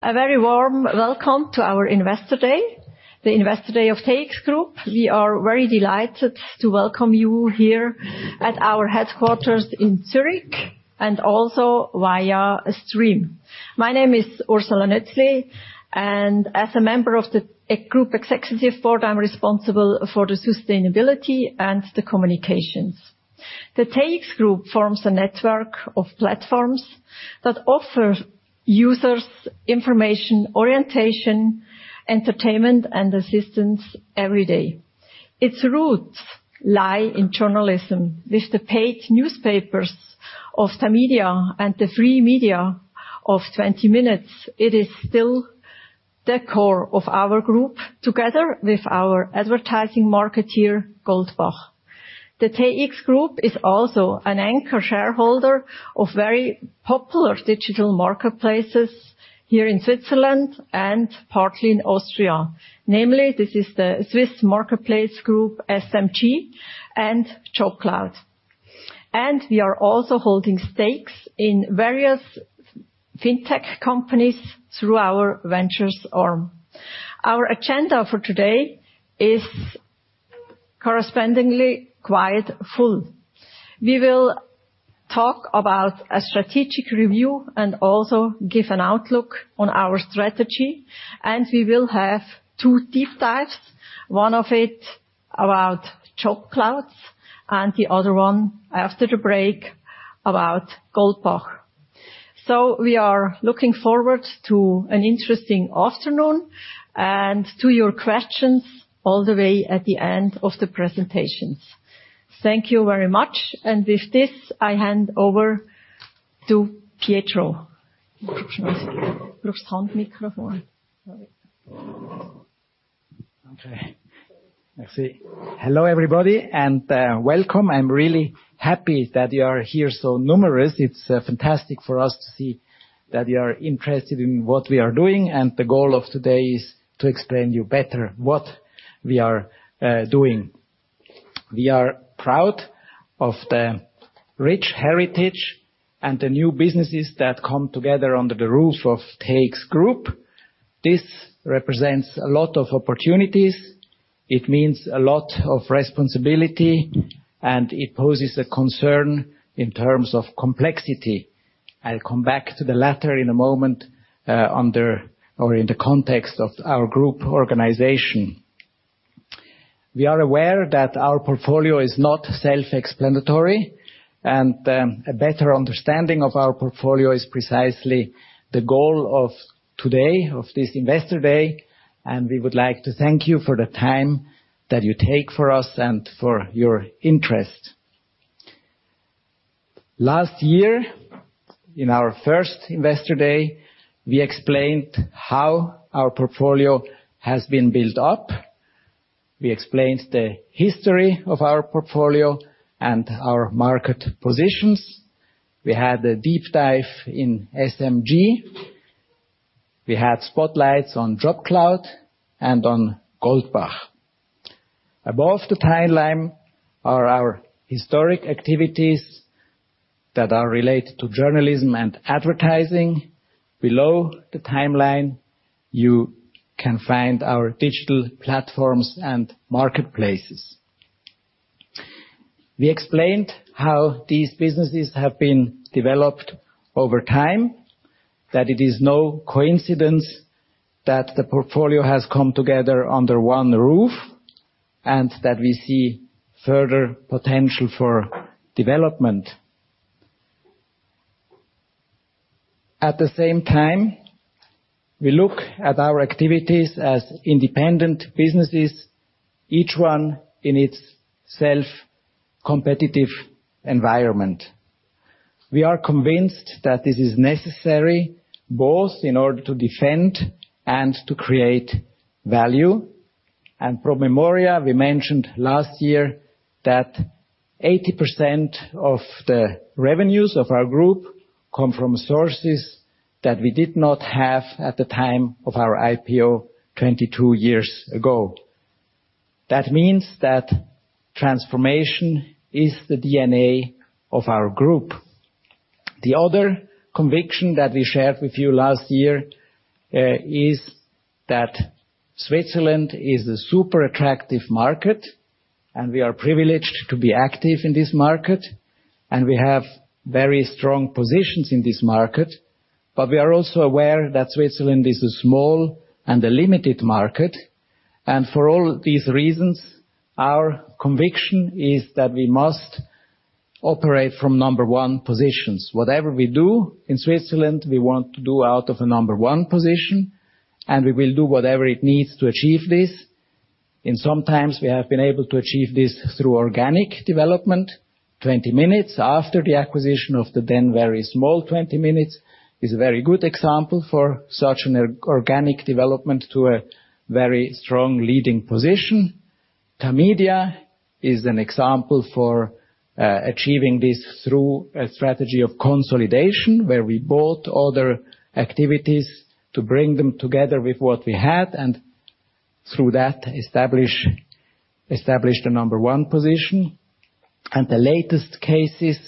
A very warm welcome to our Investor Day, the Investor Day of TX Group. We are very delighted to welcome you here at our headquarters in Zürich and also via stream. My name is Ursula Nötzli, and as a member of the group executive board, I'm responsible for the sustainability and the communications. The TX Group forms a network of platforms that offer users information, orientation, entertainment, and assistance every day. Its roots lie in journalism with the paid newspapers of Tamedia and the free media of 20 Minuten. It is still the core of our group, together with our advertising marketeer, Goldbach. The TX Group is also an anchor shareholder of very popular digital marketplaces here in Switzerland and partly in Austria. Namely, this is the Swiss Marketplace Group, SMG, and JobCloud. We are also holding stakes in various fintech companies through our ventures arm. Our agenda for today is correspondingly quite full. We will talk about a strategic review and also give an outlook on our strategy. We will have two deep dives, one of it about JobCloud and the other one after the break about Goldbach. We are looking forward to an interesting afternoon and to your questions all the way at the end of the presentations. Thank you very much. With this, I hand over to Pietro. Okay. Merci. Hello, everybody, and welcome. I'm really happy that you are here so numerous. It's fantastic for us to see that you are interested in what we are doing, and the goal of today is to explain you better what we are doing. We are proud of the rich heritage and the new businesses that come together under the roof of TX Group. This represents a lot of opportunities, it means a lot of responsibility, and it poses a concern in terms of complexity. I'll come back to the latter in a moment, under or in the context of our group organization. We are aware that our portfolio is not self-explanatory, and a better understanding of our portfolio is precisely the goal of today, of this Investor Day. We would like to thank you for the time that you take for us and for your interest. Last year, in our first Investor Day, we explained how our portfolio has been built up. We explained the history of our portfolio and our market positions. We had a deep dive in SMG. We had spotlights on JobCloud and on Goldbach. Above the timeline are our historic activities that are related to journalism and advertising. Below the timeline, you can find our digital platforms and marketplaces. We explained how these businesses have been developed over time, that it is no coincidence that the portfolio has come together under one roof, and that we see further potential for development. At the same time, we look at our activities as independent businesses, each one in its self-competitive environment. We are convinced that this is necessary both in order to defend and to create value. Pro memoria, we mentioned last year that 80% of the revenues of our group come from sources that we did not have at the time of our IPO 22 years ago. That means that transformation is the DNA of our group. The other conviction that we shared with you last year is that Switzerland is a super attractive market, and we are privileged to be active in this market, and we have very strong positions in this market. We are also aware that Switzerland is a small and a limited market. For all these reasons, our conviction is that we must operate from number one positions. Whatever we do in Switzerland, we want to do out of a number one position, and we will do whatever it needs to achieve this. In some times, we have been able to achieve this through organic development. 20 Minuten after the acquisition of the then very small 20 Minuten is a very good example for such an organic development to a very strong leading position. Tamedia is an example for achieving this through a strategy of consolidation, where we bought other activities to bring them together with what we had. Through that, establish the number one position. The latest cases,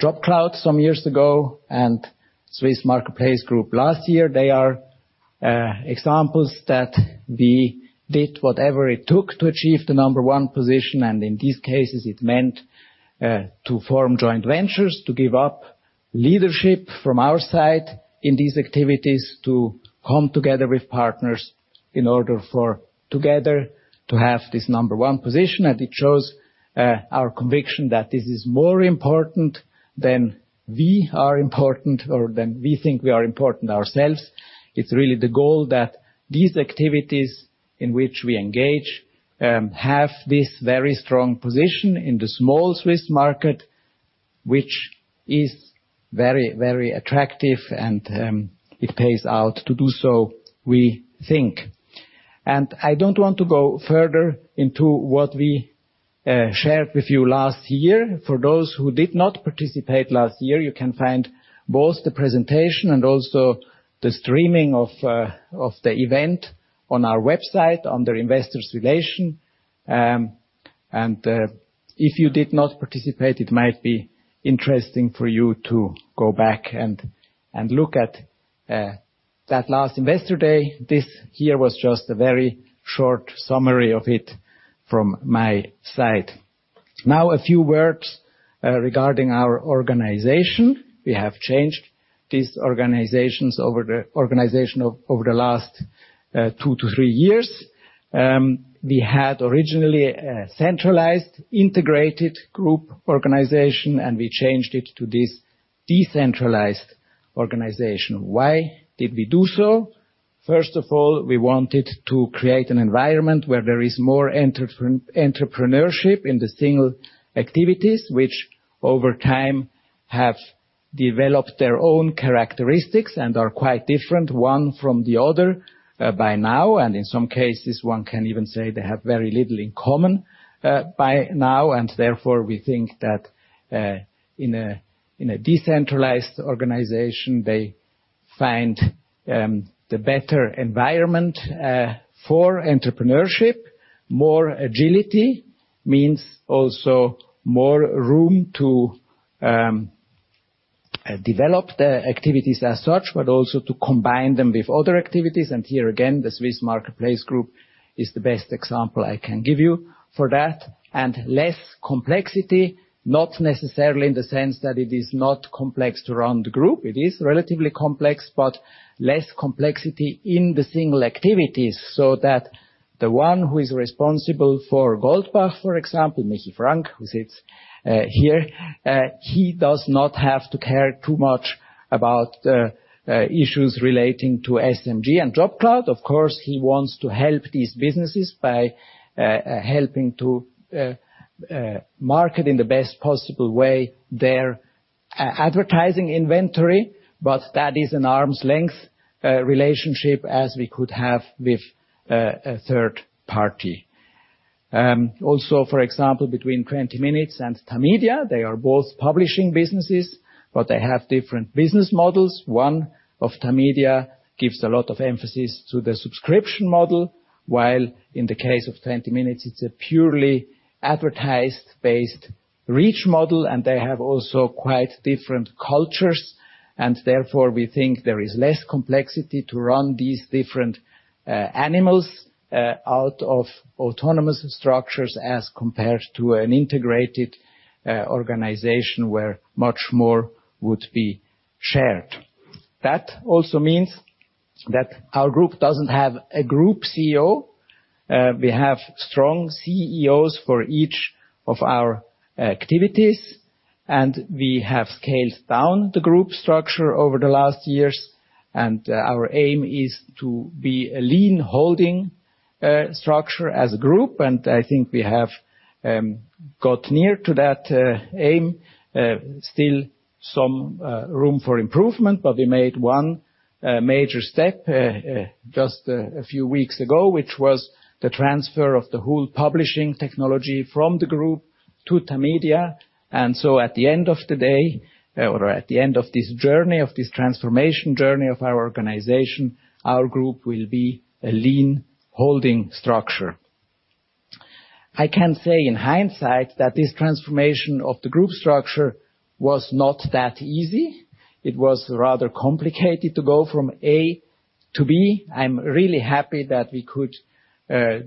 JobCloud some years ago and Swiss Marketplace Group last year. They are examples that we did whatever it took to achieve the number one position, and in these cases, it meant to form joint ventures, to give up leadership from our side in these activities, to come together with partners in order for together to have this number one position. It shows our conviction that this is more important than we are important or than we think we are important ourselves. It's really the goal that these activities in which we engage, have this very strong position in the small Swiss market, which is very, very attractive and, it pays out to do so, we think. I don't want to go further into what we shared with you last year. For those who did not participate last year, you can find both the presentation and also the streaming of the event on our website under Investor Relations. If you did not participate, it might be interesting for you to go back and look at that last investor day. This here was just a very short summary of it from my side. Now, a few words regarding our organization. We have changed this organization over the last two to three years. We had originally a centralized integrated group organization, we changed it to this decentralized organization. Why did we do so? First of all, we wanted to create an environment where there is more entrepreneurship in the single activities, which over time have developed their own characteristics and are quite different one from the other, by now. In some cases, one can even say they have very little in common, by now. Therefore, we think that, in a decentralized organization, they find the better environment for entrepreneurship. More agility means also more room to develop the activities as such, but also to combine them with other activities. Here again, the Swiss Marketplace Group is the best example I can give you for that. Less complexity, not necessarily in the sense that it is not complex to run the group. It is relatively complex, but less complexity in the single activities, so that the one who is responsible for Goldbach, for example, Michi Frank, who sits here, he does not have to care too much about issues relating to SMG and JobCloud. Of course, he wants to help these businesses by helping to market in the best possible way their advertising inventory, but that is an arm's length relationship as we could have with a third party. Also, for example, between 20 Minuten and Tamedia, they are both publishing businesses, but they have different business models. One of Tamedia gives a lot of emphasis to the subscription model, while in the case of 20 Minuten, it's a purely advertised-based reach model, and they have also quite different cultures. Therefore, we think there is less complexity to run these different animals out of autonomous structures as compared to an integrated organization where much more would be shared. That also means that our group doesn't have a group CEO. We have strong CEOs for each of our activities, and we have scaled down the group structure over the last years. Our aim is to be a lean holding structure as a group. I think we have got near to that aim. Still some room for improvement, but we made one major step just a few weeks ago, which was the transfer of the whole publishing technology from the group to Tamedia. At the end of the day or at the end of this journey, of this transformation journey of our organization, our group will be a lean holding structure. I can say in hindsight that this transformation of the group structure was not that easy. It was rather complicated to go from A to B. I'm really happy that we could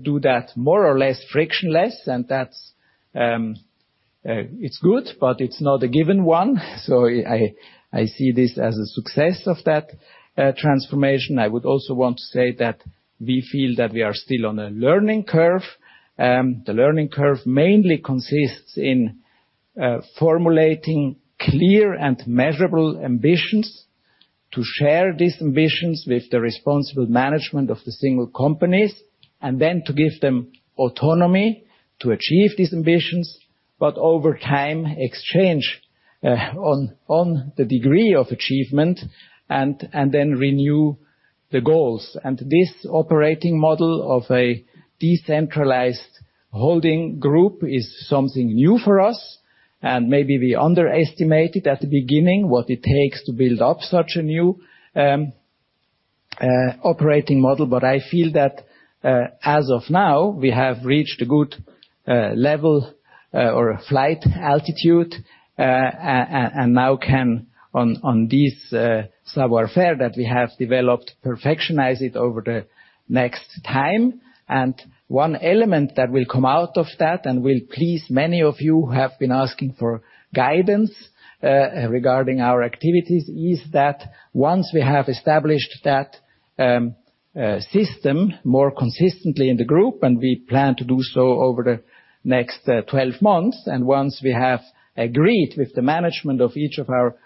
do that more or less frictionless, and that's, it's good, but it's not a given one. I see this as a success of that transformation. I would also want to say that we feel that we are still on a learning curve. The learning curve mainly consists in formulating clear and measurable ambitions to share these ambitions with the responsible management of the single companies, and then to give them autonomy to achieve these ambitions, but over time, exchange on the degree of achievement and then renew the goals. This operating model of a decentralized holding group is something new for us. Maybe we underestimated at the beginning what it takes to build up such a new operating model, but I feel that as of now, we have reached a good level or a flight altitude and now can on this savoir faire that we have developed, perfectionize it over the next time. One element that will come out of that, and will please many of you who have been asking for guidance, regarding our activities, is that once we have established that system more consistently in the group, and we plan to do so over the next 12 months, and once we have agreed with the management of each of our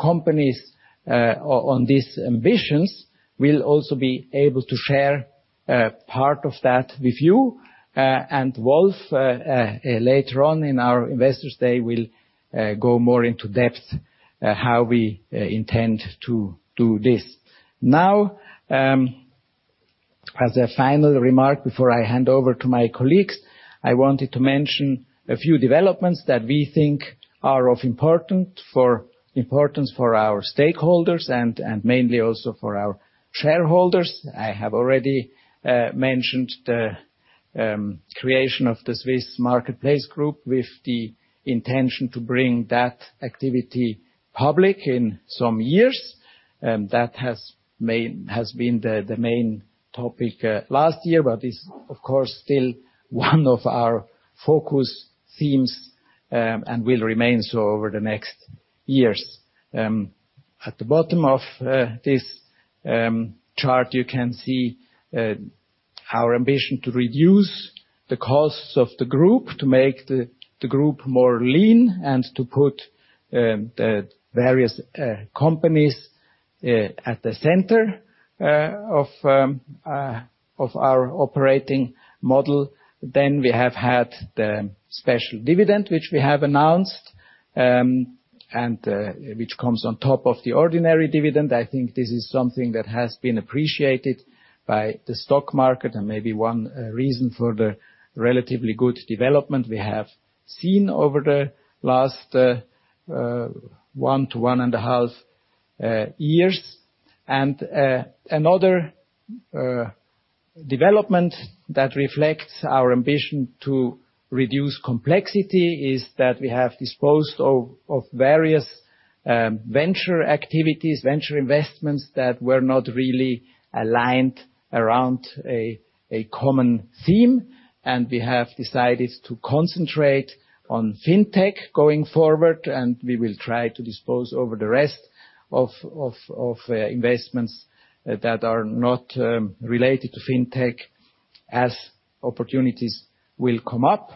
companies, on these ambitions, we'll also be able to share part of that with you. Wolf, later on in our investors' day, will go more into depth at how we intend to do this. As a final remark before I hand over to my colleagues, I wanted to mention a few developments that we think are of importance for our stakeholders and mainly also for our shareholders. I have already mentioned the creation of the Swiss Marketplace Group with the intention to bring that activity public in some years. That has been the main topic last year, but is of course still one of our focus themes and will remain so over the next years. At the bottom of this chart, you can see our ambition to reduce the costs of the group to make the group more lean and to put the various companies at the center of our operating model. We have had the special dividend, which we have announced and which comes on top of the ordinary dividend. I think this is something that has been appreciated by the stock market and maybe one reason for the relatively good development we have seen over the last one to 1.5 years. Another development that reflects our ambition to reduce complexity is that we have disposed of various venture activities, venture investments that were not really aligned around a common theme, and we have decided to concentrate on fintech going forward. We will try to dispose over the rest of investments that are not related to fintech as opportunities will come up.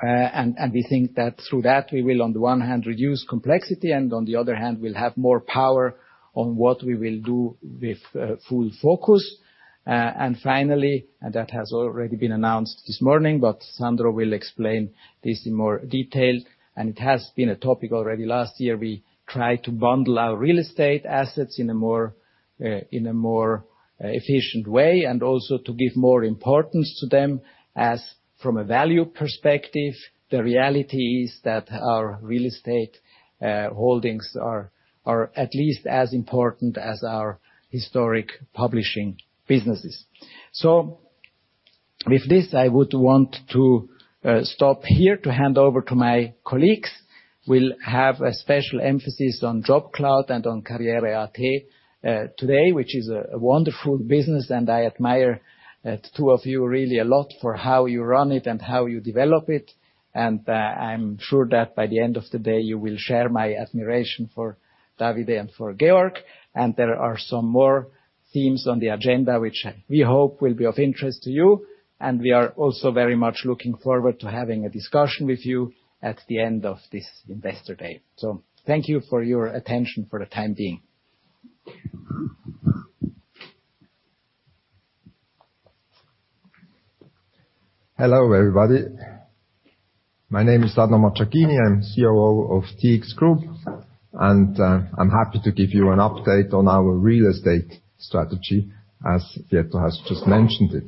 And we think that through that, we will on the one hand reduce complexity, and on the other hand we'll have more power on what we will do with full focus. Finally, and that has already been announced this morning, but Sandro will explain this in more detail, and it has been a topic already last year. We try to bundle our real estate assets in a more efficient way and also to give more importance to them, as from a value perspective, the reality is that our real estate holdings are at least as important as our historic publishing businesses. With this, I would want to stop here to hand over to my colleagues. We'll have a special emphasis on JobCloud and on karriere.at today, which is a wonderful business, and I admire the two of you really a lot for how you run it and how you develop it. I'm sure that by the end of the day, you will share my admiration for Davide and for Georg. There are some more themes on the agenda which we hope will be of interest to you, and we are also very much looking forward to having a discussion with you at the end of this Investor Day. Thank you for your attention for the time being. Hello, everybody. My name is Sandro Macciacchini, I'm COO of TX Group, I'm happy to give you an update on our real estate strategy, as Pietro has just mentioned it.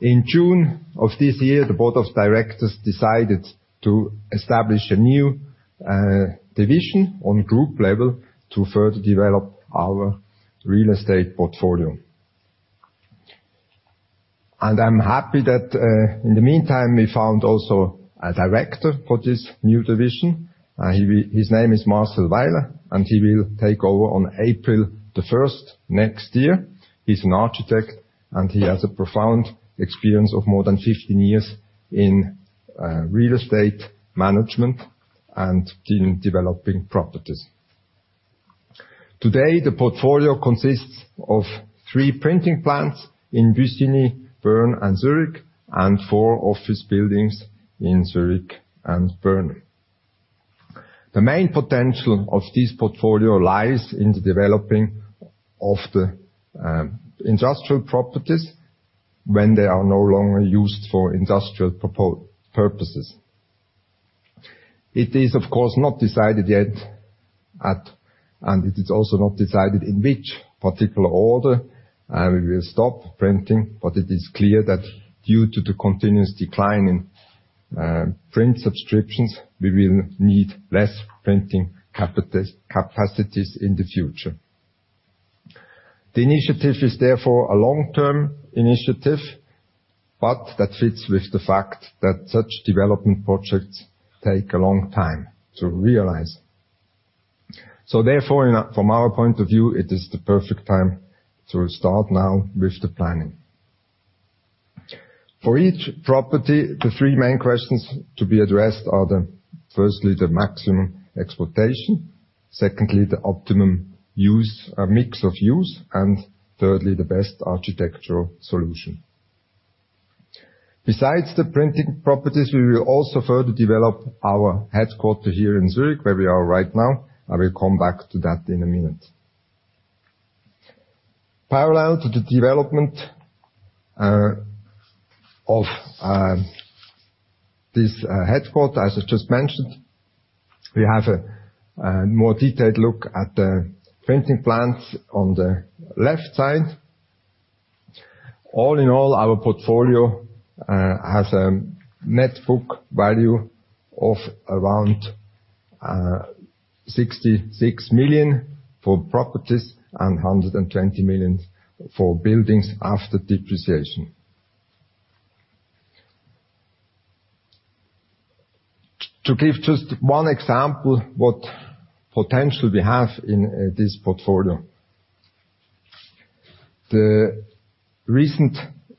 In June of this year, the board of directors decided to establish a new division on group level to further develop our real estate portfolio. I'm happy that, in the meantime, we found also a director for this new division. His name is Marcel Weiler, and he will take over on April 1st next year. He's an architect, and he has a profound experience of more than 15 years in real estate management and in developing properties. Today, the portfolio consists of three printing plants in Bussigny, Bern, and Zürich, and four office buildings in Zürich and Bern. The main potential of this portfolio lies in the developing of the industrial properties when they are no longer used for industrial purposes. It is, of course, not decided yet. And it is also not decided in which particular order we will stop printing, but it is clear that due to the continuous decline in print subscriptions, we will need less printing capacities in the future. The initiative is therefore a long-term initiative, but that fits with the fact that such development projects take a long time to realize. Therefore, from our point of view, it is the perfect time to start now with the planning. For each property, the three main questions to be addressed are the, firstly, the maximum exploitation. Secondly, the optimum use mix of use. Thirdly, the best architectural solution. Besides the printing properties, we will also further develop our headquarter here in Zürich, where we are right now. I will come back to that in a minute. Parallel to the development of this headquarter, as I just mentioned, we have a more detailed look at the printing plants on the left side. All in all, our portfolio has a net book value of around 66 million for properties and 120 million for buildings after depreciation. To give just one example, what potential we have in this portfolio. The recent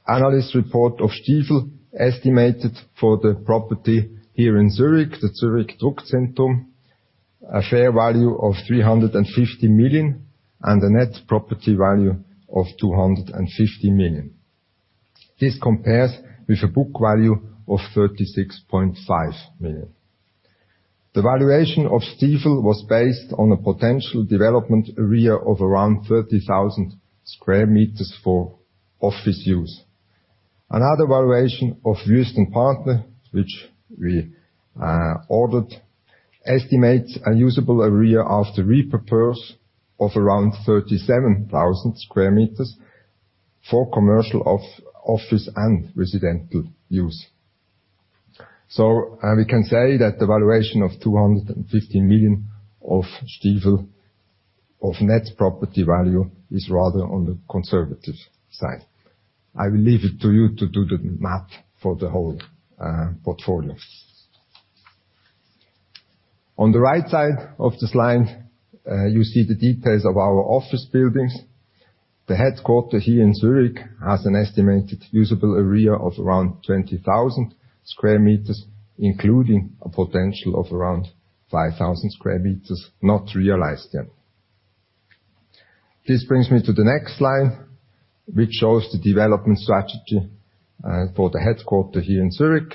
analyst report of Stifel estimated for the property here in Zürich, the Zürich Druckzentrum, a fair value of 350 million and a net property value of 250 million. This compares with a book value of 36.5 million. The valuation of Stifel was based on a potential development area of around 30,000 square meters for office use. Another valuation of Wüest Partner, which we ordered, estimates a usable area after repurpose of around 37,000 square meters for commercial office and residential use. We can say that the valuation of 250 million of Stifel of net property value is rather on the conservative side. I will leave it to you to do the math for the whole portfolio. On the right side of the slide, you see the details of our office buildings. The headquarter here in Zürich has an estimated usable area of around 20,000 square meters, including a potential of around 5,000 square meters not realized yet. This brings me to the next slide, which shows the development strategy for the headquarter here in Zürich.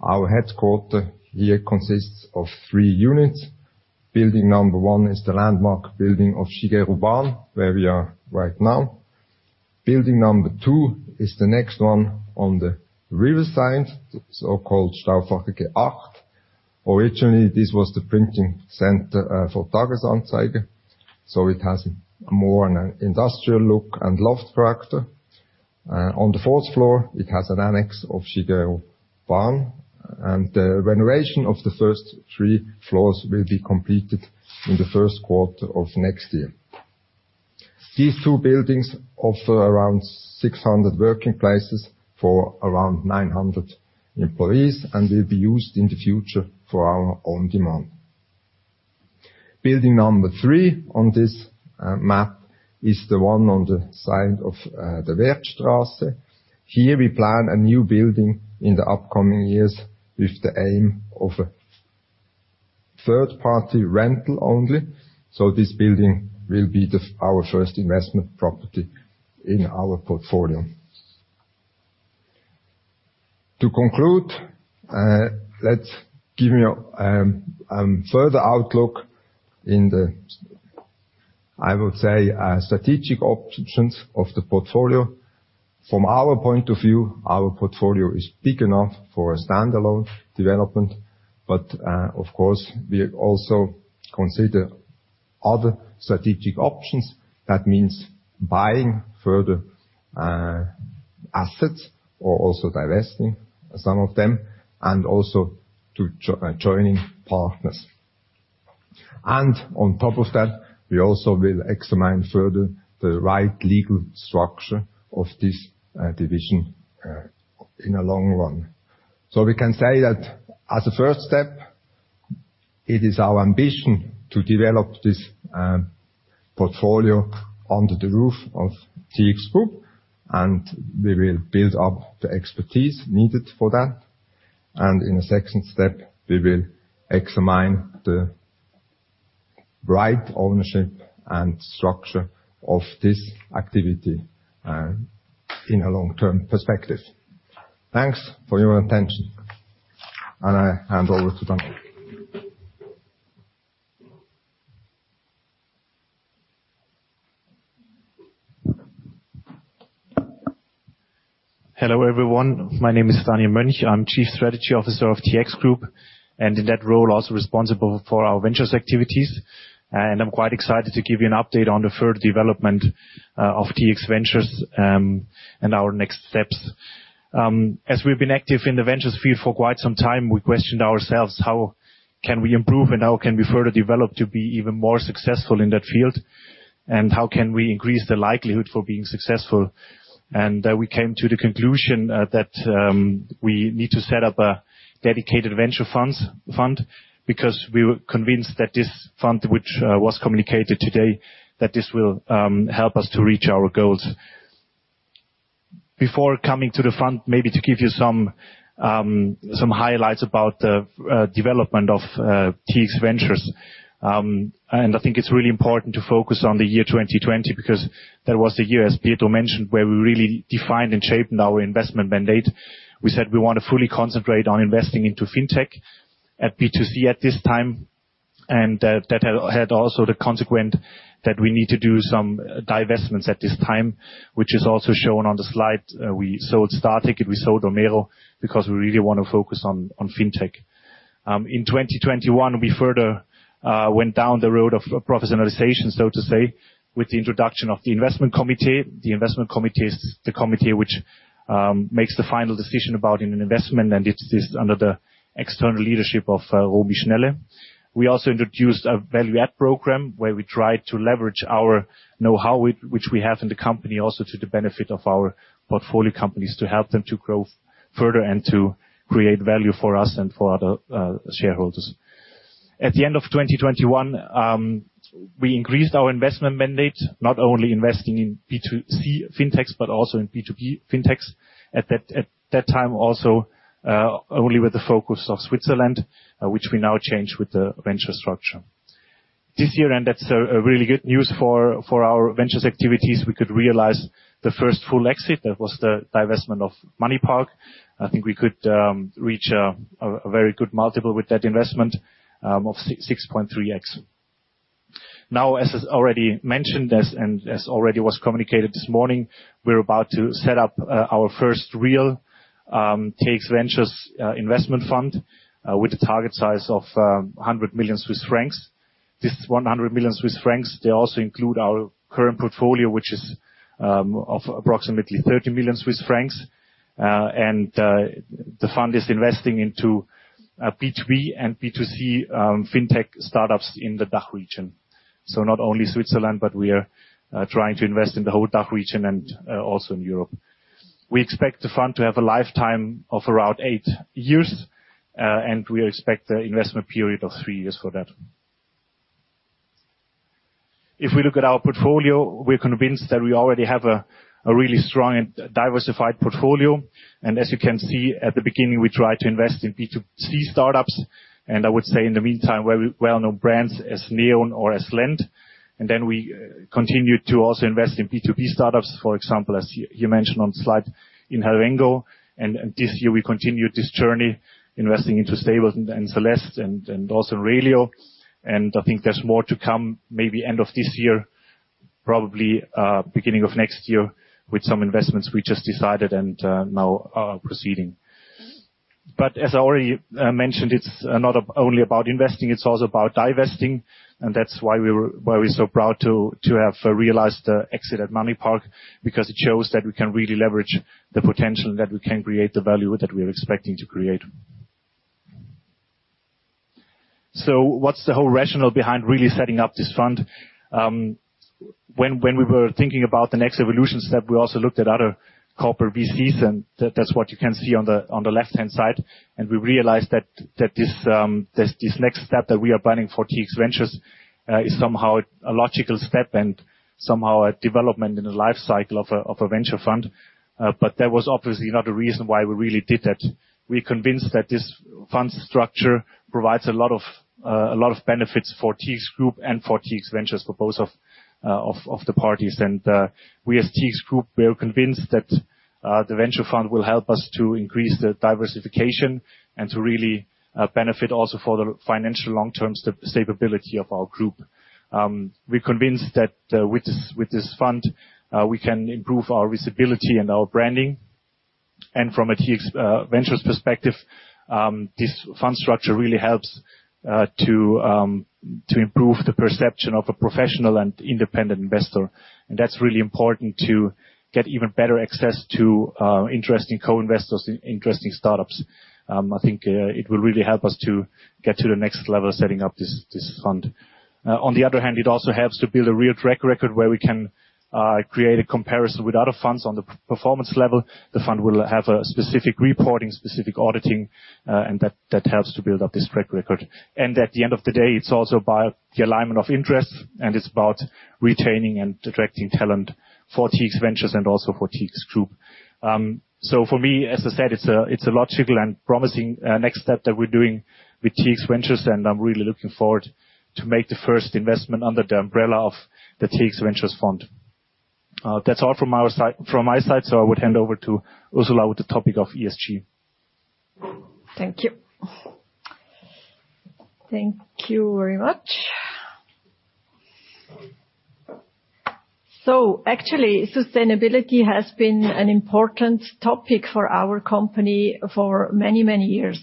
Our headquarter here consists of three units. Building number one is the landmark building of Shigeru Ban, where we are right now. Building number two is the next one on the riverside, the so-called Stauffacherquai 8. Originally, this was the printing center for Tages-Anzeiger, so it has more an industrial look and loft character. On the fourth floor, it has an annex of Shigeru Ban, and the renovation of the first three floors will be completed in the first quarter of next year. These two buildings offer around 600 working places for around 900 employees and will be used in the future for our own demand. Building number three on this map is the one on the side of the Werdstrasse. Here we plan a new building in the upcoming years with the aim of a third-party rental only, this building will be our first investment property in our portfolio. To conclude, let's give me a further outlook in the, I would say, strategic options of the portfolio. From our point of view, our portfolio is big enough for a standalone development, of course, we also consider other strategic options. That means buying further assets or also divesting some of them and also to joining partners. On top of that, we also will examine further the right legal structure of this division in a long run. We can say that as a first step, it is our ambition to develop this portfolio under the roof of TX Group, and we will build up the expertise needed for that. In a second step, we will examine the right ownership and structure of this activity in a long-term perspective. Thanks for your attention, and I hand over to Dan. Hello, everyone. My name is Daniel Mönch. I'm Chief Strategy Officer of TX Group, and in that role, also responsible for our ventures activities. I'm quite excited to give you an update on the further development of TX Ventures and our next steps. As we've been active in the ventures field for quite some time, we questioned ourselves, how can we improve, and how can we further develop to be even more successful in that field? How can we increase the likelihood for being successful? We came to the conclusion that we need to set up a dedicated venture fund because we were convinced that this fund which was communicated today, that this will help us to reach our goals. Before coming to the fund, maybe to give you some highlights about the development of TX Ventures. I think it's really important to focus on the year 2020 because that was the year, as Pietro mentioned, where we really defined and shaped our investment mandate. We said we want to fully concentrate on investing into fintech at B2C at this time, and that had also the consequent that we need to do some divestments at this time, which is also shown on the slide. We sold Starticket, we sold Homehero because we really wanna focus on fintech. In 2021, we further went down the road of professionalization, so to say, with the introduction of the investment committee. The investment committee is the committee which makes the final decision about an investment, and it's under the external leadership of Romy Schnelle. We also introduced a value add program where we try to leverage our know-how which we have in the company, also to the benefit of our portfolio companies, to help them to grow further and to create value for us and for other shareholders. At the end of 2021, we increased our investment mandate, not only investing in B2C fintechs, but also in B2B fintechs. At that time also, only with the focus of Switzerland, which we now change with the venture structure. This year, that's a really good news for our ventures activities. We could realize the first full exit. That was the divestment of MoneyPark. I think we could reach a very good multiple with that investment of 6.3x. As is already mentioned, and as already was communicated this morning, we're about to set up our first real TX Ventures investment fund with a target size of 100 million Swiss francs. This 100 million Swiss francs, they also include our current portfolio, which is of approximately 30 million Swiss francs. The fund is investing into B2B and B2C fintech startups in the DACH region. Not only Switzerland, but we are trying to invest in the whole DACH region and also in Europe. We expect the fund to have a lifetime of around eight years, and we expect a investment period of three years for that. If we look at our portfolio, we're convinced that we already have a really strong and diversified portfolio. As you can see at the beginning, we try to invest in B2C startups. I would say in the meantime, well-known brands as neon or as Lend. We continue to also invest in B2B startups, for example, as you mentioned on slide in Helvengo, and this year, we continued this journey investing into Stableton and CLST and also in Relio. I think there's more to come, maybe end of this year, probably beginning of next year with some investments we just decided and now are proceeding. As I already mentioned, it's not only about investing, it's also about divesting. That's why we're so proud to have realized the exit at MoneyPark, because it shows that we can really leverage the potential and that we can create the value that we are expecting to create. When we were thinking about the next evolution step, we also looked at other corporate VCs, and that's what you can see on the left-hand side. We realized that this next step that we are planning for TX Ventures is somehow a logical step and somehow a development in the life cycle of a venture fund. That was obviously not the reason why we really did that. We're convinced that this fund structure provides a lot of benefits for TX Group and for TX Ventures, for both of the parties. We as TX Group, we are convinced that the venture fund will help us to increase the diversification and to really benefit also for the financial long-term stability of our group. We're convinced that with this fund, we can improve our visibility and our branding. From a TX Ventures perspective, this fund structure really helps to improve the perception of a professional and independent investor. That's really important to get even better access to interesting co-investors, interesting startups. I think it will really help us to get to the next level, setting up this fund. On the other hand, it also helps to build a real track record where we can create a comparison with other funds on the performance level. The fund will have a specific reporting, specific auditing, and that helps to build up this track record. At the end of the day, it's also about the alignment of interest, and it's about retaining and attracting talent for TX Ventures and also for TX Group. For me, as I said, it's a logical and promising next step that we're doing with TX Ventures, and I'm really looking forward to make the first investment under the umbrella of the TX Ventures fund. That's all from my side, I would hand over to Ursula with the topic of ESG. Thank you. Thank you very much. Actually, sustainability has been an important topic for our company for many, many years.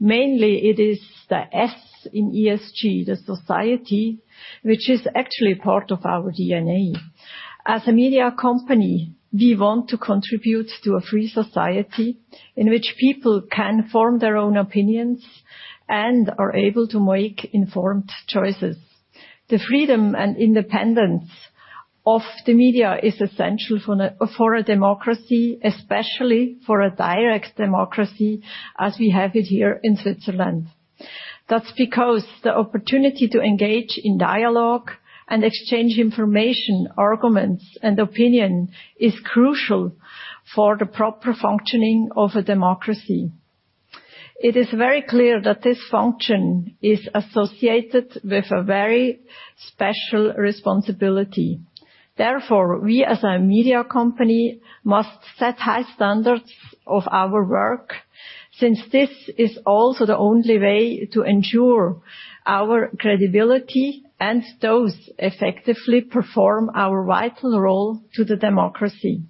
Mainly it is the S in ESG, the society, which is actually part of our DNA. As a media company, we want to contribute to a free society in which people can form their own opinions and are able to make informed choices. The freedom and independence of the media is essential for a democracy, especially for a direct democracy as we have it here in Switzerland. That's because the opportunity to engage in dialogue and exchange information, arguments, and opinion is crucial for the proper functioning of a democracy. It is very clear that this function is associated with a very special responsibility. Therefore, we as a media company must set high standards of our work, since this is also the only way to ensure our credibility and those effectively perform our vital role to the democracy.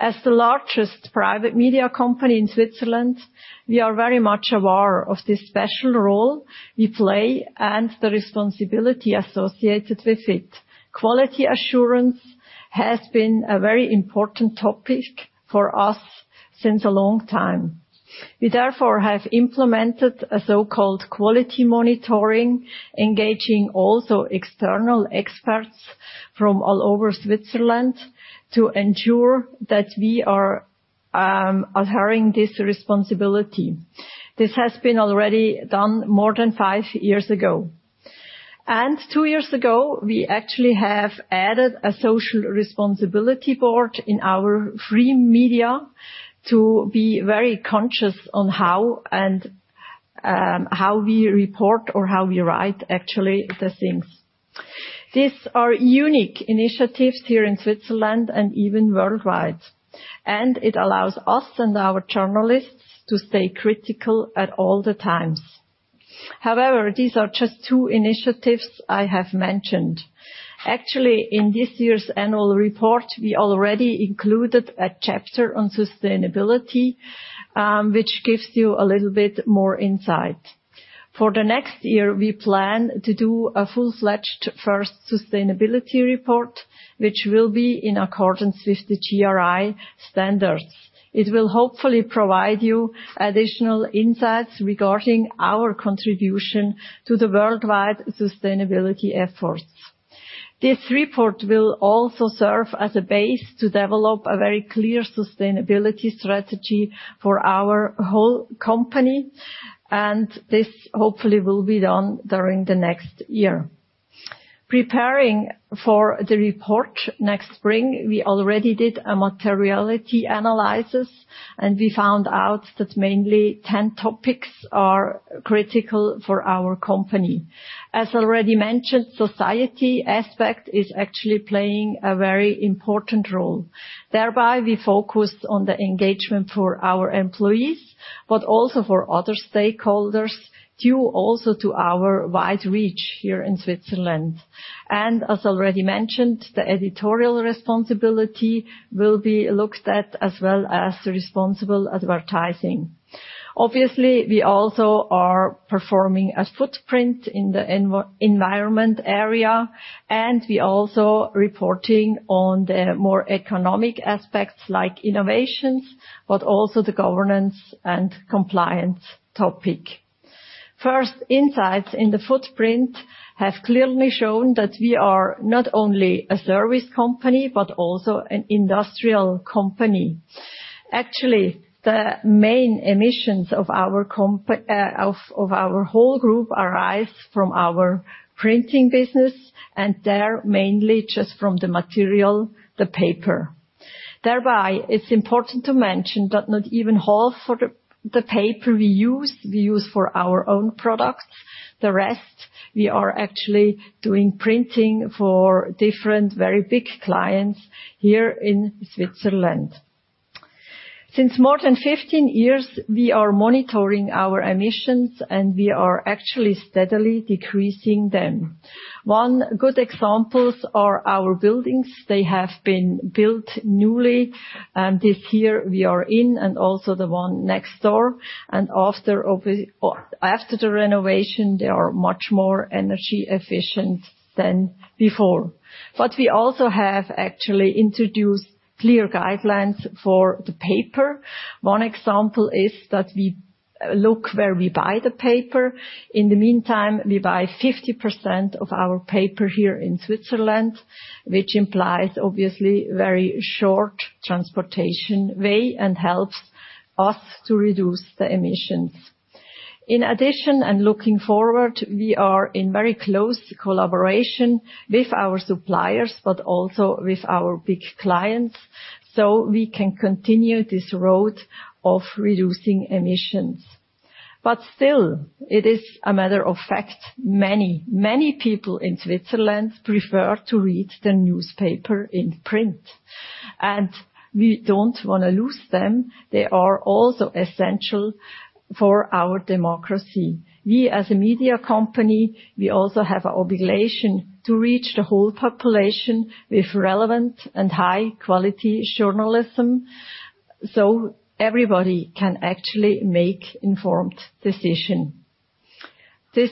As the largest private media company in Switzerland, we are very much aware of this special role we play and the responsibility associated with it. Quality assurance has been a very important topic for us since a long time. We therefore have implemented a so-called quality monitoring, engaging also external experts from all over Switzerland to ensure that we are adhering this responsibility. This has been already done more than five years ago. Two years ago, we actually have added a social responsibility board in our free media to be very conscious on how and how we report or how we write actually the things. These are unique initiatives here in Switzerland and even worldwide. It allows us and our journalists to stay critical at all the times. However, these are just two initiatives I have mentioned. Actually, in this year's annual report, we already included a chapter on sustainability, which gives you a little bit more insight. For the next year, we plan to do a full-fledged first sustainability report, which will be in accordance with the GRI standards. It will hopefully provide you additional insights regarding our contribution to the worldwide sustainability efforts. This report will also serve as a base to develop a very clear sustainability strategy for our whole company, this hopefully will be done during the next year. Preparing for the report next spring, we already did a materiality analysis, we found out that mainly 10 topics are critical for our company. As already mentioned, society aspect is actually playing a very important role. Thereby, we focus on the engagement for our employees, but also for other stakeholders, due also to our wide reach here in Switzerland. As already mentioned, the editorial responsibility will be looked at as well as responsible advertising. Obviously, we also are performing a footprint in the environment area, and we're also reporting on the more economic aspects like innovations, but also the governance and compliance topic. First, insights in the footprint have clearly shown that we are not only a service company, but also an industrial company. Actually, the main emissions of our whole group arise from our printing business, and they're mainly just from the material, the paper. Thereby, it's important to mention that not even half of the paper we use, we use for our own products. The rest, we are actually doing printing for different very big clients here in Switzerland. Since more than 15 years, we are monitoring our emissions, and we are actually steadily decreasing them. One good examples are our buildings. They have been built newly, this year we are in and also the one next door. After the renovation, they are much more energy efficient than before. We also have actually introduced clear guidelines for the paper. One example is that we look where we buy the paper. In the meantime, we buy 50% of our paper here in Switzerland, which implies obviously very short transportation way and helps us to reduce the emissions. In addition, and looking forward, we are in very close collaboration with our suppliers, but also with our big clients, so we can continue this road of reducing emissions. Still, it is a matter of fact, many, many people in Switzerland prefer to read the newspaper in print. We don't wanna lose them. They are also essential for our democracy. We, as a media company, we also have an obligation to reach the whole population with relevant and high-quality journalism, so everybody can actually make informed decision. This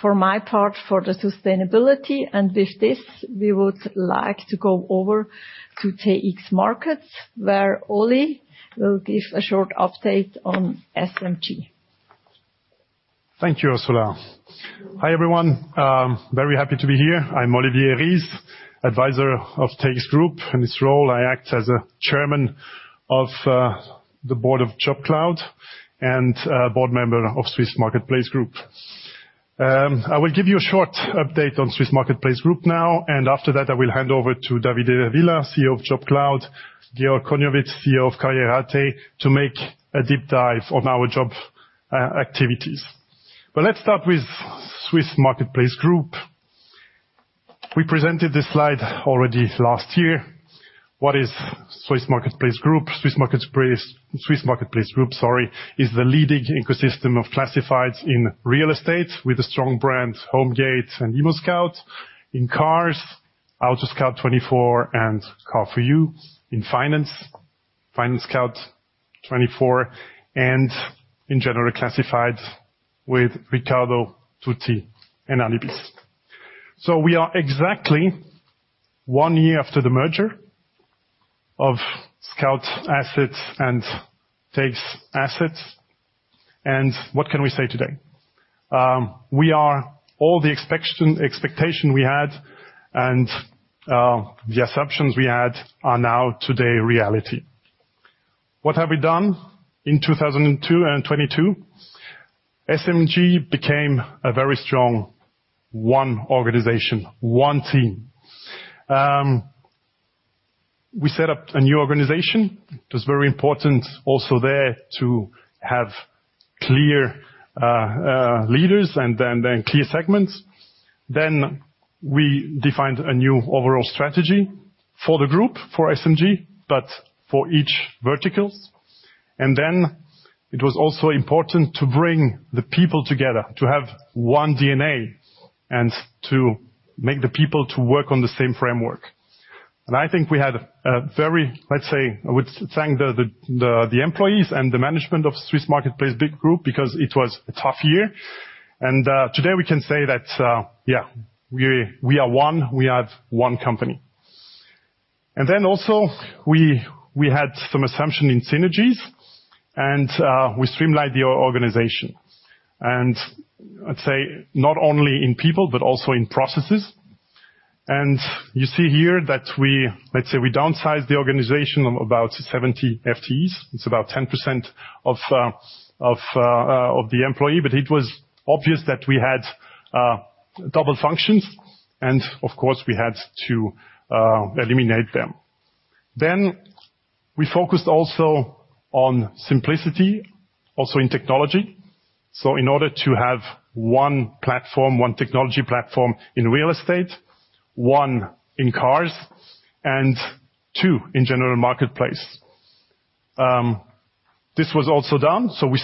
for my part, for the sustainability. With this, we would like to go over to TX Markets, where Oli will give a short update on SMG. Thank you, Ursula. Hi, everyone. Very happy to be here. I'm Olivier Rihs, advisor of TX Group. In this role, I act as a Chairman of the Board of JobCloud and Board member of Swiss Marketplace Group. I will give you a short update on Swiss Marketplace Group now, and after that, I will hand over to Davide Villa, CEO of JobCloud, Georg Konjovic, CEO of karriere.at, to make a deep dive on our job activities. Let's start with Swiss Marketplace Group. We presented this slide already last year. What is Swiss Marketplace Group? Swiss Marketplace Group, sorry, is the leading ecosystem of classifieds in real estate, with the strong brands Homegate and ImmoScout. In cars, AutoScout24 and Car For You. In finance, FinanceScout24 and in general classifieds with Ricardo, tutti and anibis. We are exactly one year after the merger of Scout assets and TX's assets. What can we say today? We are all the expectation we had and the assumptions we had are now today reality. What have we done in 2022? SMG became a very strong one organization, one team. We set up a new organization. It was very important also there to have clear leaders then clear segments. Then we defined a new overall strategy for the group, for SMG, but for each verticals. It was also important to bring the people together, to have one DNA and to make the people to work on the same framework. I think we had a very Let's say, I would thank the employees and the management of Swiss Marketplace Group because it was a tough year. Today we can say that we are one company. We had some assumption in synergies, we streamlined the organization. I'd say, not only in people, but also in processes. You see here that Let's say we downsized the organization of about 70 FTEs. It's about 10% of the employee. It was obvious that we had double functions and, of course, we had to eliminate them. We focused also on simplicity, also in technology. In order to have one platform, one technology platform in real estate, one in cars, and two in general marketplace. This was also done. We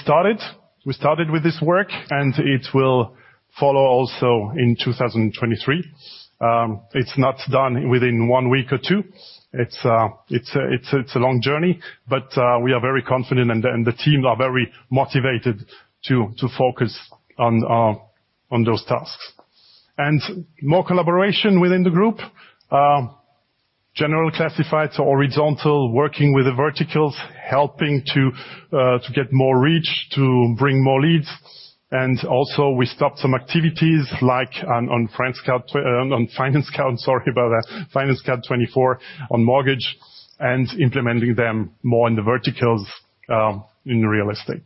started with this work, and it will follow also in 2023. It's not done within one week or two. It's a long journey, but we are very confident and the teams are very motivated to focus on those tasks. More collaboration within the group, general classified to horizontal, working with the verticals, helping to get more reach, to bring more leads. Also we stopped some activities like on FinanceScout24 on mortgage and implementing them more in the verticals in real estate.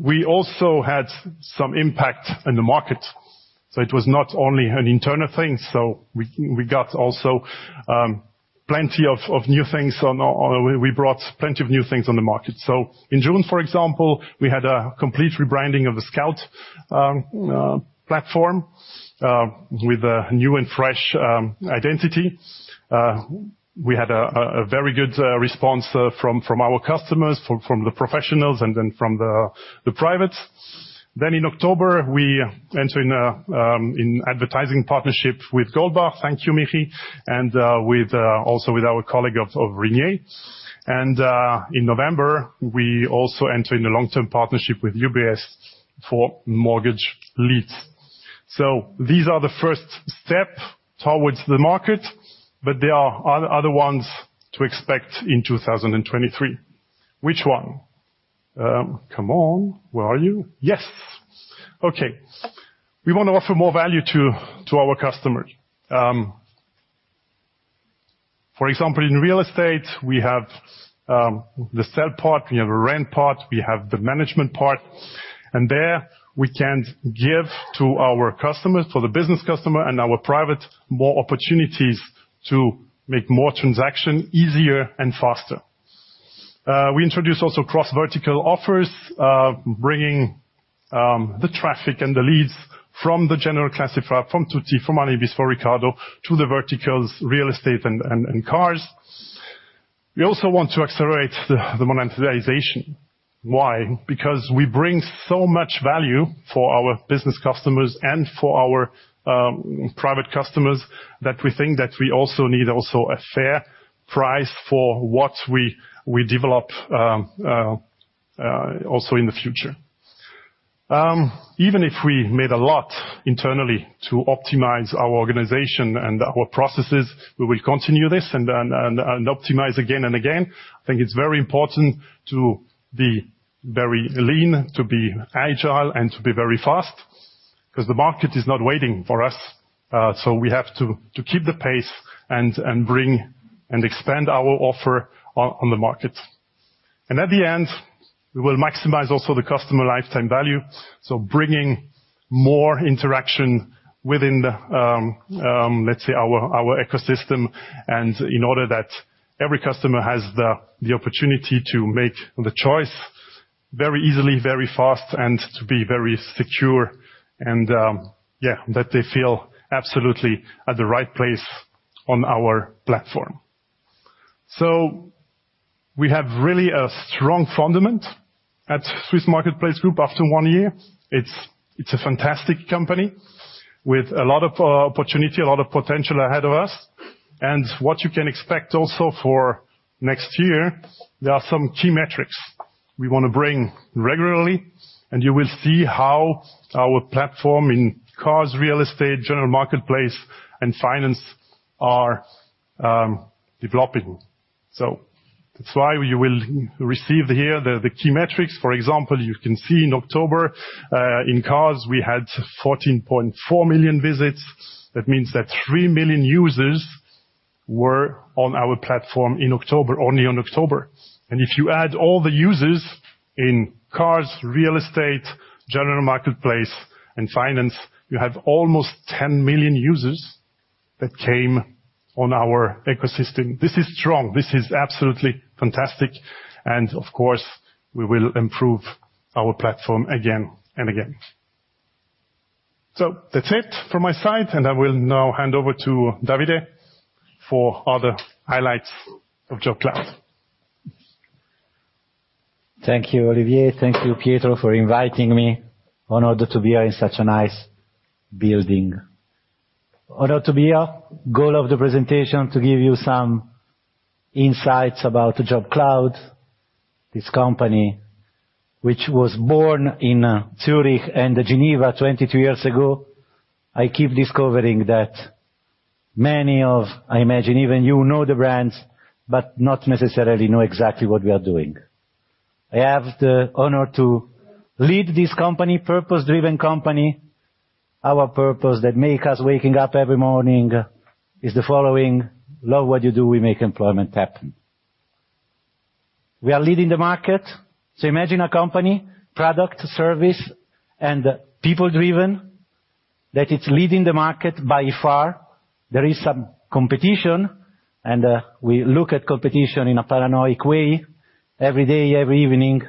We also had some impact in the market. It was not only an internal thing. We brought plenty of new things on the market. In June, for example, we had a complete rebranding of the Scout platform with a new and fresh identity. We had a very good response from our customers, from the professionals and then from the privates. In October, we enter in advertising partnership with Goldbach. Thank you, Michi. With also with our colleague of Ringier. In November, we also enter in a long-term partnership with UBS for mortgage leads. These are the first step towards the market, but there are other ones to expect in 2023. Which one? Come on. Where are you? Yes. Okay. We wanna offer more value to our customers. For example, in real estate, we have the sell part, we have a rent part, we have the management part. There, we can give to our customers, for the business customer and our private, more opportunities to make more transaction easier and faster. We introduce also cross-vertical offers, bringing the traffic and the leads from the general classifieds, from tutti, from anibis, for Ricardo to the verticals, real estate and cars. We also want to accelerate the monetization. Why? Because we bring so much value for our business customers and for our private customers that we think that we also need also a fair price for what we develop also in the future. Even if we made a lot internally to optimize our organization and our processes, we will continue this and optimize again and again. I think it's very important to be very lean, to be agile, and to be very fast, 'cause the market is not waiting for us, so we have to keep the pace and bring and expand our offer on the market. At the end, we will maximize also the customer lifetime value, so bringing more interaction within the, let's say our ecosystem and in order that every customer has the opportunity to make the choice very easily, very fast, and to be very secure, and yeah, that they feel absolutely at the right place on our platform. We have really a strong fundament at Swiss Marketplace Group after one year. It's a fantastic company with a lot of opportunity, a lot of potential ahead of us. What you can expect also for next year, there are some key metrics we wanna bring regularly, and you will see how our platform in cars, real estate, general marketplace, and finance are developing. That's why you will receive here the key metrics. For example, you can see in October, in cars, we had 14.4 million visits. That means that 3 million users were on our platform in October, only on October. If you add all the users in cars, real estate, general marketplace, and finance, you have almost 10 million users that came on our ecosystem. This is strong. This is absolutely fantastic, and of course, we will improve our platform again and again. That's it from my side, and I will now hand over to Davide for other highlights of JobCloud. Thank you, Olivier. Thank you, Pietro, for inviting me. Honored to be here in such a nice building. Honored to be here. Goal of the presentation to give you some insights about JobCloud, this company which was born in Zürich and Geneva 22 years ago. I keep discovering that many of, I imagine even you know the brands, but not necessarily know exactly what we are doing. I have the honor to lead this company, purpose-driven company. Our purpose that make us waking up every morning is the following: Love what you do. We make employment happen. We are leading the market, so imagine a company, product, service, and people-driven, that it's leading the market by far. There is some competition, and we look at competition in a paranoiac way every day, every evening.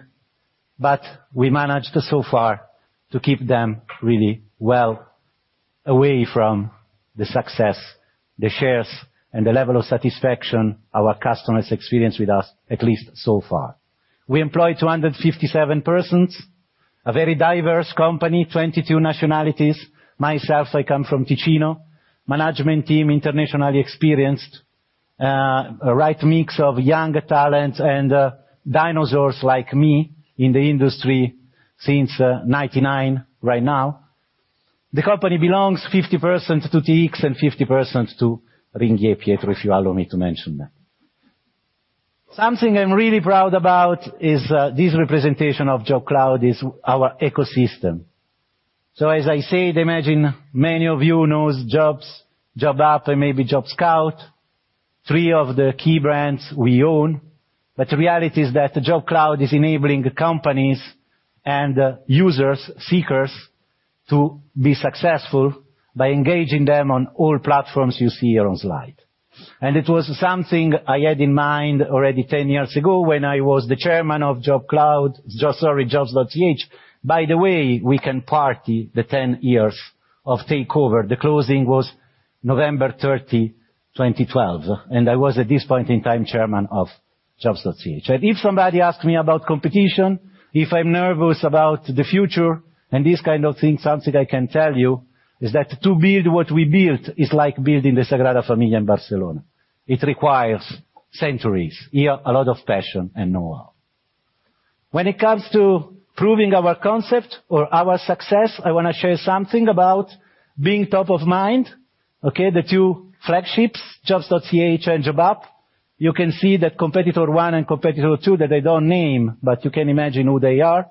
We managed so far to keep them really well away from the success, the shares, and the level of satisfaction our customers experience with us, at least so far. We employ 257 persons. A very diverse company, 22 nationalities. Myself, I come from Ticino. Management team, internationally experienced. A right mix of young talents and dinosaurs like me in the industry since 1999 right now. The company belongs 50% to TX and 50% to Ringier, Pietro, if you allow me to mention that. Something I'm really proud about is this representation of JobCloud is our ecosystem. As I said, imagine many of you knows jobs, jobup, maybe JobScout, three of the key brands we own. The reality is that JobCloud is enabling companies and users, seekers, to be successful by engaging them on all platforms you see here on slide. It was something I had in mind already 10 years ago when I was the Chairman of JobCloud. Jobs.ch. By the way, we can party the 10 years of takeover. The closing was November 30, 2012, and I was, at this point in time, Chairman of jobs.ch. If somebody asks me about competition, if I'm nervous about the future and this kind of thing, something I can tell you is that to build what we built is like building the Sagrada Família in Barcelona. It requires centuries, year, a lot of passion, and know-how. When it comes to proving our concept or our success, I wanna share something about being top of mind, okay? The two flagships, jobs.ch and jobup. You can see that competitor one and competitor two that I don't name, but you can imagine who they are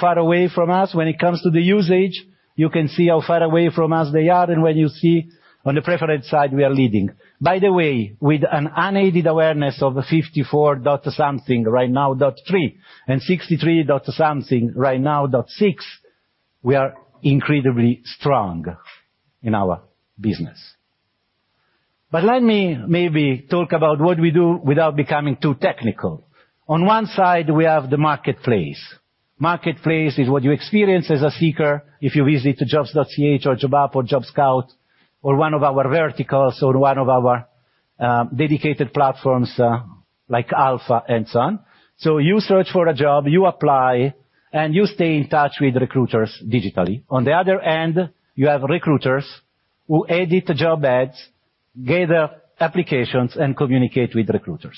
far away from us. When it comes to the usage, you can see how far away from us they are, and when you see on the preferred side, we are leading. With an unaided awareness of 54.something, right now .3, and 63.something, right now .6, we are incredibly strong in our business. Let me maybe talk about what we do without becoming too technical. On one side, we have the marketplace. Marketplace is what you experience as a seeker if you visit to jobs.ch or jobup or JobScout or one of our verticals or one of our dedicated platforms, like Alpha and so on. You search for a job, you apply, and you stay in touch with recruiters digitally. On the other end, you have recruiters who edit the job ads, gather applications, and communicate with recruiters.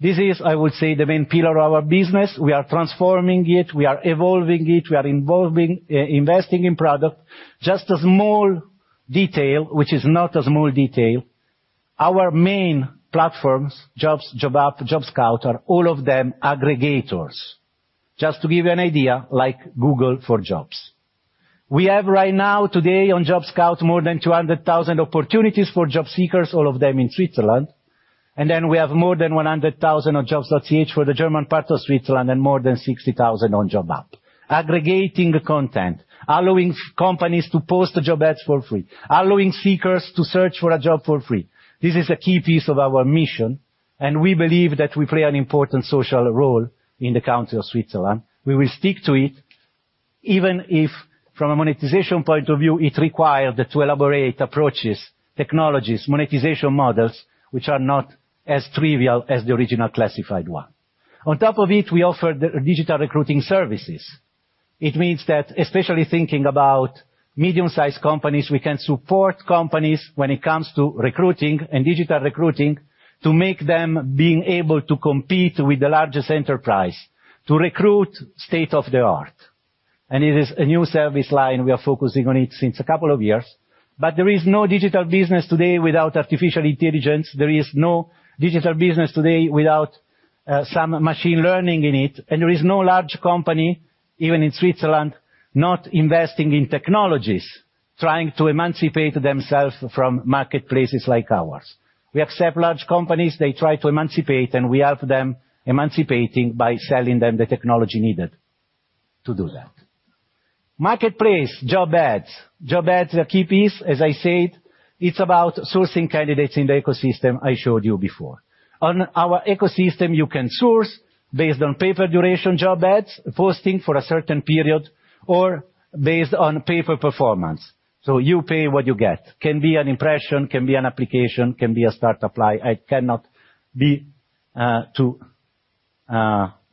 This is, I would say, the main pillar of our business. We are transforming it. We are evolving it. Investing in product. Just a small detail, which is not a small detail, our main platforms, jobs, jobup, JobScout, are all of them aggregators. Just to give you an idea, like Google for Jobs. We have right now today on JobScout more than 200,000 opportunities for job seekers, all of them in Switzerland. Then we have more than 100,000 on jobs.ch for the German part of Switzerland and more than 60,000 on jobup. Aggregating the content, allowing companies to post job ads for free, allowing seekers to search for a job for free. This is a key piece of our mission. We believe that we play an important social role in the country of Switzerland. We will stick to it, even if from a monetization point of view, it required to elaborate approaches, technologies, monetization models, which are not as trivial as the original classified one. On top of it, we offer digital recruiting services. It means that especially thinking about medium-sized companies, we can support companies when it comes to recruiting and digital recruiting to make them being able to compete with the largest enterprise, to recruit state-of-the-art. It is a new service line. We are focusing on it since a couple of years. There is no digital business today without artificial intelligence. There is no digital business today without some machine learning in it. There is no large company, even in Switzerland, not investing in technologies, trying to emancipate themselves from marketplaces like ours. We accept large companies, they try to emancipate, and we help them emancipating by selling them the technology needed to do that. Marketplace, job ads. Job ads are a key piece. As I said, it's about sourcing candidates in the ecosystem I showed you before. On our ecosystem, you can source based on pay per duration job ads, posting for a certain period, or based on pay per performance. You pay what you get. Can be an impression, can be an application, can be a Start Apply. I cannot be too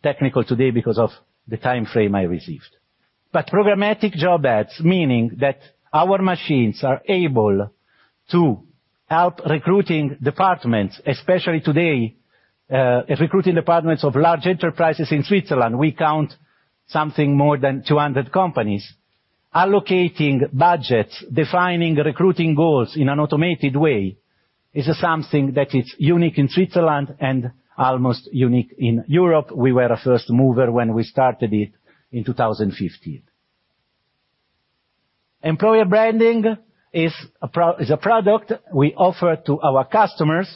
technical today because of the time frame I received. Programmatic job ads, meaning that our machines are able to help recruiting departments, especially today, recruiting departments of large enterprises in Switzerland, we count something more than 200 companies. Allocating budgets, defining recruiting goals in an automated way is something that is unique in Switzerland and almost unique in Europe. We were a first mover when we started it in 2015. Employer branding is a product we offer to our customers,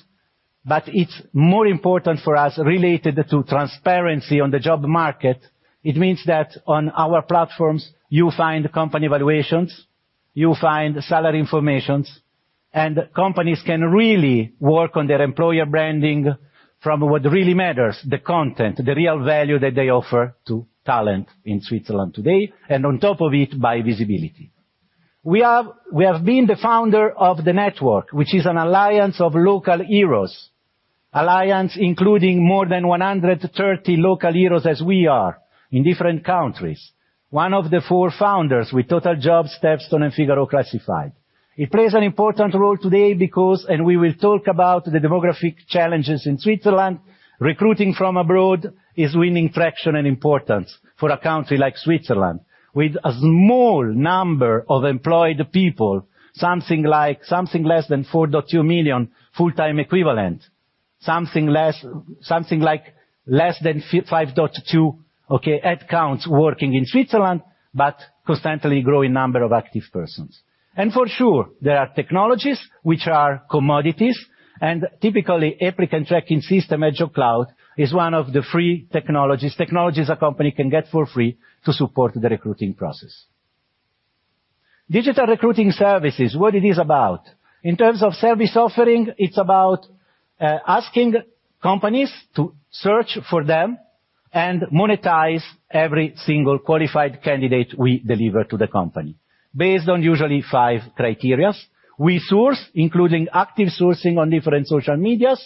but it's more important for us related to transparency on the job market. It means that on our platforms, you find company evaluations, you find salary information, and companies can really work on their employer branding from what really matters, the content, the real value that they offer to talent in Switzerland today, and on top of it, by visibility. We have been the founder of the network, which is an alliance of local heroes. Alliance including more than 130 local heroes as we are in different countries. One of the four founders with Totaljobs, StepStone, and Figaro Classifieds. It plays an important role today because, we will talk about the demographic challenges in Switzerland, recruiting from abroad is winning traction and importance for a country like Switzerland. With a small number of employed people, something less than 4.2 million full-time equivalent, something like less than 5.2 headcounts working in Switzerland, but constantly growing number of active persons. For sure, there are technologies which are commodities, and typically, applicant tracking system, JobCloud, is one of the free technologies a company can get for free to support the recruiting process. Digital recruiting services, what it is about? In terms of service offering, it's about asking companies to search for them and monetize every single qualified candidate we deliver to the company based on usually five criterias. We source, including active sourcing on different social medias.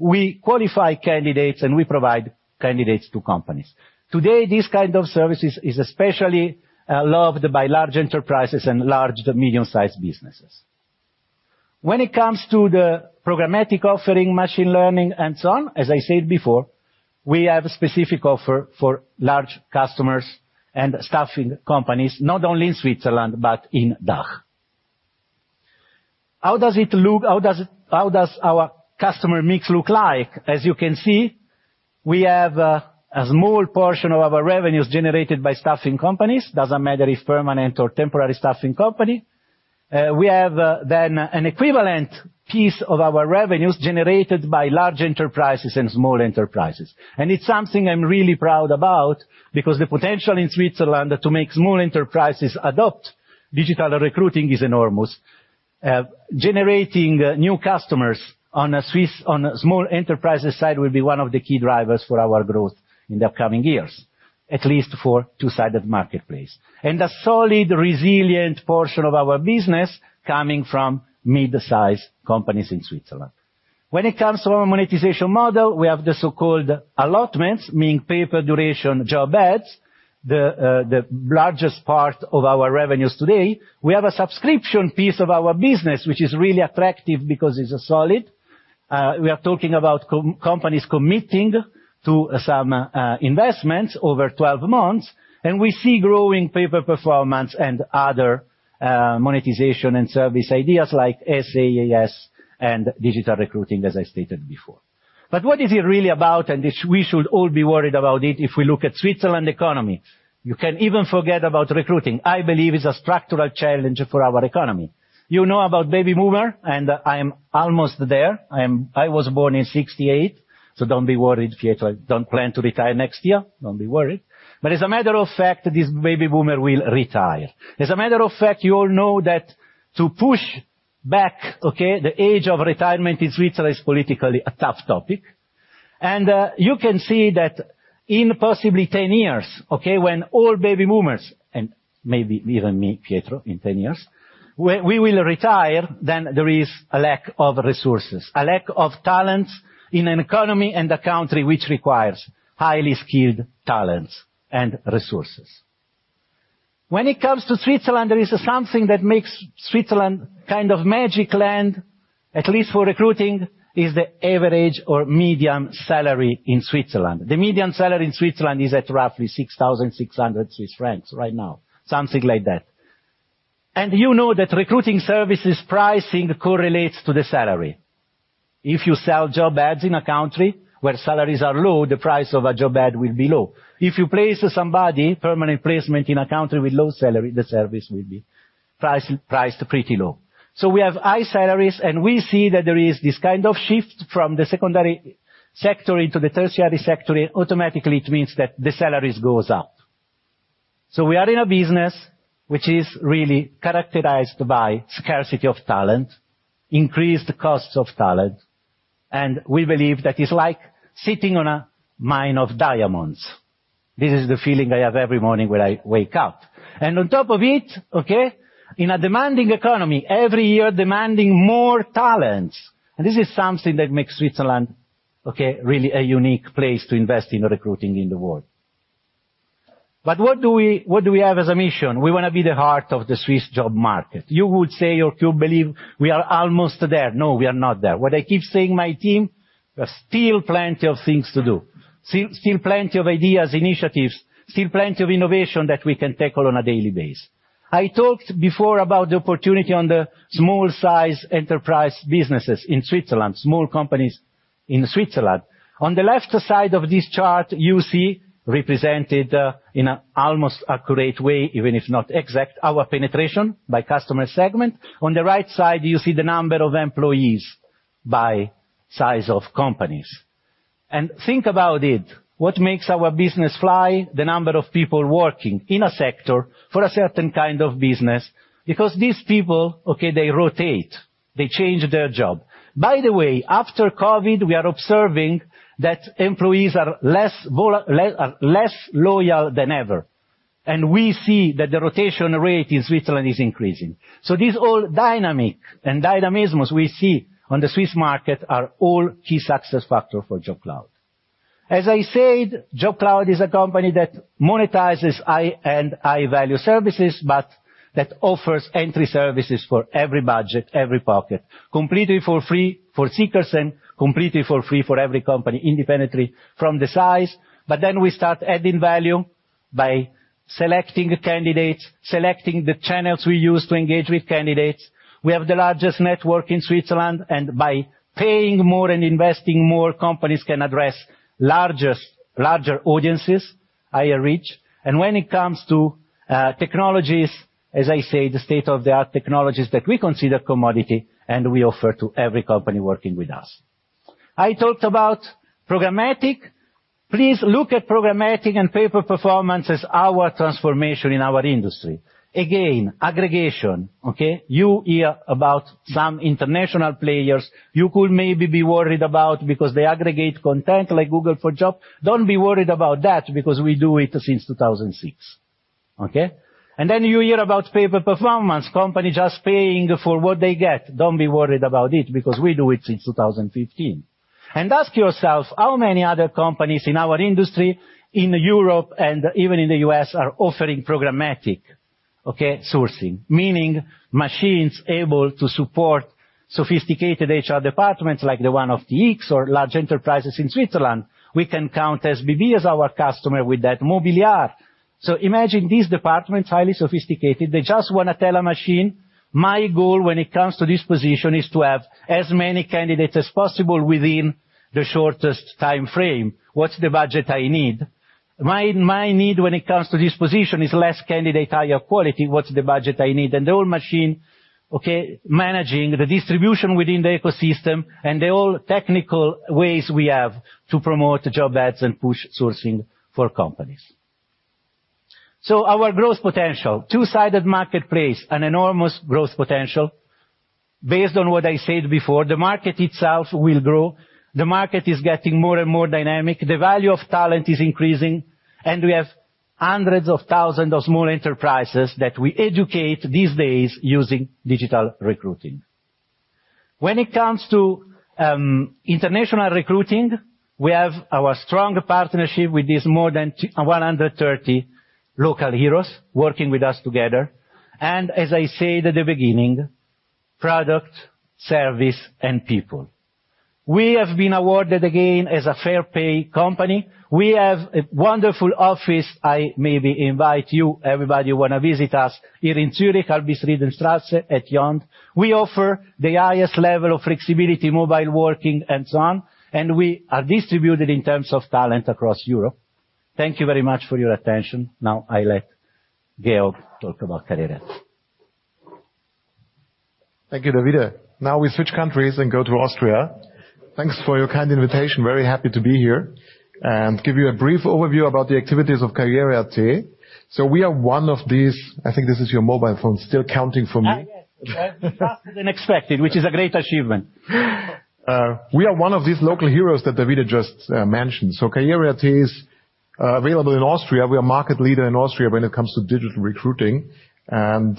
We qualify candidates, and we provide candidates to companies. Today, this kind of services is especially loved by large enterprises and large to medium-sized businesses. When it comes to the programmatic offering, machine learning, and so on, as I said before, we have a specific offer for large customers and staffing companies, not only in Switzerland but in DACH. How does it look? How does our customer mix look like? As you can see, we have a small portion of our revenues generated by staffing companies. Doesn't matter if permanent or temporary staffing company. We have an equivalent piece of our revenues generated by large enterprises and small enterprises. It's something I'm really proud about because the potential in Switzerland to make small enterprises adopt digital recruiting is enormous. Generating new customers on a Swiss, on a small enterprise side will be one of the key drivers for our growth in the upcoming years, at least for two-sided marketplace. A solid, resilient portion of our business coming from mid-size companies in Switzerland. When it comes to our monetization model, we have the so-called allotments, meaning pay per duration job ads, the largest part of our revenues today. We have a subscription piece of our business, which is really attractive because it's solid. We are talking about companies committing to some investments over 12 months, and we see growing pay per performance and other monetization and service ideas like SaaS and digital recruiting, as I stated before. What is it really about, and we should all be worried about it if we look at Switzerland economy. You can even forget about recruiting. I believe it's a structural challenge for our economy. You know about baby boomer, and I am almost there. I was born in 1968, so don't be worried, Pietro. I don't plan to retire next year. Don't be worried. As a matter of fact, this baby boomer will retire. As a matter of fact, you all know that to push back, okay, the age of retirement in Switzerland is politically a tough topic. You can see that in possibly 10 years, okay, when all baby boomers, and maybe even me, Pietro, in 10 years, we will retire, then there is a lack of resources, a lack of talent in an economy and a country which requires highly skilled talents and resources. It comes to Switzerland, there is something that makes Switzerland kind of magic land, at least for recruiting, is the average or medium salary in Switzerland. The median salary in Switzerland is at roughly 6,600 Swiss francs right now, something like that. You know that recruiting services pricing correlates to the salary. If you sell job ads in a country where salaries are low, the price of a job ad will be low. If you place somebody, permanent placement in a country with low salary, the service will be priced pretty low. We have high salaries, and we see that there is this kind of shift from the secondary sector into the tertiary sector, automatically, it means that the salaries goes up. We are in a business which is really characterized by scarcity of talent, increased costs of talent, and we believe that it's like sitting on a mine of diamonds. This is the feeling I have every morning when I wake up. On top of it, okay, in a demanding economy, every year demanding more talents. This is something that makes Switzerland, okay, really a unique place to invest in recruiting in the world. What do we have as a mission? We want to be the heart of the Swiss job market. You would say or to believe we are almost there. No, we are not there. What I keep saying, my team, there's still plenty of things to do. Still plenty of ideas, initiatives, still plenty of innovation that we can tackle on a daily base. I talked before about the opportunity on the small size enterprise businesses in Switzerland, small companies in Switzerland. On the left side of this chart, you see represented in an almost accurate way, even if not exact, our penetration by customer segment. On the right side, you see the number of employees by size of companies. Think about it. What makes our business fly? The number of people working in a sector for a certain kind of business, because these people, okay, they rotate, they change their job. By the way, after COVID, we are observing that employees are less loyal than ever. We see that the rotation rate in Switzerland is increasing. This all dynamic and dynamism we see on the Swiss market are all key success factor for JobCloud. As I said, JobCloud is a company that monetizes high-end, high-value services, but that offers entry services for every budget, every pocket, completely for free for seekers and completely for free for every company, independently from the size. We start adding value by selecting candidates, selecting the channels we use to engage with candidates. We have the largest network in Switzerland, and by paying more and investing more, companies can address largest, larger audiences, higher reach. When it comes to technologies, as I say, the state-of-the-art technologies that we consider commodity, and we offer to every company working with us. I talked about programmatic. Please look at programmatic and pay per performance as our transformation in our industry. Aggregation, okay? You hear about some international players you could maybe be worried about because they aggregate content like Google for Jobs. Don't be worried about that because we do it since 2006. Okay? Then you hear about pay per performance, company just paying for what they get. Don't be worried about it because we do it since 2015. Ask yourself, how many other companies in our industry in Europe and even in the U.S. are offering programmatic, okay, sourcing? Meaning machines able to support sophisticated HR departments like the one of TX or large enterprises in Switzerland. We can count SBB as our customer with that Mobiliar. Imagine these departments, highly sophisticated, they just wanna tell a machine, "My goal when it comes to this position is to have as many candidates as possible within the shortest time frame. What's the budget I need? My need when it comes to this position is less candidate, higher quality. What's the budget I need. The whole machine, okay, managing the distribution within the ecosystem and the whole technical ways we have to promote job ads and push sourcing for companies. Our growth potential, two-sided marketplace, an enormous growth potential. Based on what I said before, the market itself will grow. The market is getting more and more dynamic. The value of talent is increasing. We have hundreds of thousands of small enterprises that we educate these days using digital recruiting. When it comes to international recruiting, we have our strong partnership with these more than 130 local heroes working with us together. As I said at the beginning, product, service, and people. We have been awarded again as a fair pay company. We have a wonderful office. I maybe invite you, everybody who wanna visit us here in Zürich, Albisriedenstrasse at JED. We offer the highest level of flexibility, mobile working, and so on, and we are distributed in terms of talent across Europe. Thank you very much for your attention. I let Georg talk about karriere.at. Thank you, Davide. Now we switch countries and go to Austria. Thanks for your kind invitation. Very happy to be here and give you a brief overview about the activities of karriere.at. We are one of these... I think this is your mobile phone still counting for me. Yes. Faster than expected, which is a great achievement. We are one of these local heroes that Davide just mentioned. Karriere.at is available in Austria. We are market leader in Austria when it comes to digital recruiting. I'm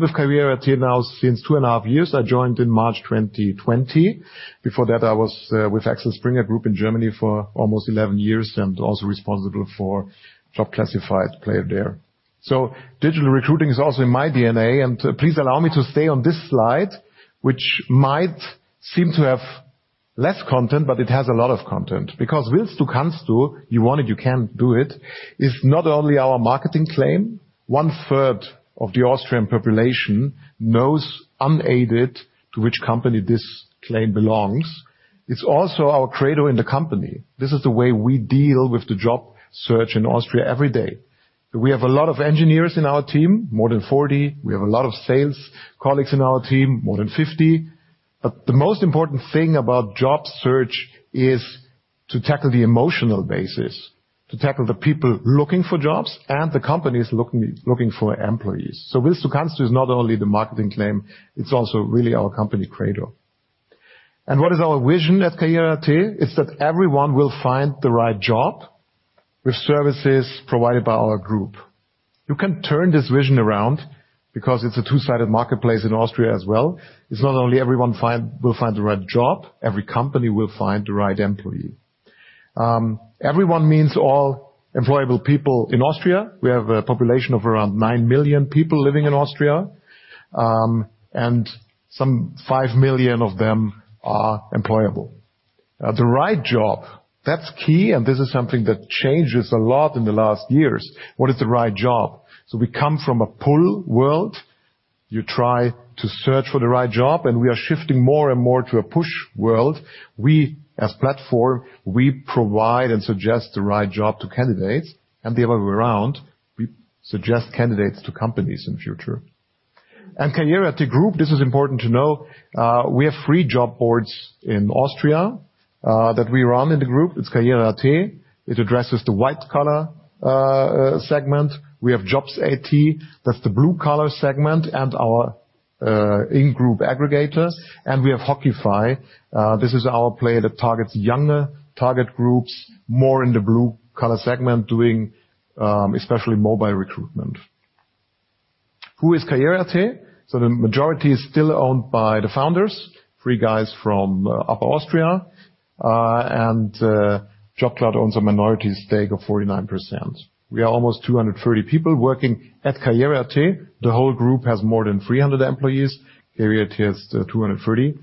with karriere.at now since 2.5 years. I joined in March 2020. Before that, I was with Axel Springer in Germany for almost 11 years and also responsible for job classified player there. Digital recruiting is also in my DNA, and please allow me to stay on this slide, which might seem to have less content, but it has a lot of content. Willst du, kannst du, you want it, you can do it, is not only our marketing claim. 1/3 of the Austrian population knows unaided to which company this claim belongs. It's also our credo in the company. This is the way we deal with the job search in Austria every day. We have a lot of engineers in our team, more than 40. We have a lot of sales colleagues in our team, more than 50. The most important thing about job search is to tackle the emotional basis, to tackle the people looking for jobs and the companies looking for employees. Willst du, kannst du is not only the marketing claim, it's also really our company credo. What is our vision at karriere.at? It's that everyone will find the right job with services provided by our group. You can turn this vision around because it's a two-sided marketplace in Austria as well. It's not only everyone will find the right job, every company will find the right employee. Everyone means all employable people in Austria. We have a population of around 9 million people living in Austria, and some 5 million of them are employable. The right job, that's key, and this is something that changes a lot in the last years. What is the right job? We come from a pull world. You try to search for the right job, and we are shifting more and more to a push world. We, as platform, we provide and suggest the right job to candidates, and the other way around, we suggest candidates to companies in future. Karriere.at group, this is important to know, we have three job boards in Austria that we run in the group. It's karriere.at. It addresses the white collar segment. We have jobs.at. That's the blue collar segment and our in-group aggregator. We have hokify. This is our player that targets younger target groups, more in the blue collar segment, doing especially mobile recruitment. Who is karriere.at? The majority is still owned by the founders, three guys from upper Austria, and JobCloud owns a minority stake of 49%. We are almost 230 people working at karriere.at. The whole group has more than 300 employees. Karriere.at has 230.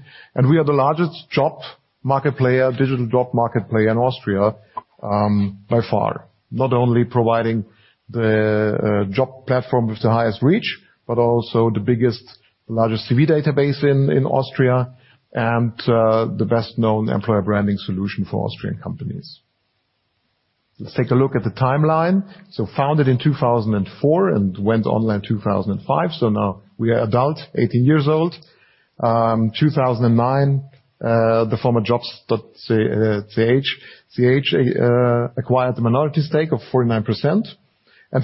We are the largest job market player, digital job market player in Austria, by far, not only providing the job platform with the highest reach, but also the biggest, largest CV database in Austria, and the best-known employer branding solution for Austrian companies. Let's take a look at the timeline. Founded in 2004 and went online 2005. Now we are adult, 18 years old. 2009, the former jobs.ch acquired the minority stake of 49%.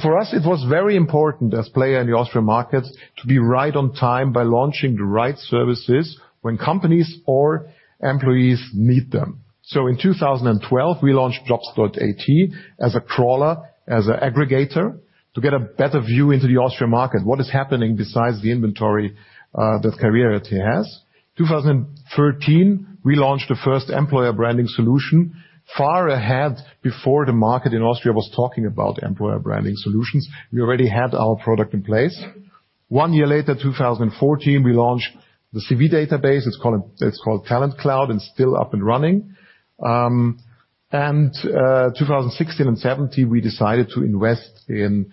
For us, it was very important as player in the Austrian markets to be right on time by launching the right services when companies or employees need them. In 2012, we launched jobs.at as a crawler, as a aggregator to get a better view into the Austrian market, what is happening besides the inventory that karriere.at has. 2013, we launched the first employer branding solution far ahead before the market in Austria was talking about employer branding solutions. We already had our product in place. One year later, 2014, we launched the CV database. It's called Talent Cloud and still up and running. 2016 and 2017, we decided to invest in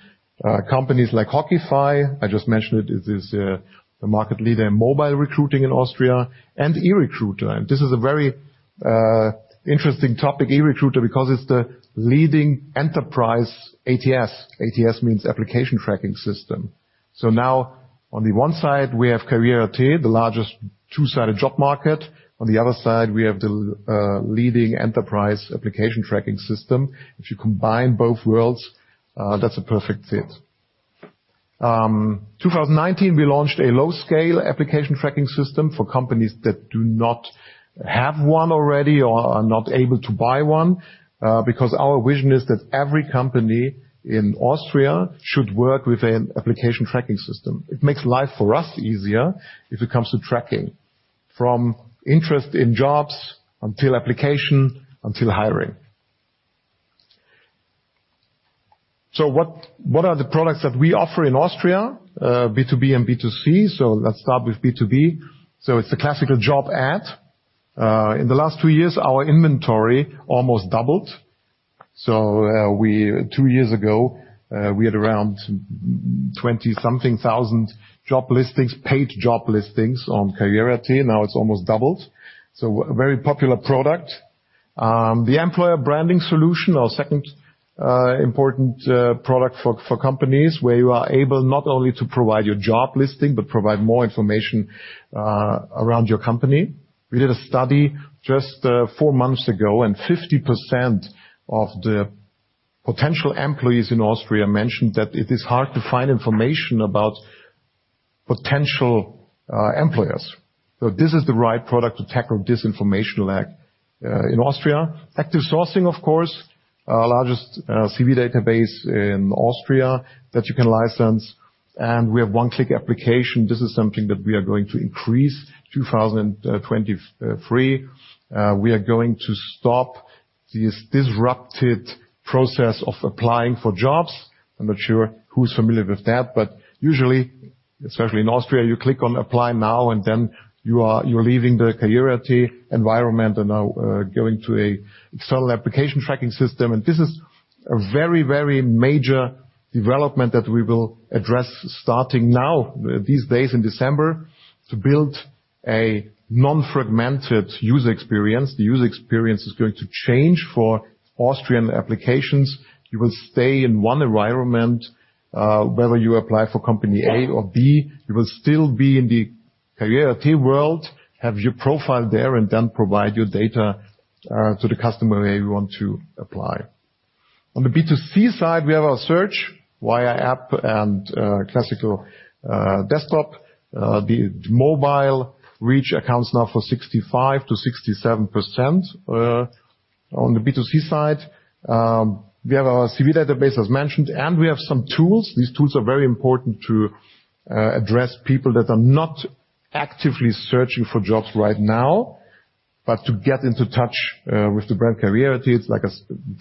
companies like hokify. I just mentioned it. It is a market leader in mobile recruiting in Austria and eRecruiter. This is a very interesting topic, eRecruiter, because it's the leading enterprise ATS. ATS means Application Tracking System. Now on the one side, we have karriere.at, the largest two-sided job market. On the other side, we have the leading enterprise application tracking system. If you combine both worlds, that's a perfect fit. 2019, we launched a low-scale application tracking system for companies that do not have one already or are not able to buy one, because our vision is that every company in Austria should work with an application tracking system. It makes life for us easier if it comes to tracking from interest in jobs until application, until hiring. What, what are the products that we offer in Austria, B2B and B2C? Let's start with B2B. It's the classical job ad. In the last two years, our inventory almost doubled. Two years ago, we had around 20-something thousand job listings, paid job listings on karriere.at, now it's almost doubled. A very popular product. The employer branding solution, our second important product for companies where you are able not only to provide your job listing but provide more information around your company. We did a study just four months ago, and 50% of the potential employees in Austria mentioned that it is hard to find information about potential employers. This is the right product to tackle this information lack in Austria. Active sourcing, of course, our largest CV database in Austria that you can license, and we have one-click application. This is something that we are going to increase 2023. We are going to stop this disrupted process of applying for jobs. I'm not sure who's familiar with that, but usually, especially in Austria, you click on Apply Now, and then you're leaving the karriere.at environment and now going to a external application tracking system. This is a very, very major development that we will address starting now, these days in December, to build a non-fragmented user experience. The user experience is going to change for Austrian applications. You will stay in one environment, whether you apply for company A or B. You will still be in the karriere.at world, have your profile there, and then provide your data to the customer where you want to apply. On the B2C side, we have our search via app and classical desktop. The mobile reach accounts now for 65%-67% on the B2C side. We have our CV database, as mentioned, and we have some tools. These tools are very important to address people that are not actively searching for jobs right now, but to get into touch with the brand karriere.at. It's like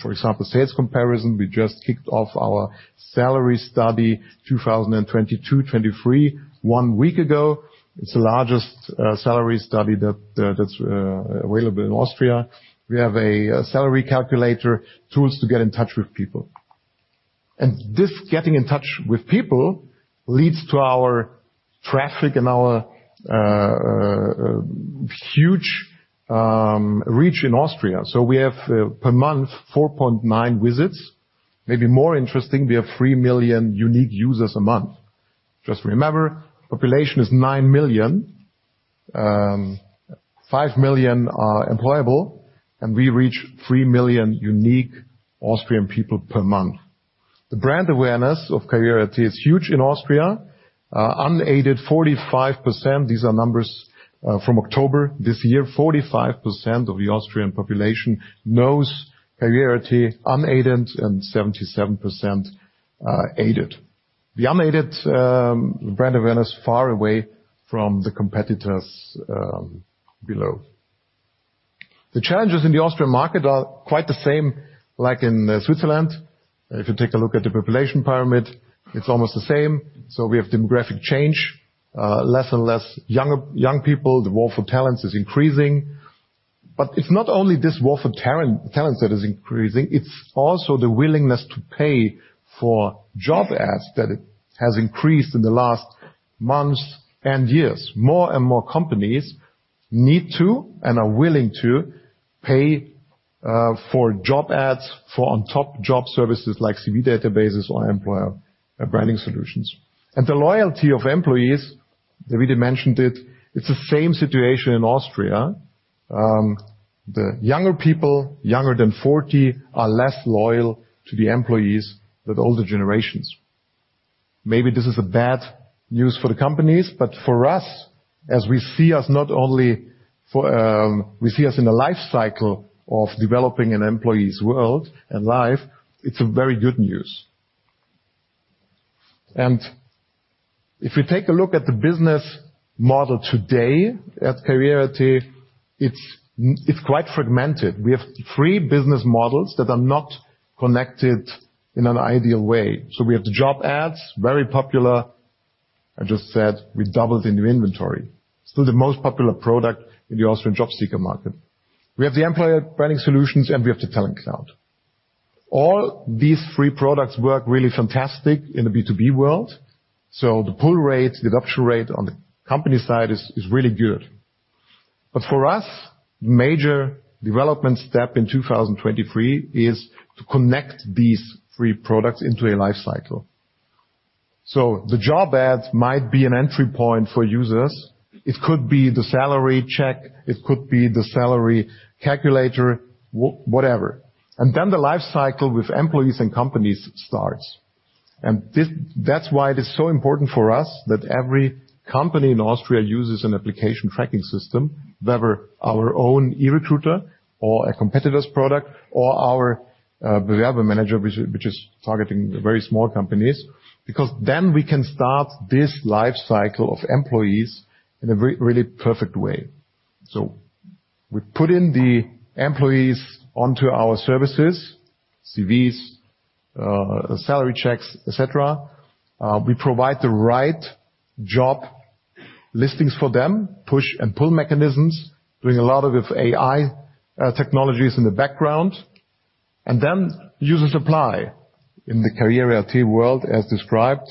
for example, sales comparison. We just kicked off our salary study 2022/2023 one week ago. It's the largest salary study that that's available in Austria. We have a salary calculator, tools to get in touch with people. This getting in touch with people leads to our traffic and our huge reach in Austria. We have per month, 4.9 visits. Maybe more interesting, we have 3 million unique users a month. Just remember, population is 9 million. 5 million are employable, and we reach 3 million unique Austrian people per month. The brand awareness of karriere.at is huge in Austria. Unaided 45%. These are numbers from October this year. 45% of the Austrian population knows karriere.at unaided and 77% aided. The unaided brand awareness far away from the competitors below. The challenges in the Austrian market are quite the same like in Switzerland. If you take a look at the population pyramid, it's almost the same. We have demographic change, less and less young people. The war for talents is increasing. It's not only this war for talents that is increasing, it's also the willingness to pay for job ads that it has increased in the last months and years. More and more companies need to and are willing to pay for job ads for on-top job services like CV databases or employer branding solutions. The loyalty of employees, Davide mentioned it's the same situation in Austria. The younger people, younger than 40, are less loyal to the employees than older generations. Maybe this is a bad news for the companies, but for us, as we see us in the life cycle of developing an employee's world and life, it's a very good news. If you take a look at the business model today at karriere.at, it's quite fragmented. We have three business models that are not connected in an ideal way. We have the job ads, very popular. I just said we doubled the new inventory. Still the most popular product in the Austrian job seeker market. We have the employer branding solutions, and we have the Talent Cloud. All these three products work really fantastic in the B2B world. The pull rate, the adoption rate on the company side is really good. For us, major development step in 2023 is to connect these three products into a life cycle. The job ads might be an entry point for users. It could be the salary check, it could be the salary calculator, whatever. Then the life cycle with employees and companies starts. That's why it is so important for us that every company in Austria uses an application tracking system, whether our own eRecruiter or a competitor's product, or our behavioral manager which is targeting the very small companies. We can start this life cycle of employees in a very really perfect way. We put in the employees onto our services, CVs, salary checks, et cetera. We provide the right job listings for them, push and pull mechanisms, doing a lot of AI technologies in the background. Users apply in the karriere.at world as described.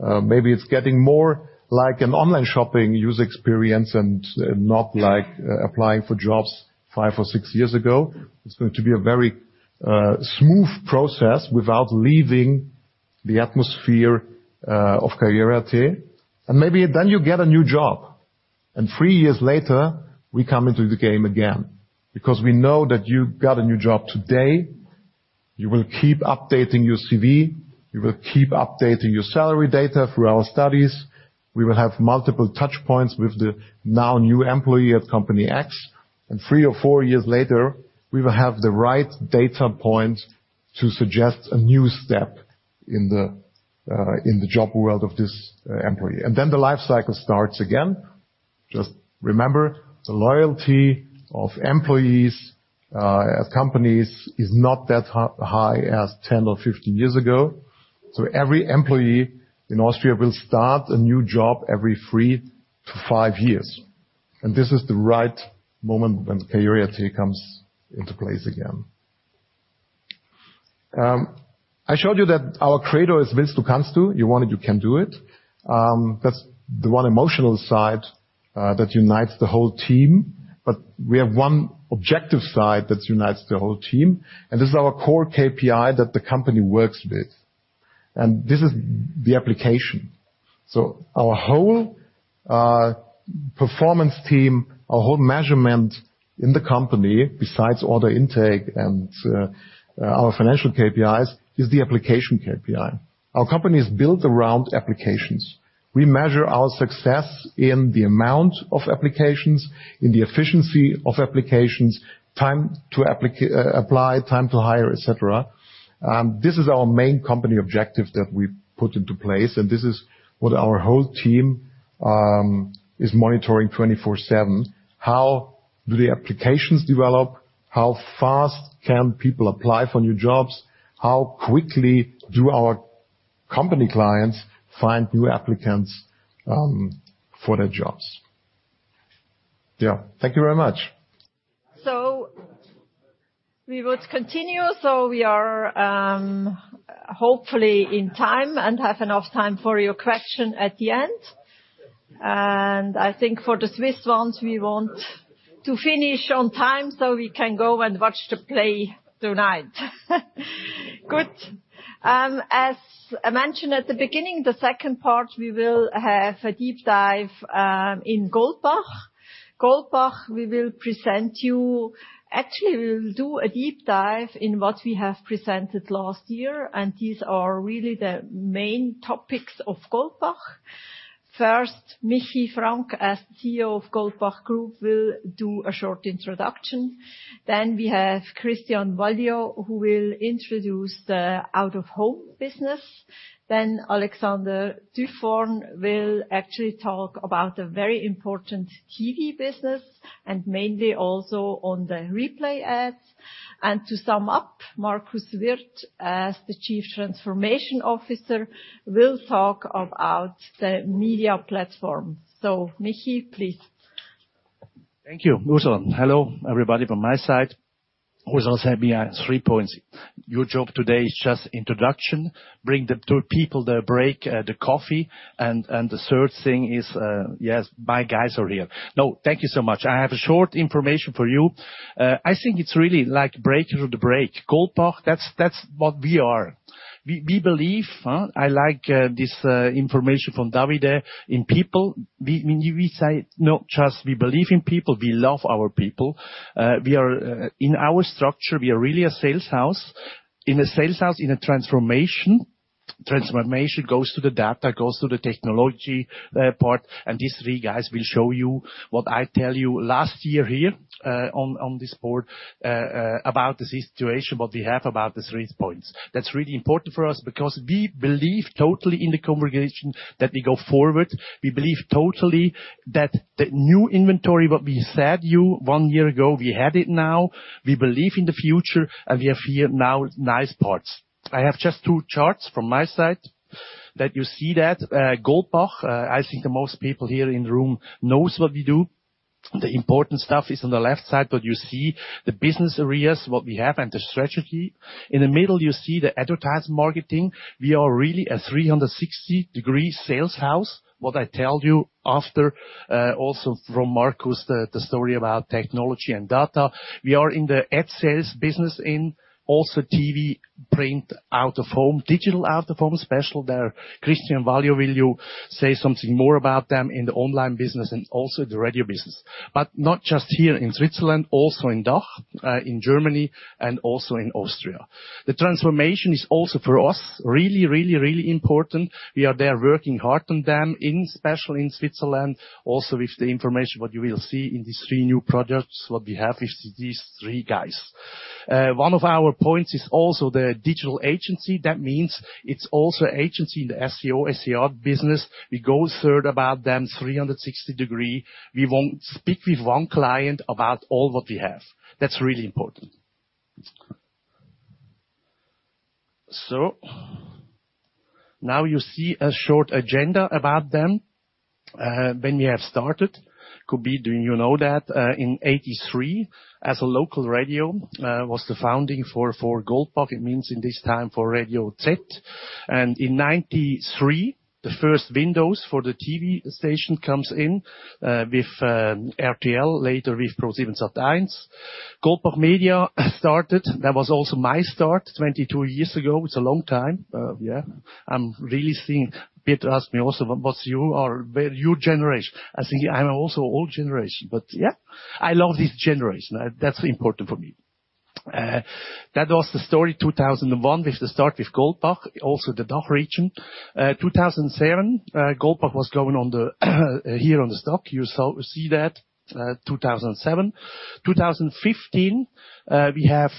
Maybe it's getting more like an online shopping user experience and not like applying for jobs five or six years ago. It's going to be a very smooth process without leaving the atmosphere of karriere.at. Maybe then you get a new job. Three years later, we come into the game again, because we know that you got a new job today. You will keep updating your CV, you will keep updating your salary data through our studies. We will have multiple touch points with the now new employee at company X. Three or four years later, we will have the right data point to suggest a new step in the job world of this employee. Then the life cycle starts again. Just remember, the loyalty of employees at companies is not that high as 10 or 15 years ago. Every employee in Austria will start a new job every three to five years. This is the right moment when the karriere.at comes into place again. I showed you that our credo is Willst du kannst du, you want it, you can do it. That's the one emotional side that unites the whole team. We have one objective side that unites the whole team, this is our core KPI that the company works with. This is the application. Our whole performance team, our whole measurement in the company, besides order intake and our financial KPIs, is the application KPI. Our company is built around applications. We measure our success in the amount of applications, in the efficiency of applications, time to apply, time to hire, et cetera. This is our main company objective that we've put into place, and this is what our whole team is monitoring 24/7. How do the applications develop? How fast can people apply for new jobs? How quickly do our company clients find new applicants for their jobs? Yeah. Thank you very much. We would continue, so we are hopefully in time and have enough time for your question at the end. I think for the Swiss ones, we want to finish on time, so we can go and watch the play tonight. Good. As I mentioned at the beginning, the second part, we will have a deep dive in Goldbach. Goldbach, we will present you. Actually, we will do a deep dive in what we have presented last year, and these are really the main topics of Goldbach. First, Michi Frank, as CEO of Goldbach Group, will do a short introduction. We have Christian Vaglio, who will introduce the out-of-home business. Alexander Duphorn will actually talk about the very important TV business, and mainly also on the Replay Ads. To sum up, Markus Wirth as the Chief Transformation Officer, will talk about the media platform. Michi, please. Thank you, Ursula. Hello, everybody, from my side. Ursula said me, three points. Your job today is just introduction, bring to people the break, the coffee, and the third thing is, yes, my guys are here. No, thank you so much. I have a short information for you. I think it's really like breaking through the break. Goldbach, that's what we are. We believe, huh? I like this information from Davide, in people. We say not just we believe in people, we love our people. We are... In our structure, we are really a sales house. In a sales house, in a transformation. Transformation goes to the data, goes to the technology, part, and these three guys will show you what I tell you last year here on this board about the situation, what we have about these three points. That's really important for us because we believe totally in the congregation that we go forward. We believe totally that the new inventory, what we said you one year ago, we have it now. We believe in the future. We have here now nice parts. I have just two charts from my side that you see that. Goldbach, I think the most people here in the room knows what we do. The important stuff is on the left side, but you see the business areas, what we have, and the strategy. In the middle, you see the advertise marketing. We are really a 360-degree sales house. What I tell you after, also from Markus Wirth, the story about technology and data. We are in the ad sales business in also TV, print, out-of-home, digital out-of-home, special there. Christian Valli will you say something more about them in the online business and also the radio business. Not just here in Switzerland, also in DACH, in Germany and also in Austria. The transformation is also, for us, really important. We are there working hard on them, in special in Switzerland, also with the information what you will see in these three new projects, what we have with these three guys. One of our points is also the digital agency. That means it's also agency in the SEO, SEM business. We go third about them 360 degree. We won't speak with one client about all what we have. That's really important. Now you see a short agenda about them. When we have started, could be doing you know that, in 1983 as a local radio, was the founding for Goldbach. It means in this time for Radio Z. In 1993, the first windows for the TV station comes in with RTL, later with ProSieben Sat.1. Goldbach Media started. That was also my start 22 years ago. It's a long time, yeah. I'm really seeing... Peter asked me also, "But you are very new generation." I say, "I'm also old generation." Yeah, I love this generation. That's important for me. That was the story 2001 with the start with Goldbach, also the DACH region. 2007, Goldbach was going on the stock here. You saw, see that, 2007. 2015, we have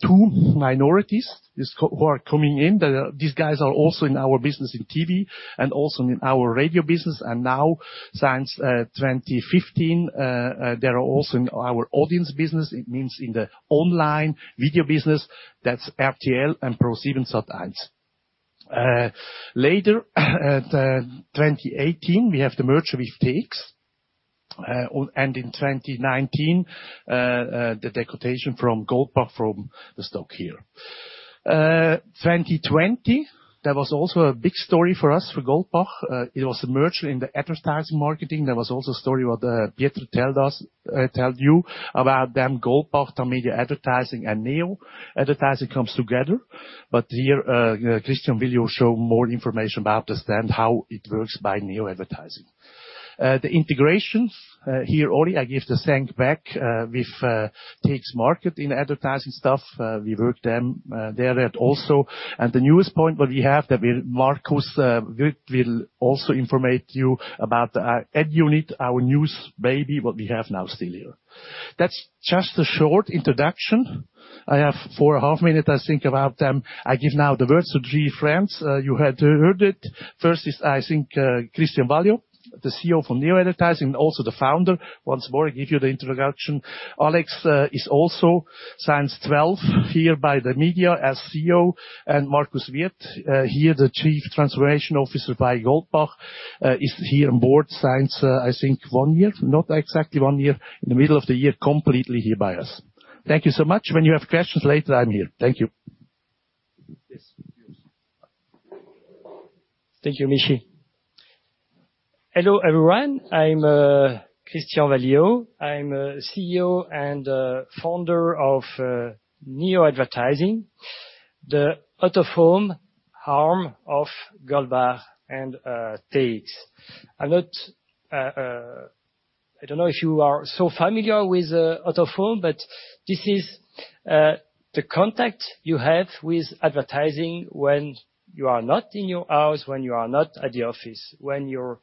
two minorities who are coming in. These guys are also in our business in TV and also in our radio business. And now since 2015, they are also in our audience business. It means in the online video business. That's RTL and ProSiebenSat.1. Later, 2018, we have the merger with TX. And in 2019, the dequotation from Goldbach from the stock here. 2020, there was also a big story for us, for Goldbach. It was a merger in the advertising marketing. There was also a story what Pietro tell you about them, Goldbach, Tamedia Advertising, and Neo Advertising comes together. Here, Christian will show more information about this then how it works by Neo Advertising. The integrations, here only I give the thank back, with TX Markets in advertising stuff. We work them there at also. The newest point what we have that Marcus will also informate you about our AdUnit, our news baby what we have now still here. That's just a short introduction. I have 4.5 minutes, I think, about them. I give now the words to three friends. You had heard it. First is, I think, Christian Vaglio, the CEO from Neo Advertising, also the founder. Once more, I give you the introduction. Alex, is also since 12 here by the media as CEO. Markus Wirth, here the Chief Transformation Officer by Goldbach, is here on board since, I think one year. Not exactly one year. In the middle of the year, completely here by us. Thank you so much. When you have questions later, I'm here. Thank you. Thank you, Michi. Hello, everyone. I'm Christian Vaglio. I'm CEO and founder of Neo Advertising, the out-of-home arm of Goldbach and TX. I'm not... I don't know if you are so familiar with out-of-home, but this is the contact you have with advertising when you are not in your house, when you are not at the office. When you're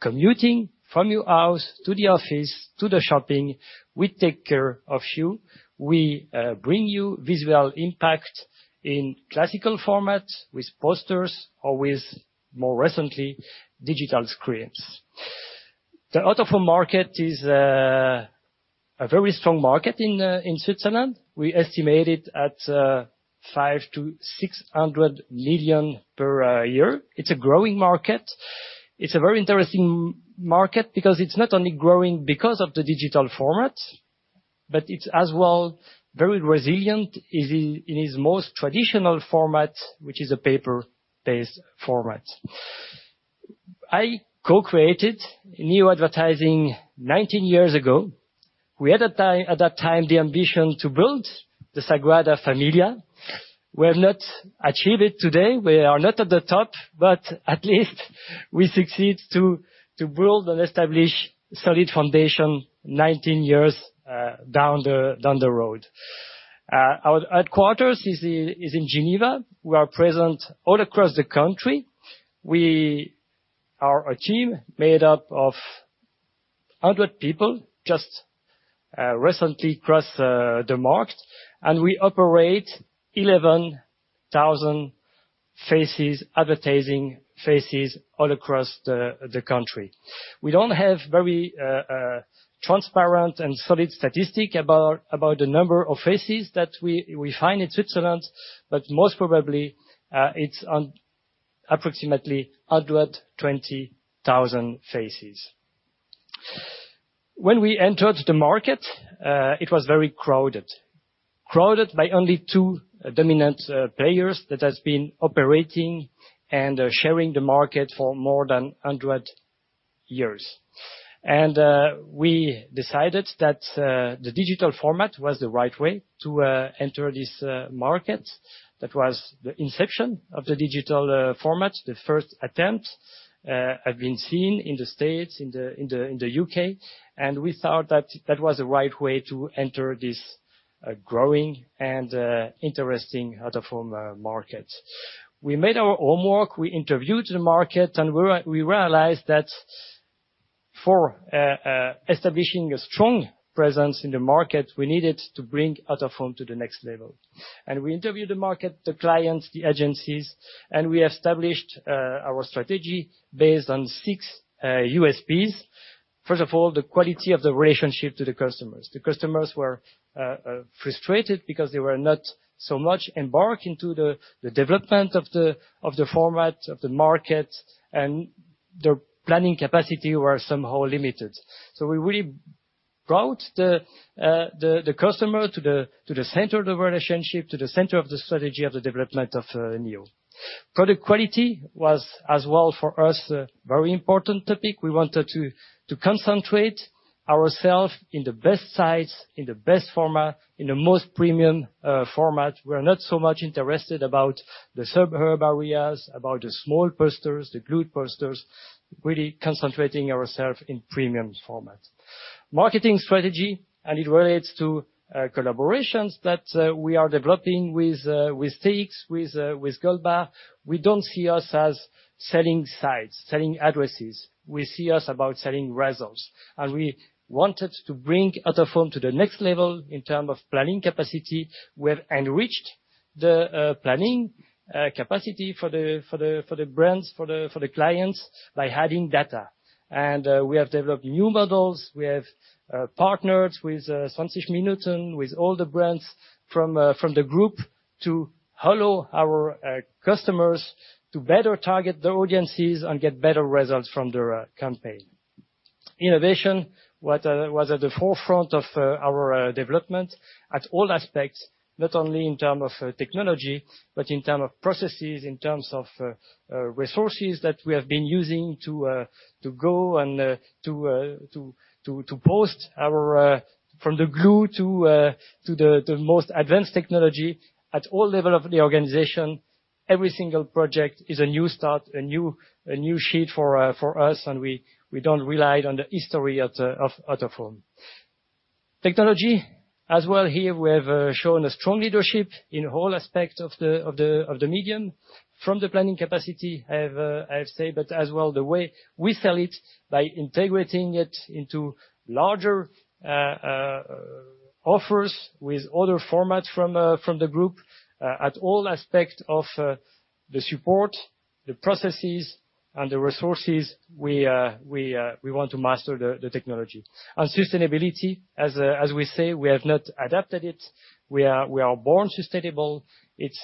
commuting from your house to the office to the shopping, we take care of you. We bring you visual impact in classical format with posters or with, more recently, digital screens. The out-of-home market is a very strong market in Switzerland. We estimate it at 5 million-600 million per year. It's a growing market. It's a very interesting market because it's not only growing because of the digital format, but it's as well very resilient in its most traditional format, which is a paper-based format. I co-created Neo Advertising 19 years ago. We had at that time the ambition to build the Sagrada Familia. We have not achieved it today. We are not at the top, but at least we succeed to build and establish solid foundation 19 years down the road. Our headquarters is in Geneva. We are present all across the country. We are a team made up of 100 people, just recently crossed the mark, and we operate 11,000 faces, advertising faces all across the country. We don't have very transparent and solid statistic about the number of faces that we find in Switzerland, but most probably, Approximately 120,000 faces. When we entered the market, it was very crowded. Crowded by only two dominant players that has been operating and sharing the market for more than 100 years. We decided that the digital format was the right way to enter this market. That was the inception of the digital format. The first attempt had been seen in the States, in the U.K., and we thought that that was the right way to enter this growing and interesting out-of-home market. We made our homework, we interviewed the market, we realized that for establishing a strong presence in the market, we needed to bring out-of-home to the next level. We interviewed the market, the clients, the agencies, and we established our strategy based on six USPs. First of all, the quality of the relationship to the customers. The customers were frustrated because they were not so much embarked into the development of the format, of the market, and their planning capacity were somehow limited. We really brought the customer to the center of the relationship, to the center of the strategy of the development of Neo. Product quality was as well for us a very important topic. We wanted to concentrate ourselves in the best sites, in the best format, in the most premium format. We're not so much interested about the suburb areas, about the small posters, the glued posters, really concentrating ourselves in premium format. Marketing strategy, it relates to collaborations that we are developing with TX, with Goldbach. We don't see us as selling sites, selling addresses. We see us about selling results. We wanted to bring out-of-home to the next level in terms of planning capacity. We have enriched the planning capacity for the, for the, for the brands, for the, for the clients by adding data. We have developed new models. We have partnered with 20 Minuten, with all the brands from the group to allow our customers to better target the audiences and get better results from their campaign. Innovation was at the forefront of our development at all aspects, not only in term of technology, but in term of processes, in terms of resources that we have been using to go and to post our from the glue to the most advanced technology at all level of the organization. Every single project is a new start, a new sheet for us, and we don't rely on the history of out-of-home. Technology, as well here we have shown a strong leadership in all aspects of the medium, from the planning capacity I've said, but as well the way we sell it by integrating it into larger offers with other formats from the group, at all aspect of the support, the processes, and the resources we want to master the technology. Sustainability, as we say, we have not adapted it. We are born sustainable. It's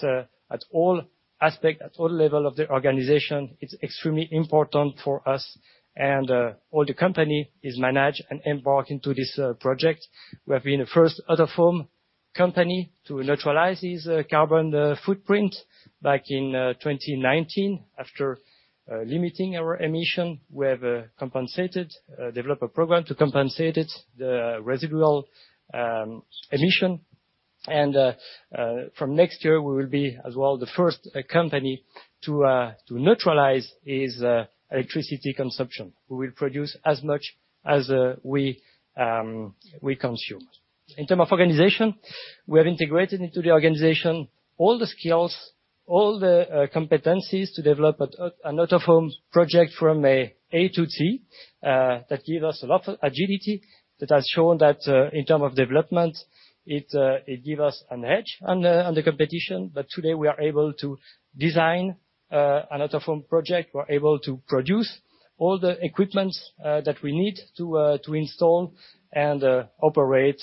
at all aspect, at all level of the organization, it's extremely important for us and all the company is managed and embarked into this project. We have been the first out-of-home company to neutralize these carbon footprint back in 2019. After limiting our emission, we have compensated, developed a program to compensate it, the residual emission. From next year, we will be as well the first company to neutralize its electricity consumption. We will produce as much as we consume. In term of organization, we have integrated into the organization all the skills, all the competencies to develop an out-of-home project from A to Z, that give us a lot of agility, that has shown that in term of development, it give us an edge on the competition. Today, we are able to design an out-of-home project. We're able to produce all the equipments that we need to install and operate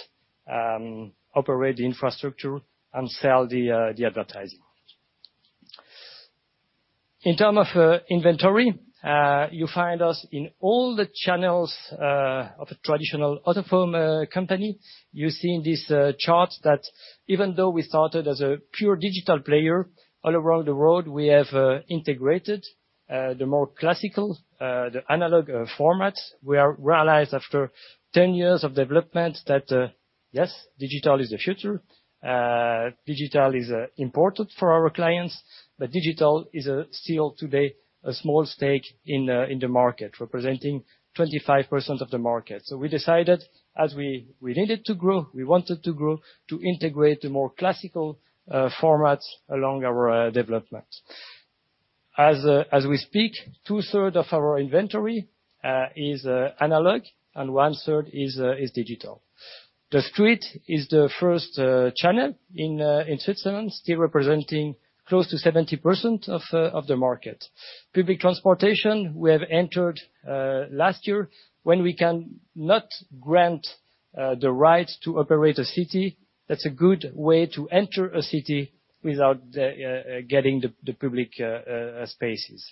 the infrastructure and sell the advertising. In term of inventory, you find us in all the channels of a traditional out-of-home company. You see in this chart that even though we started as a pure digital player, all around the world we have integrated the more classical, the analog formats. We are realized after 10 years of development that yes, digital is the future. Digital is important for our clients. Digital is still today a small stake in in the market, representing 25% of the market. We decided, as we needed to grow, we wanted to grow, to integrate the more classical formats along our development. As we speak, 2/3 of our inventory is analog and 1/3 is digital. The street is the first channel in Switzerland, still representing close to 70% of the market. Public transportation, we have entered last year. When we cannot grant the right to operate a city, that's a good way to enter a city without getting the public spaces.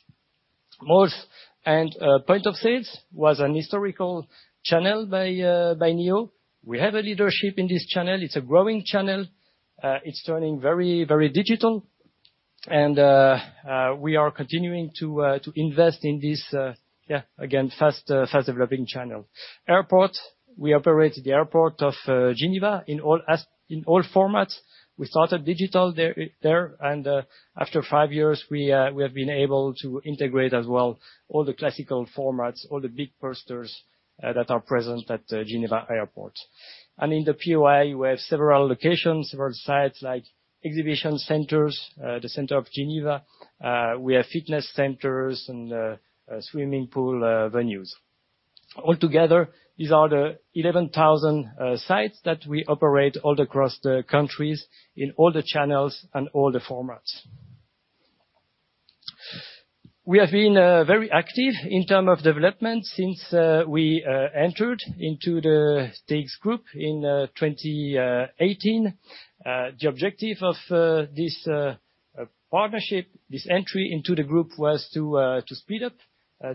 Malls and point of sales was an historical channel by Neo. We have a leadership in this channel. It's a growing channel. It's turning very, very digital. We are continuing to invest in this again, fast, fast-developing channel. Airport, we operate the airport of Geneva in all formats. We started digital there, and after five years, we have been able to integrate as well all the classical formats, all the big posters, that are present at Geneva Airport. In the POI, we have several locations, several sites like exhibition centers, the center of Geneva. We have fitness centers and swimming pool venues. All together, these are the 11,000 sites that we operate all across the countries in all the channels and all the formats. We have been very active in term of development since we entered into the TX Group in 2018. The objective of this partnership, this entry into the group was to speed up,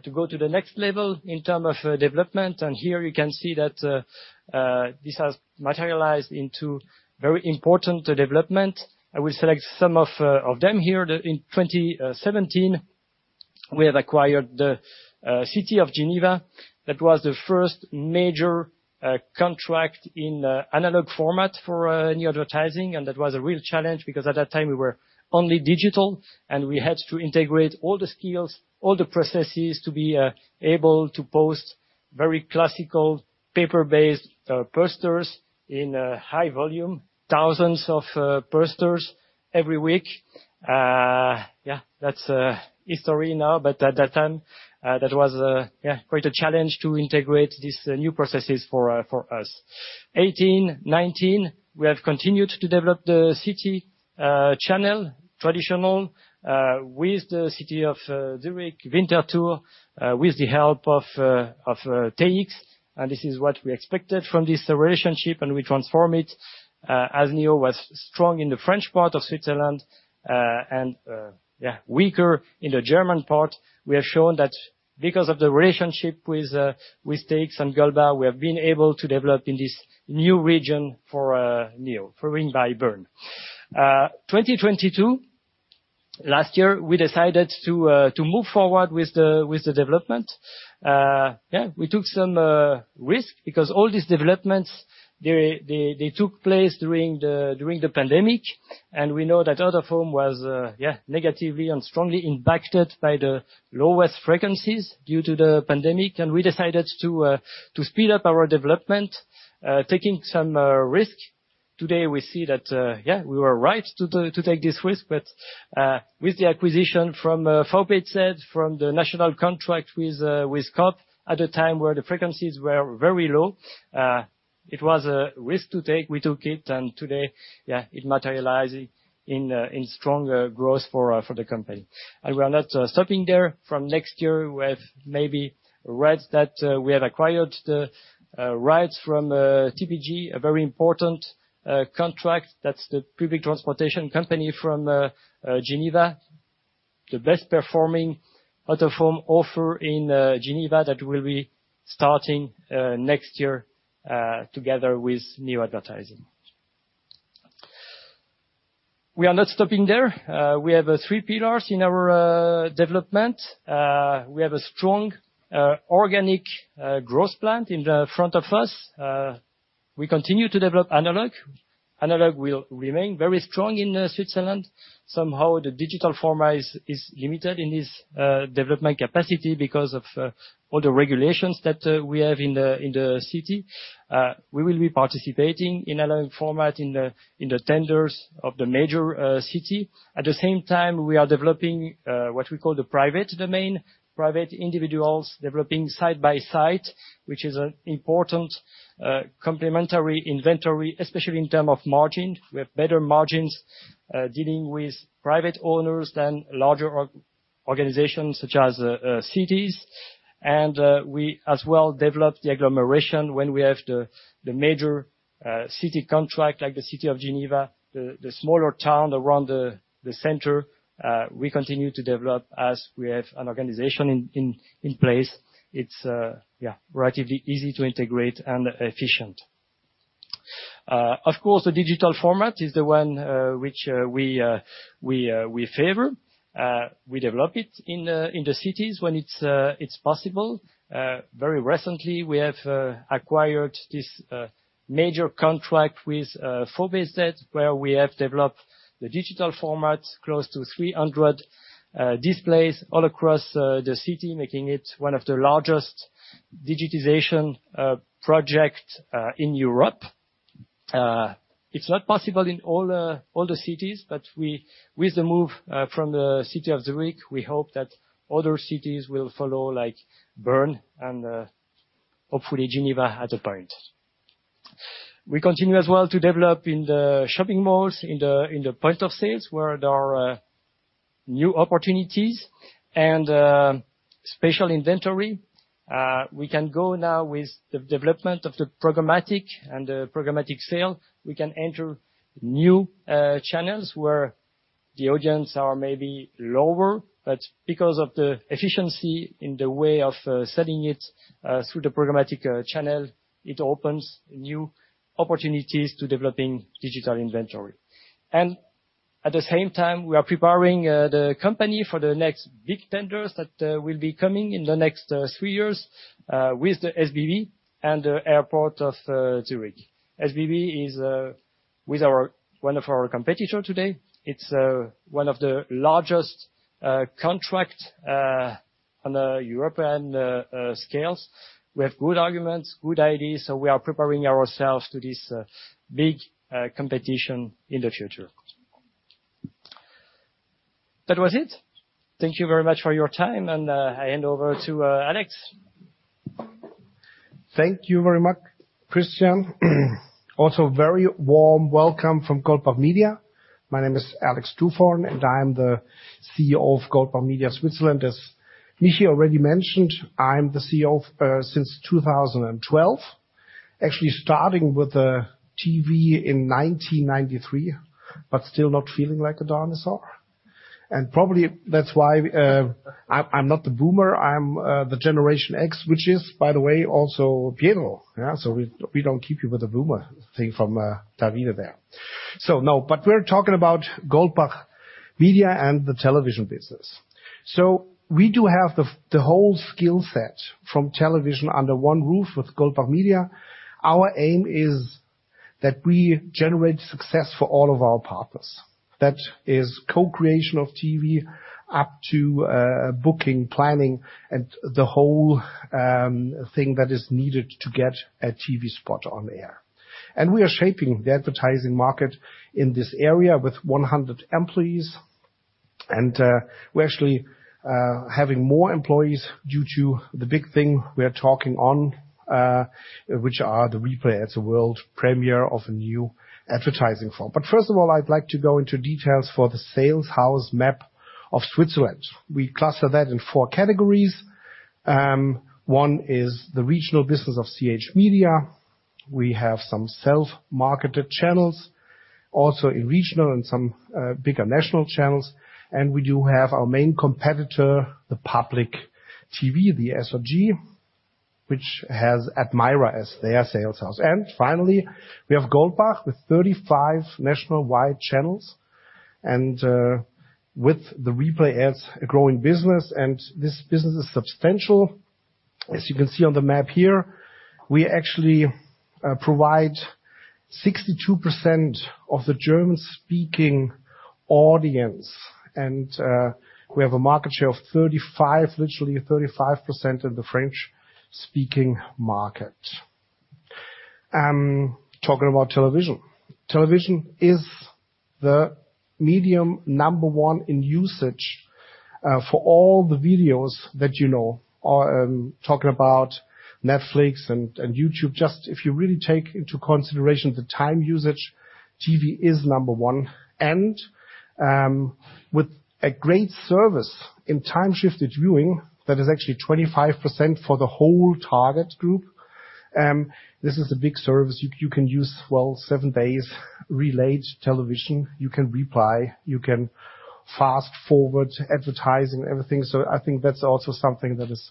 to go to the next level in term of development. Here you can see that this has materialized into very important development. I will select some of them here. In 2017, we have acquired the city of Geneva. That was the first major contract in analog format for Neo Advertising, and that was a real challenge because at that time, we were only digital, and we had to integrate all the skills, all the processes to be able to post very classical paper-based posters in high volume, thousands of posters every week. Yeah, that's history now, but at that time, that was quite a challenge to integrate these new processes for us. 2018, 2019, we have continued to develop the city channel traditional with the city of Zürich, Winterthur, with the help of TX. This is what we expected from this relationship, and we transform it. As NEO was strong in the French part of Switzerland, and weaker in the German part, we have shown that because of the relationship with TX and Goldbach, we have been able to develop in this new region for NEO, for Ringier. 2022, last year, we decided to move forward with the development. We took some risk because all these developments, they took place during the pandemic. We know that out-of-home was negatively and strongly impacted by the lowest frequencies due to the pandemic. We decided to speed up our development, taking some risk. Today, we see that we were right to take this risk. With the acquisition from Four Page Set, from the national contract with Coop at a time where the frequencies were very low, it was a risk to take. We took it, today, it materialize in strong growth for the company. We are not stopping there. From next year, we have maybe read that we have acquired the rights from TPG, a very important contract. That's the public transportation company from Geneva, the best-performing out-of-home offer in Geneva that will be starting next year together with Neo Advertising. We are not stopping there. We have three pillars in our development. We have a strong organic growth plan in the front of us. We continue to develop analog. Analog will remain very strong in Switzerland. Somehow, the digital format is limited in its development capacity because of all the regulations that we have in the city. We will be participating in analog format in the tenders of the major city. At the same time, we are developing what we call the private domain, private individuals developing site by site, which is an important complementary inventory, especially in term of margin. We have better margins dealing with private owners than larger organizations such as cities. We as well develop the agglomeration when we have the major city contract like the city of Geneva, the smaller town around the center, we continue to develop as we have an organization in place. It's relatively easy to integrate and efficient. Of course, the digital format is the one which we favor. We develop it in the cities when it's possible. Very recently, we have acquired this major contract with Four Page Set, where we have developed the digital format close to 300 displays all across the city, making it one of the largest digitization project in Europe. It's not possible in all the cities, with the move from the city of Zürich, we hope that other cities will follow like Bern and hopefully Geneva at a point. We continue as well to develop in the shopping malls, in the point of sales, where there are new opportunities and special inventory. We can go now with the development of the programmatic and the programmatic sale. We can enter new channels where the audience are maybe lower, but because of the efficiency in the way of selling it through the programmatic channel, it opens new opportunities to developing digital inventory. At the same time, we are preparing the company for the next big tenders that will be coming in the next three years with the SBB and the Airport of Zürich. SBB is one of our competitor today. It's one of the largest contract on the European scales. We have good arguments, good ideas, we are preparing ourselves to this big competition in the future. That was it. Thank you very much for your time, I hand over to Alex. Thank you very much, Christian. Very warm welcome from Goldbach Media. My name is Alex Duphorn and I am the CEO of Goldbach Media Switzerland. As Michi already mentioned, I'm the CEO since 2012. Actually starting with TV in 1993, but still not feeling like a dinosaur. Probably that's why I'm not the Boomer, I'm the Generation X, which is, by the way, also Pietro. We don't keep you with the Boomer thing from Davide there. No, but we're talking about Goldbach Media and the television business. We do have the whole skill set from television under one roof with Goldbach Media. Our aim is that we generate success for all of our partners. That is co-creation of TV up to booking, planning, and the whole thing that is needed to get a TV spot on air. We are shaping the advertising market in this area with 100 employees, and we're actually having more employees due to the big thing we are talking on, which are the replay as a world premiere of a new advertising firm. First of all, I'd like to go into details for the sales house map of Switzerland. We cluster that in four categories. One is the regional business of CH Media. We have some self-marketed channels, also in regional and some bigger national channels. We do have our main competitor, the public TV, the SRG, which has Admeira as their sales house. Finally, we have Goldbach with 35 national wide channels, with the Replay Ads, a growing business. This business is substantial. As you can see on the map here, we actually provide 62% of the German-speaking audience, we have a market share of 35%, literally 35% of the French-speaking market. Talking about television. Television is the medium number one in usage, for all the videos that you know. Talking about Netflix and YouTube. Just if you really take into consideration the time usage, TV is number one. With a great service in time-shifted viewing, that is actually 25% for the whole target group. This is a big service you can use, well, seven days relate television. You can replay, you can fast-forward advertising, everything. I think that's also something that is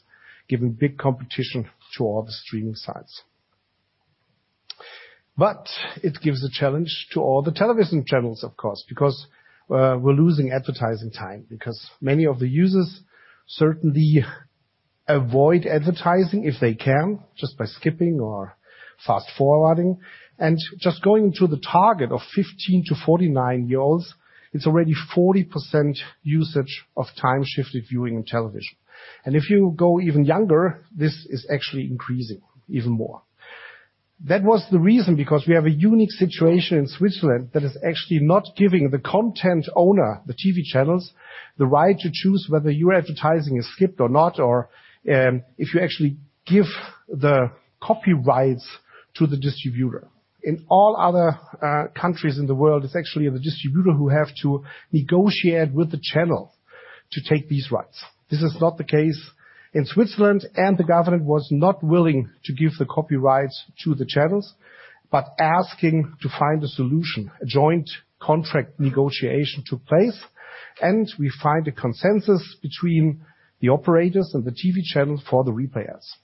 giving big competition to all the streaming sites. It gives a challenge to all the television channels, of course, because we're losing advertising time because many of the users certainly avoid advertising if they can, just by skipping or fast-forwarding. Just going to the target of 15- to 49-year-olds, it's already 40% usage of time-shifted viewing in television. If you go even younger, this is actually increasing even more. That was the reason because we have a unique situation in Switzerland that is actually not giving the content owner, the TV channels, the right to choose whether your advertising is skipped or not, or if you actually give the copyrights to the distributor. In all other countries in the world, it's actually the distributor who have to negotiate with the channel to take these rights. This is not the case in Switzerland, and the government was not willing to give the copyrights to the channels, but asking to find a solution. A joint contract negotiation took place, and we find a consensus between the operators and the TV channels for the Replay Ads.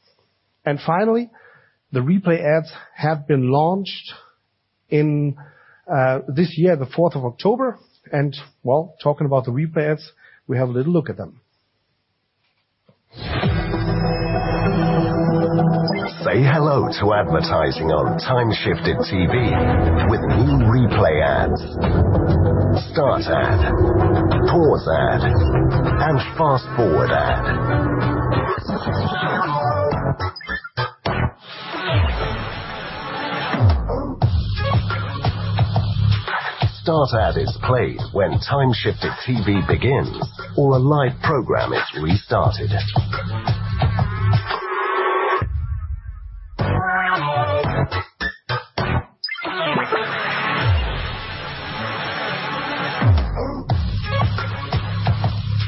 Finally, the Replay Ads have been launched in this year, the 4th of October. Well, talking about the Replay Ads, we have a little look at them. Say hello to advertising on time-shifted TV with new Replay Ads. Start ad. Pause ad. Fast-forward ad. Start ad is played when time-shifted TV begins or a live program is restarted.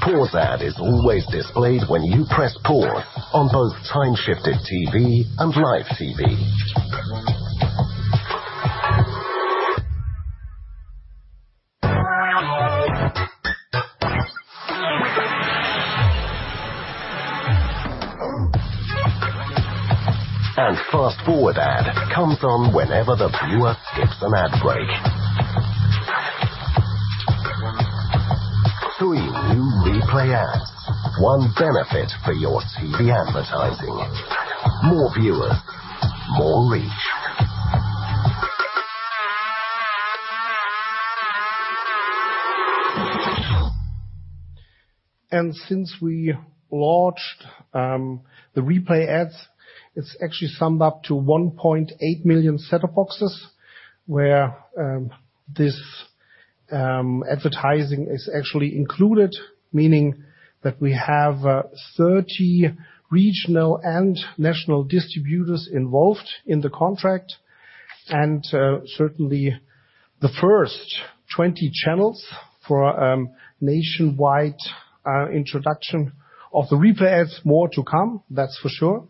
Pause ad is always displayed when you press pause on both time-shifted TV and live TV. Fast-forward ad comes on whenever the viewer skips an ad break. Three new Replay Ads. One benefit for your TV advertising. More viewer, more reach. Since we launched the Replay Ads, it's actually summed up to 1.8 million set-top boxes where this advertising is actually included, meaning that we have 30 regional and national distributors involved in the contract. Certainly, the first 20 channels for nationwide introduction of the Replay Ads. More to come, that's for sure.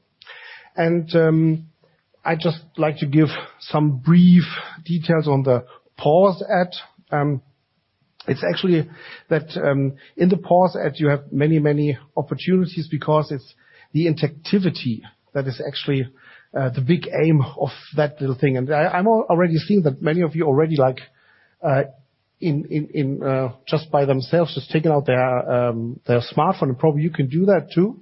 I'd just like to give some brief details on the pause ad. It's actually that in the pause ad, you have many, many opportunities because it's the interactivity that is actually the big aim of that little thing. I'm already seeing that many of you already like in just by themselves, just taking out their smartphone, and probably you can do that too.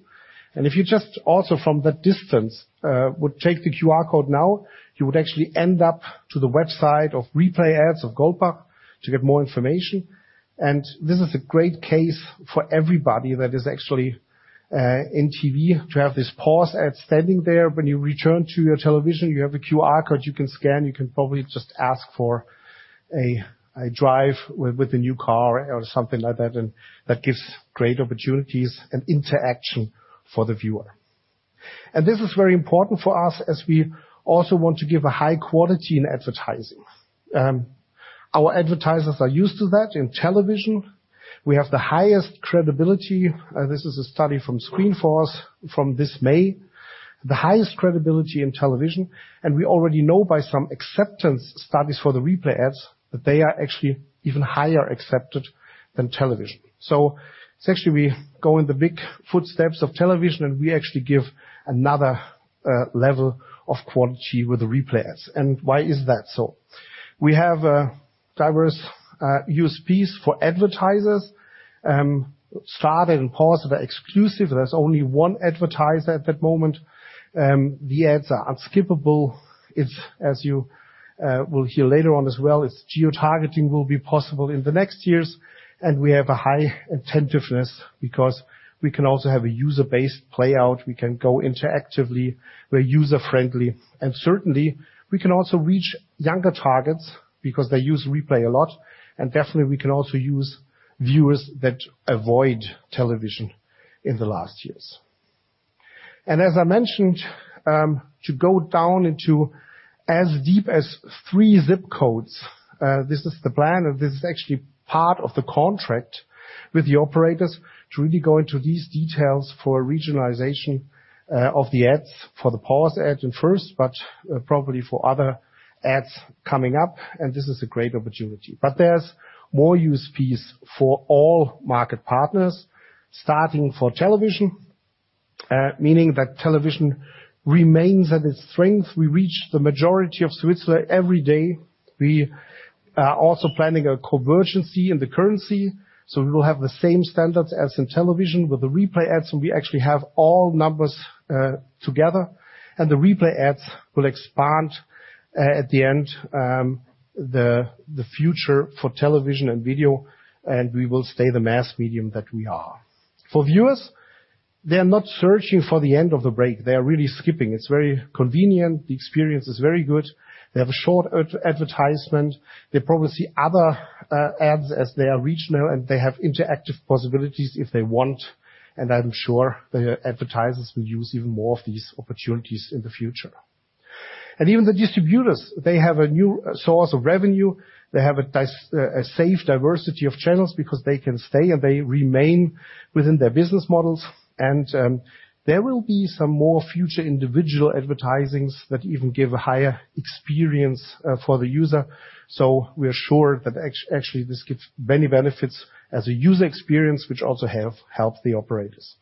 If you just also from the distance would check the QR code now, you would actually end up to the website of Replay Ads of Goldbach to get more information. This is a great case for everybody that is actually in TV to have this pause ad standing there. When you return to your television, you have a QR code you can scan. You can probably just ask for a drive with a new car or something like that, and that gives great opportunities and interaction for the viewer. This is very important for us as we also want to give a high quality in advertising. Our advertisers are used to that in television. We have the highest credibility. This is a study from Screenforce from this May. The highest credibility in television. We already know by some acceptance studies for the Replay Ads that they are actually even higher accepted than television. Essentially, we go in the big footsteps of television, and we actually give another level of quality with the Replay Ads. Why is that so? We have diverse USPs for advertisers. Start and pause are exclusive. There's only one advertiser at that moment. The ads are unskippable. If... As you will hear later on as well, is geotargeting will be possible in the next years, and we have a high attentiveness because we can also have a user-based playout, we can go interactively, we're user-friendly. Certainly, we can also reach younger targets because they use replay a lot. Definitely, we can also use viewers that avoid television in the last years. As I mentioned, to go down into as deep as three zip codes, this is the plan, and this is actually part of the contract with the operators to really go into these details for regionalization of the ads, for the pause ad in first, probably for other ads coming up, and this is a great opportunity. There's more USPs for all market partners, starting for television, meaning that television remains at its strength. We reach the majority of Switzerland every day. We are also planning a convergency in the currency, so we will have the same standards as in television. With the Replay Ads, we actually have all numbers together, the Replay Ads will expand at the end, the future for television and video, and we will stay the mass medium that we are. For viewers, they are not searching for the end of the break. They are really skipping. It's very convenient. The experience is very good. They have a short advertisement. They probably see other ads as they are regional, and they have interactive possibilities if they want. I'm sure the advertisers will use even more of these opportunities in the future. Even the distributors, they have a safe diversity of channels because they can stay and they remain within their business models. There will be some more future individual advertisings that even give a higher experience for the user. We are sure that actually this gives many benefits as a user experience, which also have helped the operators.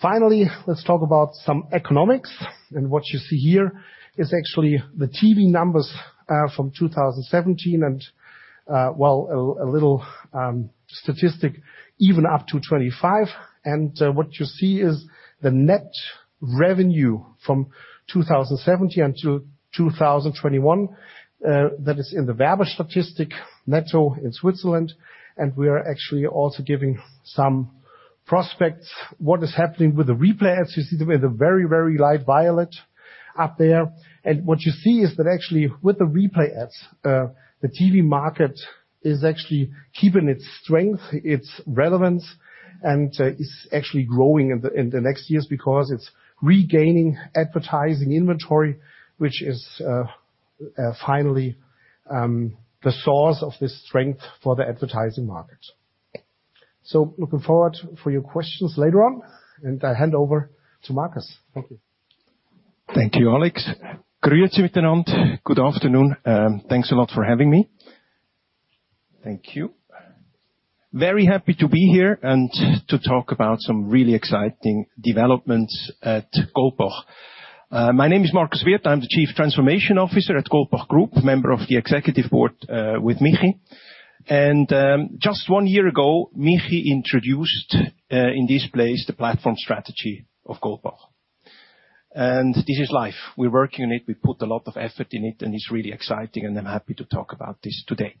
Finally, let's talk about some economics. What you see here is actually the TV numbers from 2017, and well, a little statistic even up to 2025. What you see is the net revenue from 2017 until 2021. That is in the WEMF statistic netto in Switzerland. We are actually also giving some prospects. What is happening with the Replay Ads, you see with the very, very light violet up there. What you see is that actually with the Replay Ads, the TV market is actually keeping its strength, its relevance, and it's actually growing in the next years because it's regaining advertising inventory, which is finally the source of the strength for the advertising market. Looking forward for your questions later on. I hand over to Markus. Thank you. Thank you, Alex. Good afternoon. Thanks a lot for having me. Thank you. Very happy to be here and to talk about some really exciting developments at Goldbach. My name is Markus Wirth, I'm the Chief Transformation Officer at Goldbach Group, member of the executive board, with Michi. Just one year ago, Michi introduced in this place the platform strategy of Goldbach. This is live. We're working on it. We put a lot of effort in it, and it's really exciting, and I'm happy to talk about this today.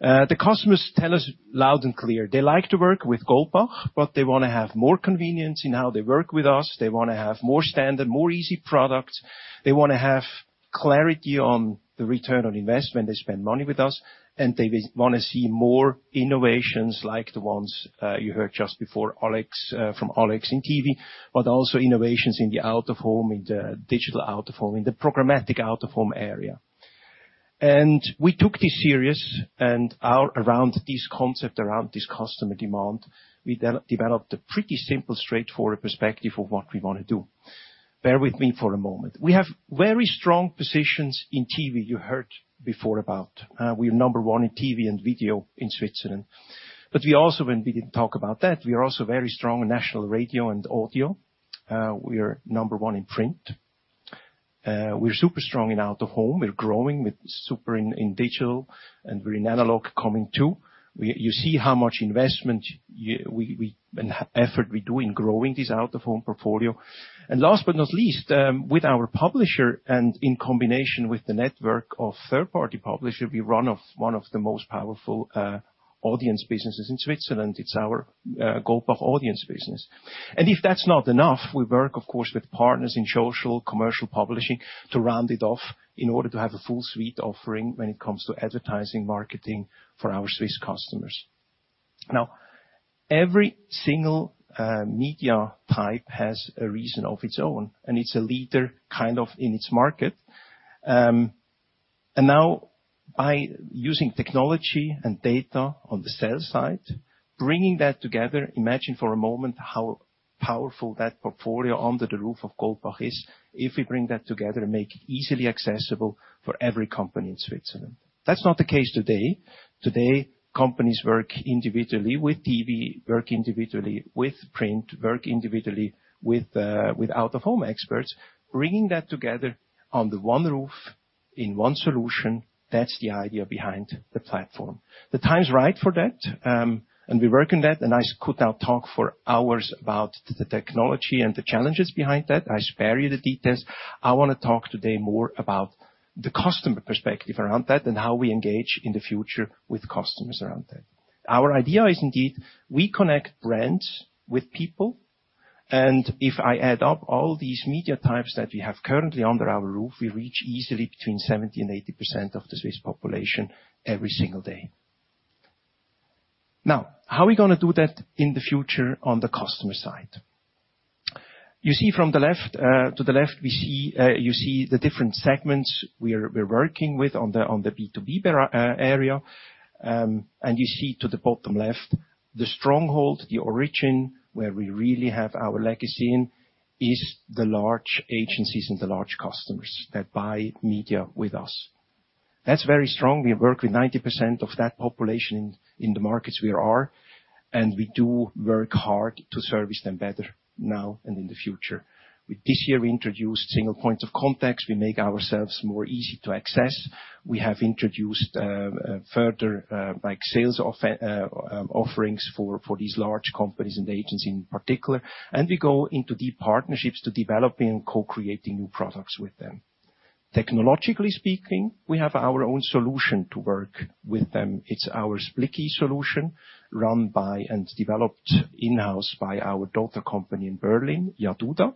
The customers tell us loud and clear, they like to work with Goldbach, but they wanna have more convenience in how they work with us. They wanna have more standard, more easy products. They wanna have clarity on the ROI they spend money with us, they wanna see more innovations like the ones you heard just before Alex, from Alex in TV, but also innovations in the out-of-home, in the digital out-of-home, in the programmatic out-of-home area. We took this serious around this concept, around this customer demand, we developed a pretty simple, straightforward perspective of what we wanna do. Bear with me for a moment. We have very strong positions in TV, you heard before about. We're number one in TV and video in Switzerland. We also When we didn't talk about that, we are also very strong in national radio and audio. We are number one in print. We're super strong in out-of-home. We're growing with super in digital, we're in analog coming too. You see how much investment and effort we do in growing this out-of-home portfolio. Last but not least, with our publisher and in combination with the network of third-party publisher, we run of one of the most powerful audience businesses in Switzerland. It's our Goldbach Audience business. If that's not enough, we work, of course, with partners in social, commercial publishing to round it off in order to have a full suite offering when it comes to advertising, marketing for our Swiss customers. Now, every single media type has a reason of its own, and it's a leader kind of in its market. Now by using technology and data on the sales side, bringing that together, imagine for a moment how powerful that portfolio under the roof of Goldbach is if we bring that together and make it easily accessible for every company in Switzerland. That's not the case today. Today, companies work individually with TV, work individually with print, work individually with out-of-home experts. Bringing that together under one roof in one solution, that's the idea behind the platform. The time is right for that. We work on that. I could now talk for hours about the technology and the challenges behind that. I spare you the details. I wanna talk today more about the customer perspective around that and how we engage in the future with customers around that. Our idea is, indeed, we connect brands with people. If I add up all these media types that we have currently under our roof, we reach easily between 70% and 80% of the Swiss population every single day. How are we gonna do that in the future on the customer side? You see from the left, to the left, we see, you see the different segments we're working with on the B2B area. You see to the bottom left, the stronghold, the origin, where we really have our legacy in is the large agencies and the large customers that buy media with us. That's very strong. We work with 90% of that population in the markets we are, and we do work hard to service them better now and in the future. This year, we introduced single points of contacts. We make ourselves more easy to access. We have introduced offerings for these large companies and agencies in particular. We go into deep partnerships to developing and co-creating new products with them. Technologically speaking, we have our own solution to work with them. It's our Splicky solution, run by and developed in-house by our daughter company in Berlin, Jaduda.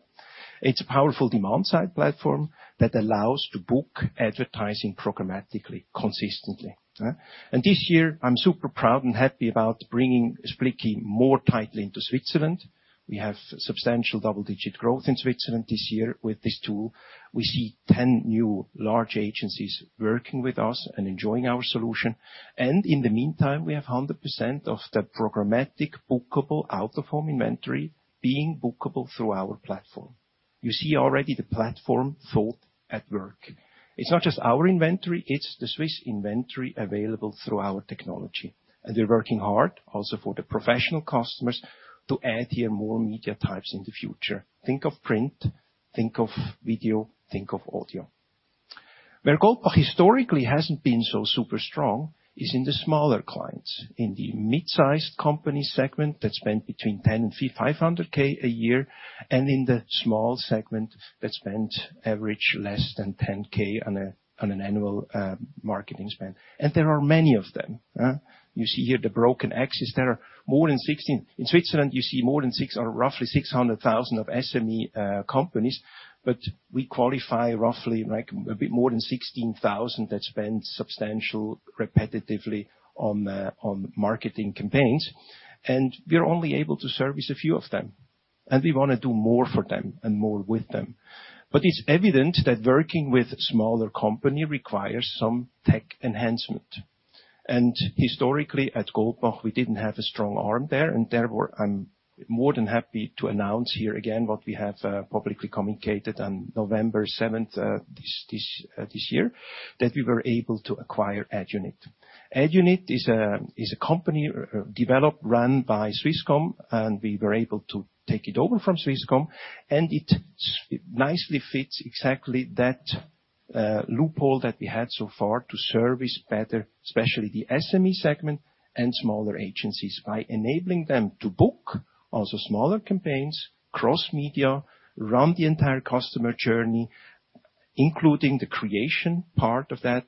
It's a powerful demand-side platform that allows to book advertising programmatically, consistently. This year, I'm super proud and happy about bringing Splicky more tightly into Switzerland. We have substantial double-digit growth in Switzerland this year with this tool. We see 10 new large agencies working with us and enjoying our solution. In the meantime, we have 100% of the programmatic bookable out-of-home inventory being bookable through our platform. You see already the platform thought at work. It's not just our inventory, it's the Swiss inventory available through our technology. We're working hard also for the professional customers to add here more media types in the future. Think of print, think of video, think of audio. Where Goldbach historically hasn't been so super strong is in the smaller clients, in the mid-sized company segment that spend between 10,000-500,000 a year, and in the small segment that spend average less than 10,000 on an annual marketing spend. There are many of them? You see here the broken axis. There are more than 16. In Switzerland, you see more than six or roughly 600,000 SME companies, but we qualify roughly like a bit more than 16,000 that spend substantial repetitively on marketing campaigns. We're only able to service a few of them. We wanna do more for them and more with them. It's evident that working with smaller company requires some tech enhancement. Historically, at Goldbach, we didn't have a strong arm there, and therefore, I'm more than happy to announce here again what we have publicly communicated on November 7th this year, that we were able to acquire AdUnit. AdUnit is a company developed, run by Swisscom, and we were able to take it over from Swisscom, and it nicely fits exactly that loophole that we had so far to service better, especially the SME segment and smaller agencies, by enabling them to book also smaller campaigns, cross-media, run the entire customer journey, including the creation part of that.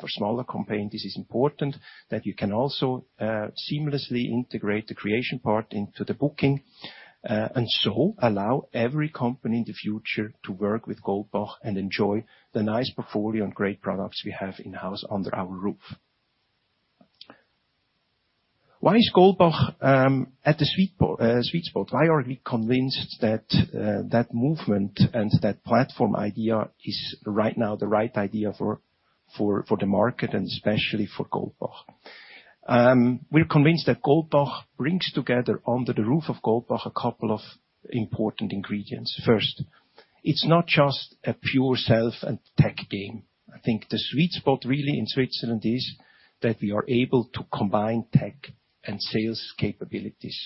For smaller campaign, this is important that you can also seamlessly integrate the creation part into the booking, and so allow every company in the future to work with Goldbach and enjoy the nice portfolio and great products we have in-house under our roof. Why is Goldbach at the sweet spot? Why are we convinced that that movement and that platform idea is right now the right idea for the market and especially for Goldbach? We're convinced that Goldbach brings together, under the roof of Goldbach, a couple of important ingredients. First, it's not just a pure self and tech game. I think the sweet spot really in Switzerland is that we are able to combine tech and sales capabilities.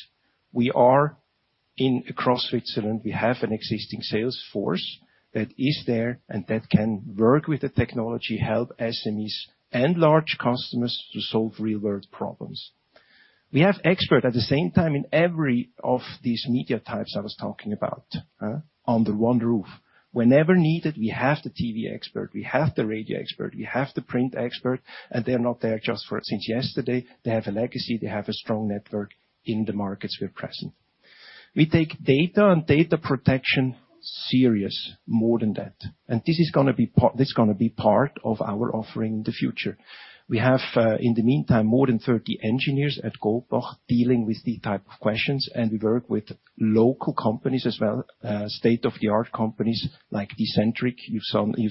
Across Switzerland, we have an existing sales force that is there and that can work with the technology, help SMEs and large customers to solve real-world problems. We have expert at the same time in every of these media types I was talking about under one roof. Whenever needed, we have the TV expert, we have the radio expert, we have the print expert, and they're not there just for it since yesterday. They have a legacy, they have a strong network in the markets we're present. We take data and data protection serious, more than that. This is gonna be part of our offering in the future. We have, in the meantime, more than 30 engineers at Goldbach dealing with these type of questions, and we work with local companies as well, state-of-the-art companies like Decentriq, you've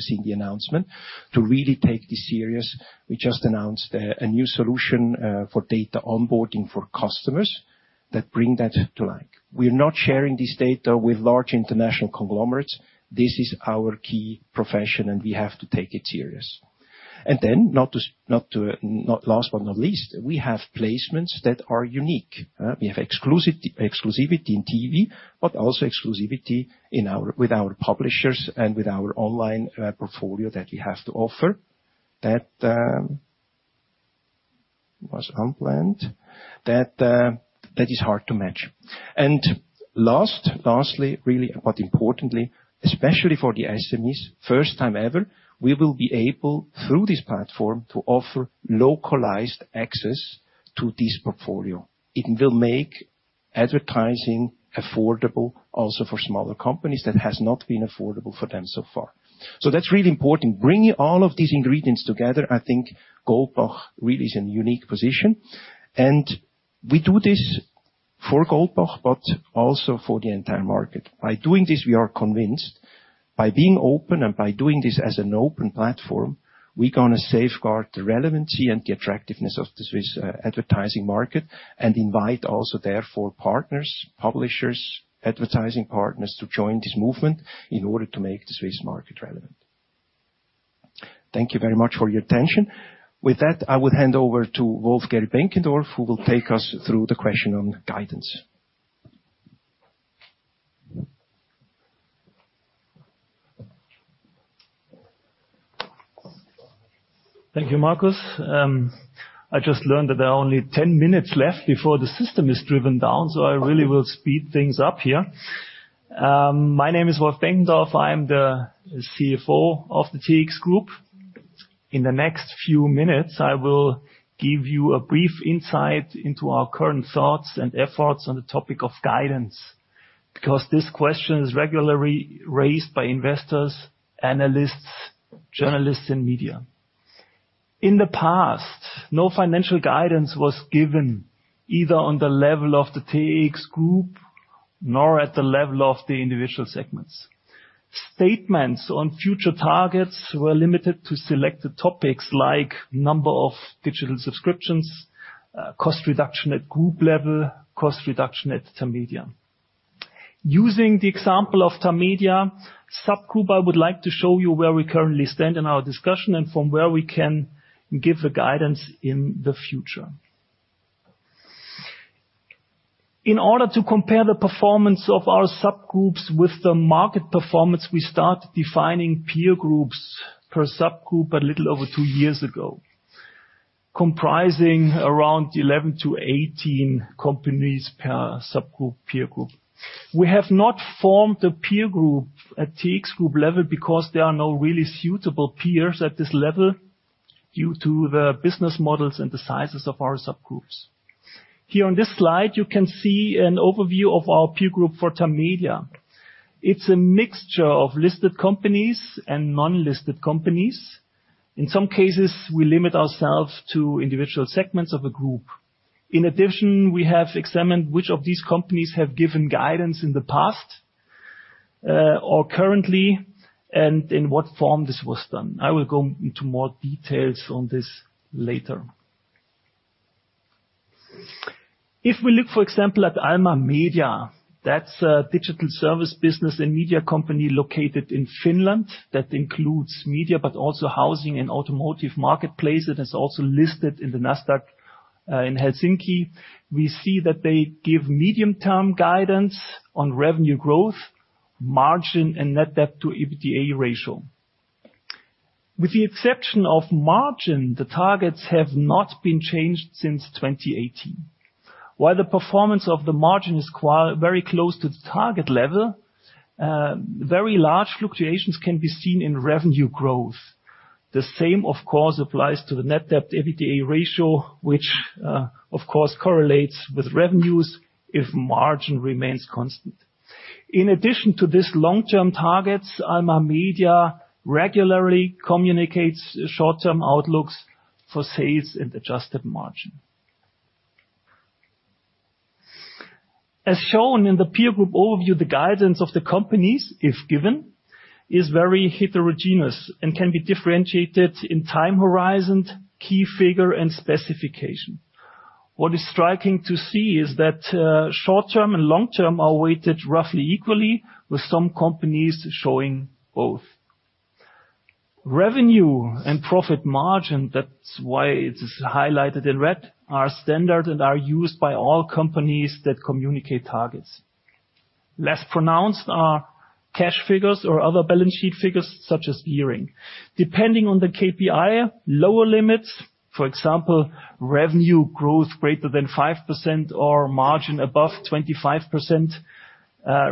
seen the announcement, to really take this serious. We just announced a new solution for data onboarding for customers that bring that to light. We're not sharing this data with large international conglomerates. This is our key profession, and we have to take it serious. Last but not least, we have placements that are unique. We have exclusivity in TV, but also exclusivity with our publishers and with our online portfolio that we have to offer. That was unplanned. That is hard to match. Lastly, importantly, especially for the SMEs, first time ever, we will be able, through this platform, to offer localized access to this portfolio. It will make advertising affordable also for smaller companies that has not been affordable for them so far. That's really important. Bringing all of these ingredients together, I think Goldbach really is in unique position. We do this for Goldbach, but also for the entire market. By doing this, we are convinced, by being open and by doing this as an open platform, we're gonna safeguard the relevancy and the attractiveness of the Swiss advertising market and invite also therefore partners, publishers, advertising partners to join this movement in order to make the Swiss market relevant. Thank you very much for your attention. With that, I would hand over to Wolf-Gerrit Benkendorff, who will take us through the question on guidance. Thank you, Markus. I just learned that there are only 10 minutes left before the system is driven down, so I really will speed things up here. My name is Wolf Benkendorff. I'm the CFO of the TX Group. In the next few minutes, I will give you a brief insight into our current thoughts and efforts on the topic of guidance, because this question is regularly raised by investors, analysts, journalists, and media. In the past, no financial guidance was given either on the level of the TX Group, nor at the level of the individual segments. Statements on future targets were limited to selected topics like number of digital subscriptions, cost reduction at group level, cost reduction at Tamedia. Using the example of Tamedia subgroup, I would like to show you where we currently stand in our discussion and from where we can give the guidance in the future. In order to compare the performance of our subgroups with the market performance, we start defining peer groups per subgroup a little over two years ago, comprising around 11-18 companies per subgroup, peer group. We have not formed a peer group at TX Group level because there are no really suitable peers at this level due to the business models and the sizes of our subgroups. Here on this slide, you can see an overview of our peer group for Tamedia. It's a mixture of listed companies and non-listed companies. In some cases, we limit ourselves to individual segments of a group. In addition, we have examined which of these companies have given guidance in the past or currently, and in what form this was done. I will go into more details on this later. We look, for example, at Alma Media, that's a digital service business and media company located in Finland that includes media, but also housing and automotive marketplace. It is also listed in the Nasdaq in Helsinki. We see that they give medium-term guidance on revenue growth, margin, and net debt to EBITDA ratio. With the exception of margin, the targets have not been changed since 2018. The performance of the margin is very close to the target level, very large fluctuations can be seen in revenue growth. The same, of course, applies to the net debt to EBITDA ratio, which, of course, correlates with revenues if margin remains constant. In addition to this long-term targets, Alma Media regularly communicates short-term outlooks for sales and adjusted margin. As shown in the peer group overview, the guidance of the companies, if given, is very heterogeneous and can be differentiated in time horizon, key figure, and specification. What is striking to see is that short-term and long-term are weighted roughly equally, with some companies showing both. Revenue and profit margin, that's why it's highlighted in red, are standard and are used by all companies that communicate targets. Less pronounced are cash figures or other balance sheet figures such as gearing. Depending on the KPI, lower limits, for example, revenue growth greater than 5% or margin above 25%,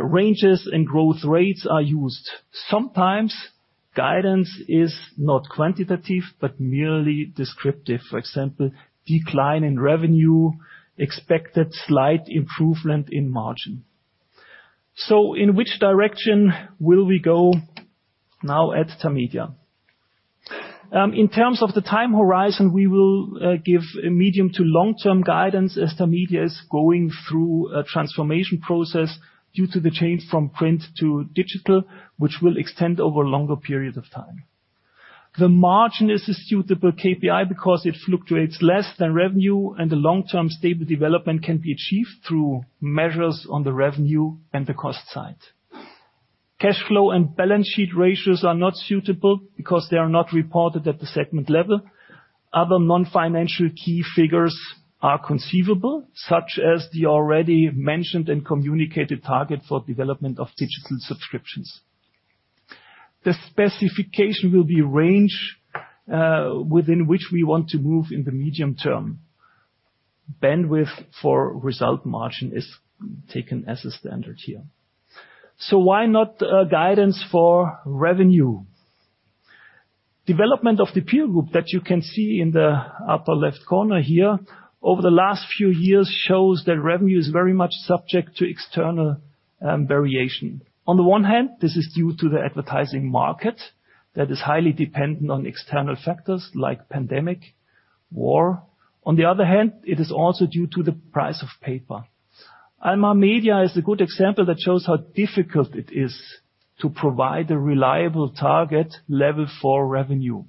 ranges and growth rates are used. Sometimes guidance is not quantitative, but merely descriptive. For example, decline in revenue, expected slight improvement in margin. In which direction will we go now at Tamedia? In terms of the time horizon, we will give a medium to long-term guidance as Tamedia is going through a transformation process due to the change from print to digital, which will extend over longer periods of time. The margin is a suitable KPI because it fluctuates less than revenue, and the long-term stable development can be achieved through measures on the revenue and the cost side. Cash flow and balance sheet ratios are not suitable because they are not reported at the segment level. Other non-financial key figures are conceivable, such as the already mentioned and communicated target for development of digital subscriptions. The specification will be a range within which we want to move in the medium term. Bandwidth for result margin is taken as a standard here. Why not a guidance for revenue? Development of the peer group that you can see in the upper left corner here over the last few years shows that revenue is very much subject to external variation. On the one hand, this is due to the advertising market that is highly dependent on external factors like pandemic, war. On the other hand, it is also due to the price of paper. Alma Media is a good example that shows how difficult it is to provide a reliable target level for revenue.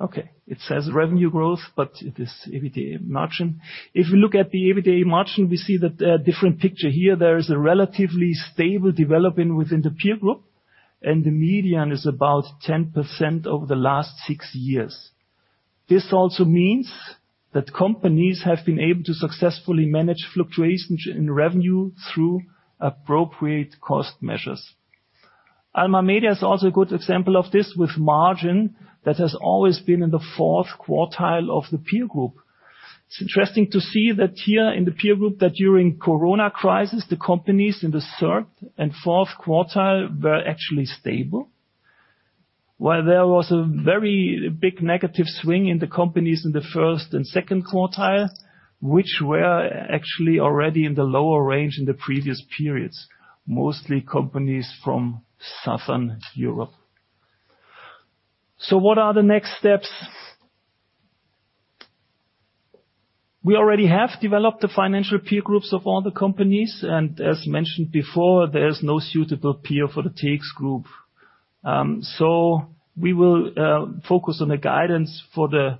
Okay, it says revenue growth, but it is EBITDA margin. If we look at the EBITDA margin, we see that a different picture here. There is a relatively stable development within the peer group, and the median is about 10% over the last years. This also means that companies have been able to successfully manage fluctuations in revenue through appropriate cost measures. Alma Media is also a good example of this with margin that has always been in the fourth quartile of the peer group. It's interesting to see that here in the peer group that during corona crisis, the companies in the third and fourth quartile were actually stable. While there was a very big negative swing in the companies in the first and second quartile, which were actually already in the lower range in the previous periods, mostly companies from Southern Europe. What are the next steps? We already have developed the financial peer groups of all the companies, and as mentioned before, there's no suitable peer for the TX Group. We will focus on the guidance for the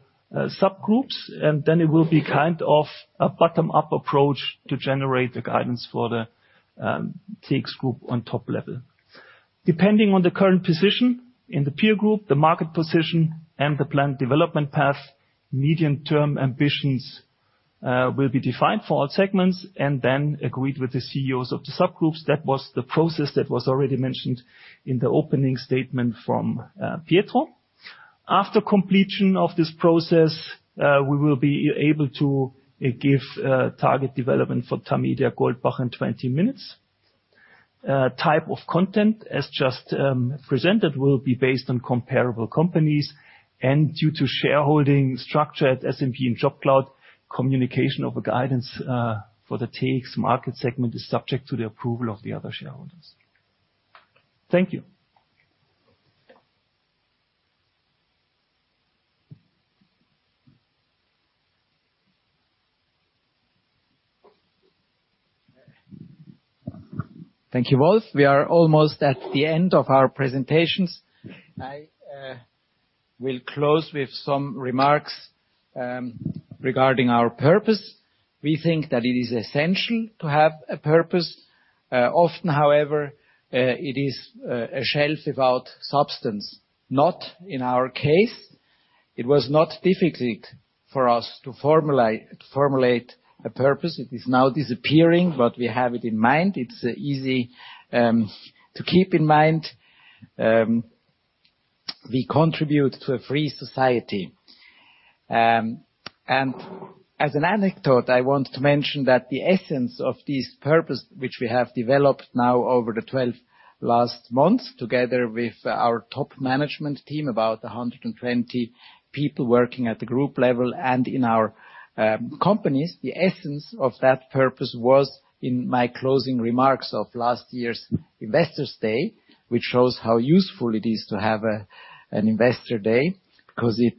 subgroups, and then it will be kind of a bottom-up approach to generate the guidance for the TX Group on top level. Depending on the current position in the peer group, the market position, and the planned development path, medium-term ambitions will be defined for all segments and then agreed with the CEOs of the subgroups. That was the process that was already mentioned in the opening statement from Pietro. After completion of this process, we will be able to give target development for Tamedia, Goldbach in 20 Minuten. Type of content, as just presented, will be based on comparable companies. Due to shareholding structure at SMG and JobCloud, communication of a guidance for the TX Markets segment is subject to the approval of the other shareholders. Thank you. Thank you, Wolf. We are almost at the end of our presentations. I will close with some remarks regarding our purpose. We think that it is essential to have a purpose. Often, however, it is a shelf without substance. Not in our case. It was not difficult for us to formulate a purpose. It is now disappearing, but we have it in mind. It's easy to keep in mind, we contribute to a free society. As an anecdote, I want to mention that the essence of this purpose, which we have developed now over the 12 last months, together with our top management team, about 120 people working at the group level and in our companies. The essence of that purpose was in my closing remarks of last year's Investor Day, which shows how useful it is to have an Investor Day, 'cause it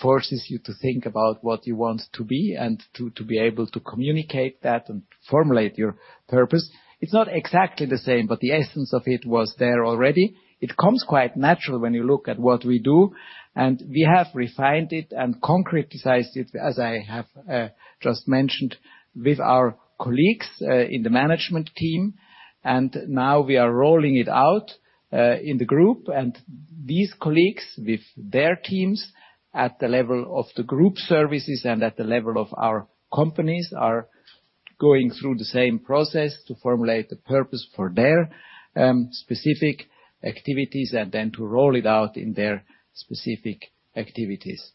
forces you to think about what you want to be and to be able to communicate that and formulate your purpose. It's not exactly the same, but the essence of it was there already. It comes quite natural when you look at what we do, and we have refined it and concretized it, as I have just mentioned with our colleagues in the management team. Now we are rolling it out in the Group. These colleagues, with their teams at the level of the group services and at the level of our companies, are going through the same process to formulate the purpose for their specific activities and then to roll it out in their specific activities.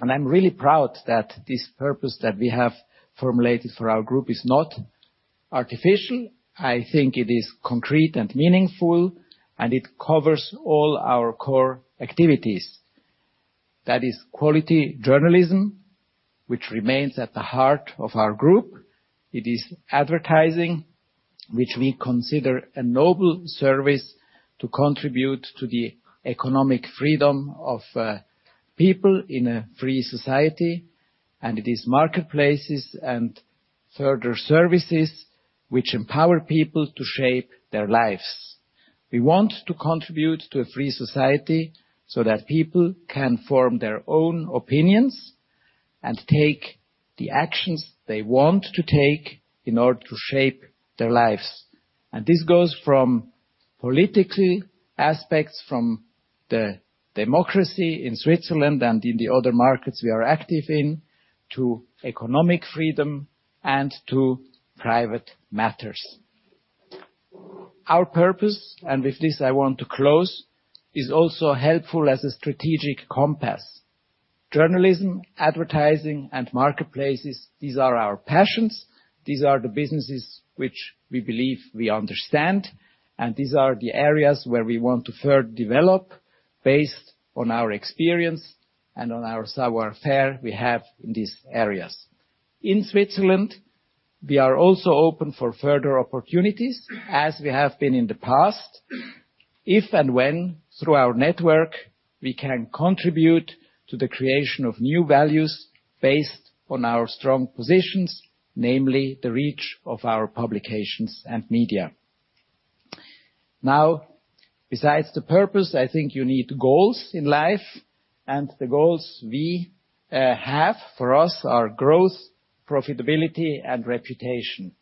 I'm really proud that this purpose that we have formulated for our group is not artificial. I think it is concrete and meaningful, and it covers all our core activities. That is quality journalism, which remains at the heart of our group. It is advertising, which we consider a noble service to contribute to the economic freedom of people in a free society. It is marketplaces and further services which empower people to shape their lives. We want to contribute to a free society so that people can form their own opinions and take the actions they want to take in order to shape their lives. This goes from politically aspects, from the democracy in Switzerland and in the other markets we are active in, to economic freedom and to private matters. Our purpose, and with this I want to close, is also helpful as a strategic compass. Journalism, advertising, and marketplaces, these are our passions. These are the businesses which we believe we understand, and these are the areas where we want to further develop based on our experience and on our savoir faire we have in these areas. In Switzerland, we are also open for further opportunities, as we have been in the past. If and when, through our network, we can contribute to the creation of new values based on our strong positions, namely the reach of our publications and media. Now, besides the purpose, I think you need goals in life, and the goals we have for us are growth, profitability, and reputation.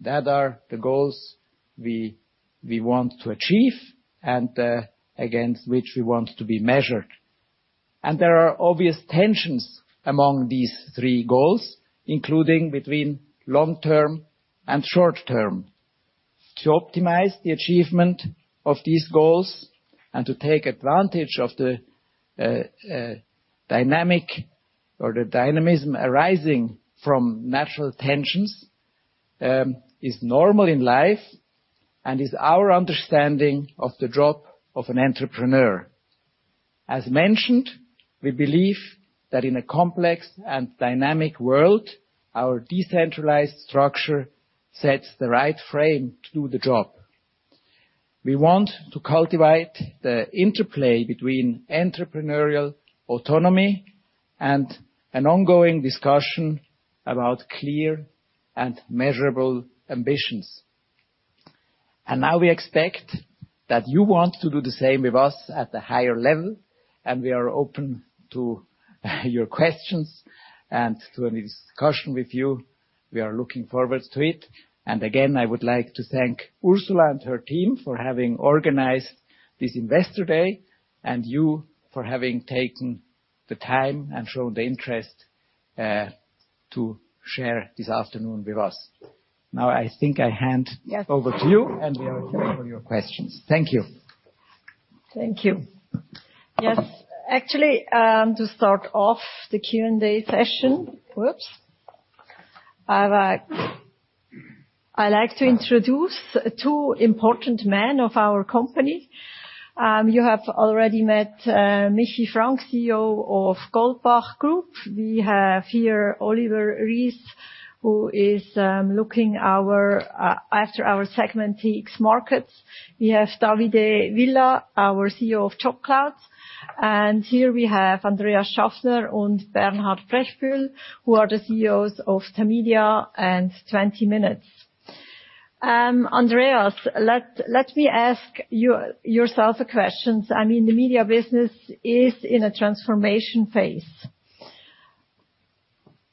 That are the goals we want to achieve and against which we want to be measured. There are obvious tensions among these three goals, including between long-term and short-term. To optimize the achievement of these goals and to take advantage of the dynamic or the dynamism arising from natural tensions is normal in life and is our understanding of the job of an entrepreneur. As mentioned, we believe that in a complex and dynamic world, our decentralized structure sets the right frame to do the job. We want to cultivate the interplay between entrepreneurial autonomy and an ongoing discussion about clear and measurable ambitions. Now we expect that you want to do the same with us at the higher level, and we are open to your questions and to any discussion with you. We are looking forward to it. Again, I would like to thank Ursula and her team for having organized this Investor Day, and you for having taken The time and shown the interest, to share this afternoon with us. I think I Yes. -Over to you, we are here for your questions. Thank you. Thank you. Yes. Actually, to start off the Q&A session, I'd like to introduce two important men of our company. You have already met Michi Frank, CEO of Goldbach Group. We have here Olivier Rihs, who is looking after our segment TX Markets. We have Davide Villa, our CEO of JobCloud. Here we have Andreas Schaffner and Bernhard Brechbühl, who are the CEOs of Tamedia and 20 Minuten. Andreas, let me ask you, yourself a questions. I mean, the media business is in a transformation phase.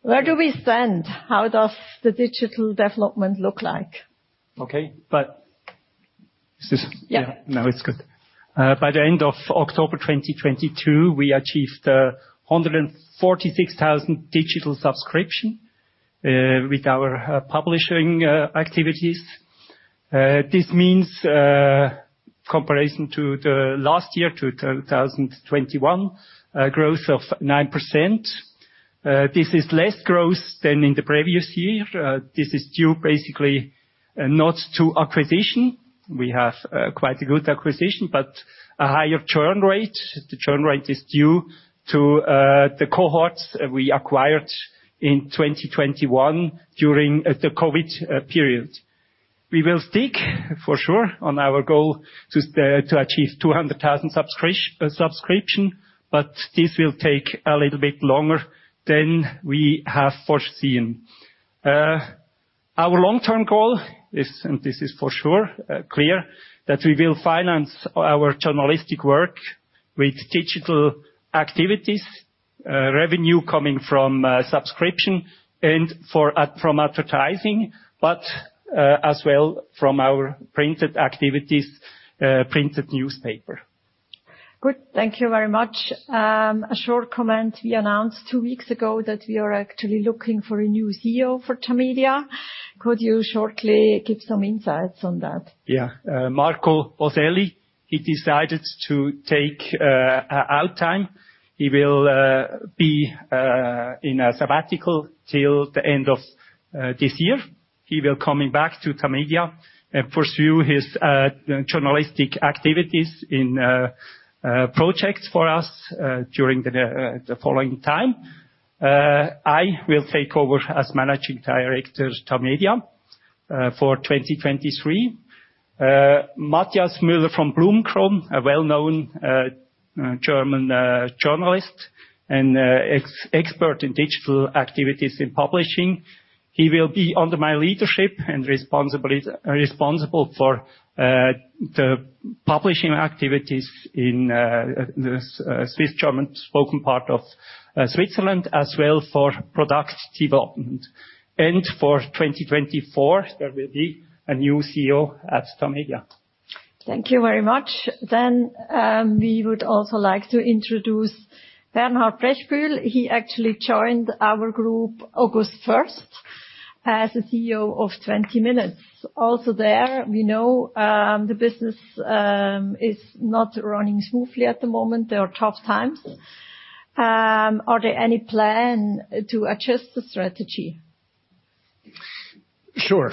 Where do we stand? How does the digital development look like? Okay. Yeah. It's good. By the end of October 2022, we achieved 146,000 digital subscription with our publishing activities. This means comparison to the last year, to 2021, a growth of 9%. This is less growth than in the previous year. This is due basically not to acquisition. We have quite a good acquisition, but a higher churn rate. The churn rate is due to the cohorts we acquired in 2021 during the COVID period. We will stick for sure on our goal to achieve 200,000 subscription, but this will take a little bit longer than we have foreseen. Our long-term goal is, and this is for sure clear, that we will finance our journalistic work with digital activities, revenue coming from subscription and from advertising, but as well from our printed activities, printed newspaper. Good. Thank you very much. A short comment. We announced 2 weeks ago that we are actually looking for a new CEO for Tamedia. Could you shortly give some insights on that? Marco Boselli, he decided to take a out time. He will be in a sabbatical till the end of this year. He will coming back to Tamedia and pursue his journalistic activities in projects for us during the following time. I will take over as managing director Tamedia for 2023. Matthias Müller from Blumgroup, a well-known German journalist and ex-expert in digital activities in publishing, he will be under my leadership and responsible for the publishing activities in the Swiss German spoken part of Switzerland, as well for product development. For 2024, there will be a new CEO at Tamedia. Thank you very much. We would also like to introduce Bernhard Brechbühl. He actually joined our group August 1st as the CEO of 20 Minuten. Also there, we know, the business is not running smoothly at the moment. There are tough times. Are there any plan to adjust the strategy? Sure.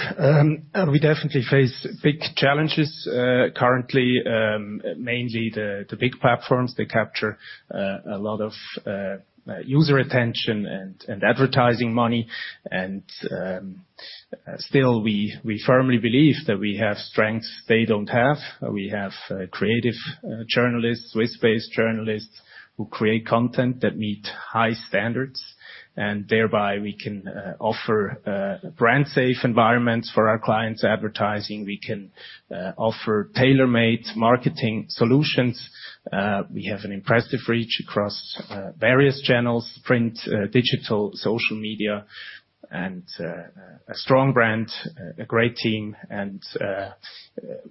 We definitely face big challenges currently, mainly the big platforms. They capture a lot of user attention and advertising money. Still, we firmly believe that we have strengths they don't have. We have creative journalists, Swiss-based journalists who create content that meet high standards, and thereby we can offer brand safe environments for our clients' advertising. We can offer tailor-made marketing solutions. We have an impressive reach across various channels: print, digital, social media, and a strong brand, a great team.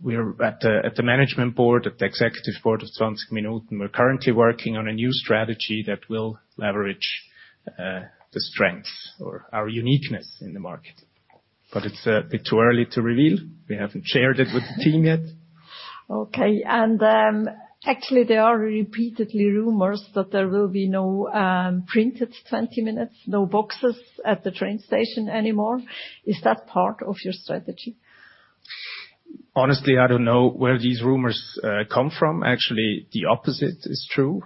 We're at the management board, at the executive board of 20 Minuten, we're currently working on a new strategy that will leverage the strength or our uniqueness in the market. It's a bit too early to reveal. We haven't shared it with the team yet. Okay. actually, there are repeatedly rumors that there will be no printed 20 Minuten, no boxes at the train station anymore. Is that part of your strategy? Honestly, I don't know where these rumors come from. Actually, the opposite is true.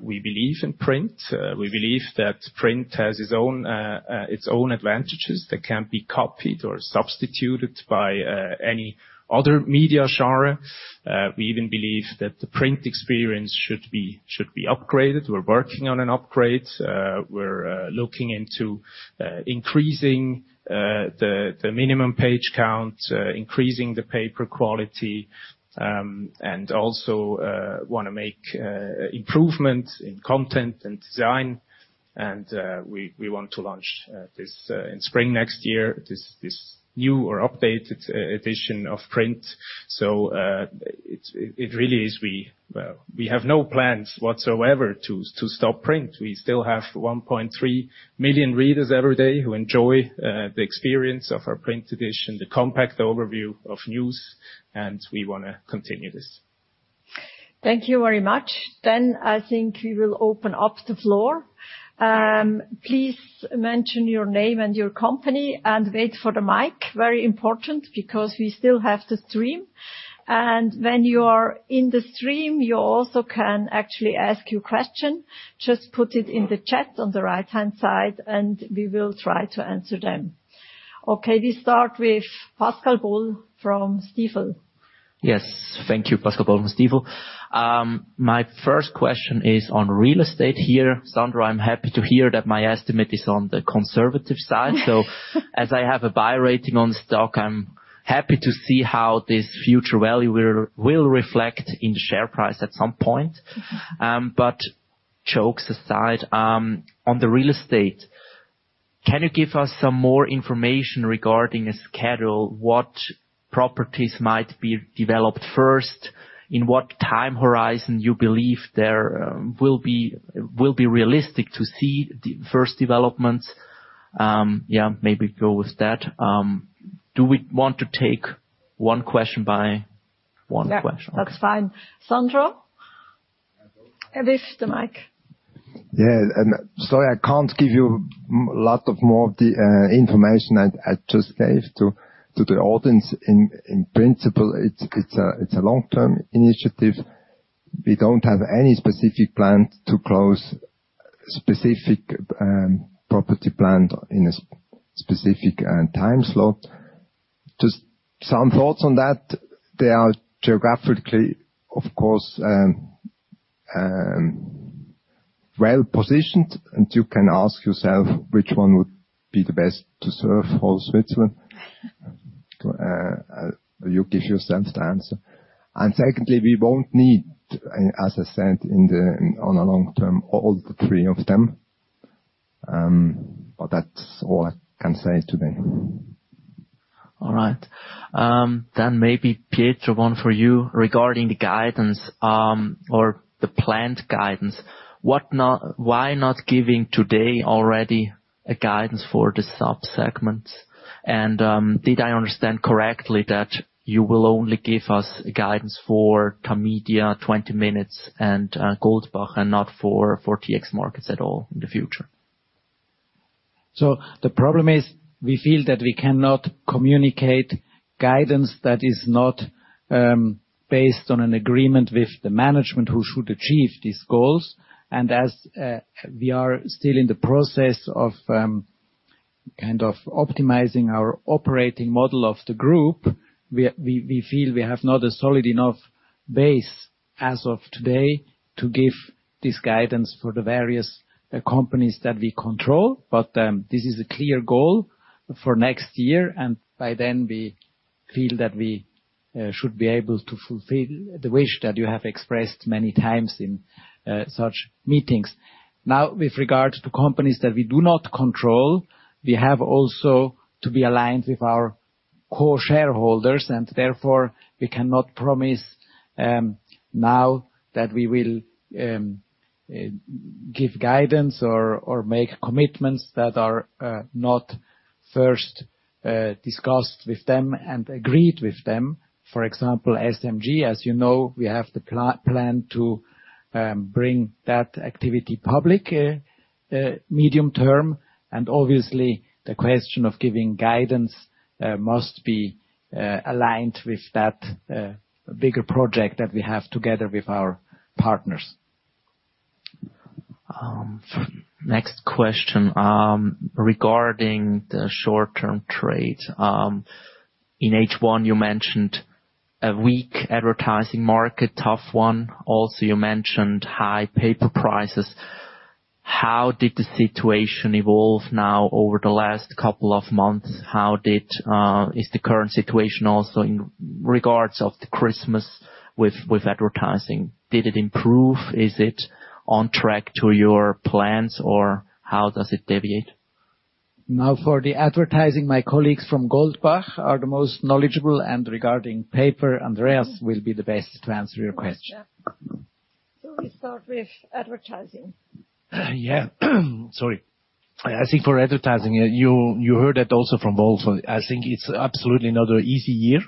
We believe in print. We believe that print has its own advantages that can't be copied or substituted by any other media, sharing. We even believe that the print experience should be upgraded. We're working on an upgrade. We're looking into increasing the minimum page count, increasing the paper quality, and also wanna make improvement in content and design. We want to launch this in spring next year, this new or updated edition of print. It really is we. We have no plans whatsoever to stop print. We still have 1.3 million readers every day who enjoy the experience of our print edition, the compact overview of news, and we wanna continue this. Thank you very much. I think we will open up the floor. Please mention your name and your company, and wait for the mic. Very important, because we still have the stream. When you are in the stream, you also can actually ask your question. Just put it in the chat on the right-hand side, and we will try to answer them. We start with Pascal Boll from Stifel. Yes. Thank you. Pascal Boll from Stifel. My first question is on real estate here. Sandro, I'm happy to hear that my estimate is on the conservative side. As I have a buy rating on stock, I'm happy to see how this future value will reflect in the share price at some point. Jokes aside, on the real estate, can you give us some more information regarding a schedule, what properties might be developed first? In what time horizon you believe there will be realistic to see the first developments? Yeah, maybe go with that. Do we want to take one question by one question? Yeah, that's fine. Sandro? This, the mic. Sorry, I can't give you lot of more the information I just gave to the audience. In principle, it's a long-term initiative. We don't have any specific plan to close specific property plan in a specific time slot. Just some thoughts on that, they are geographically, of course, well-positioned, and you can ask yourself which one would be the best to serve all Switzerland. You give yourself the answer. Secondly, we won't need, as I said, on a long term, all the three of them. That's all I can say today. All right. Then maybe, Pietro, one for you. Regarding the guidance, or the planned guidance, why not giving today already a guidance for the sub-segments? Did I understand correctly that you will only give us guidance for Tamedia, 20 Minuten, and Goldbach, and not for TX Markets at all in the future? The problem is, we feel that we cannot communicate guidance that is not based on an agreement with the management who should achieve these goals. As we are still in the process of kind of optimizing our operating model of the group, we feel we have not a solid enough base as of today to give this guidance for the various companies that we control. This is a clear goal for next year. By then, we feel that we should be able to fulfill the wish that you have expressed many times in such meetings. With regard to companies that we do not control, we have also to be aligned with our core shareholders and therefore we cannot promise now that we will give guidance or make commitments that are not first discussed with them and agreed with them. For example, SMG, as you know, we have the plan to bring that activity public medium term. Obviously, the question of giving guidance must be aligned with that bigger project that we have together with our partners. Next question, regarding the short-term trade. In H1, you mentioned a weak advertising market, tough one. Also, you mentioned high paper prices. How did the situation evolve now over the last couple of months? Is the current situation also in regards of the Christmas with advertising? Did it improve? Is it on track to your plans, or how does it deviate? For the advertising, my colleagues from Goldbach are the most knowledgeable, and regarding paper, Andreas will be the best to answer your question. Yes. We start with advertising. Yeah. Sorry. I think for advertising, you heard that also from Wolf. I think it's absolutely not an easy year,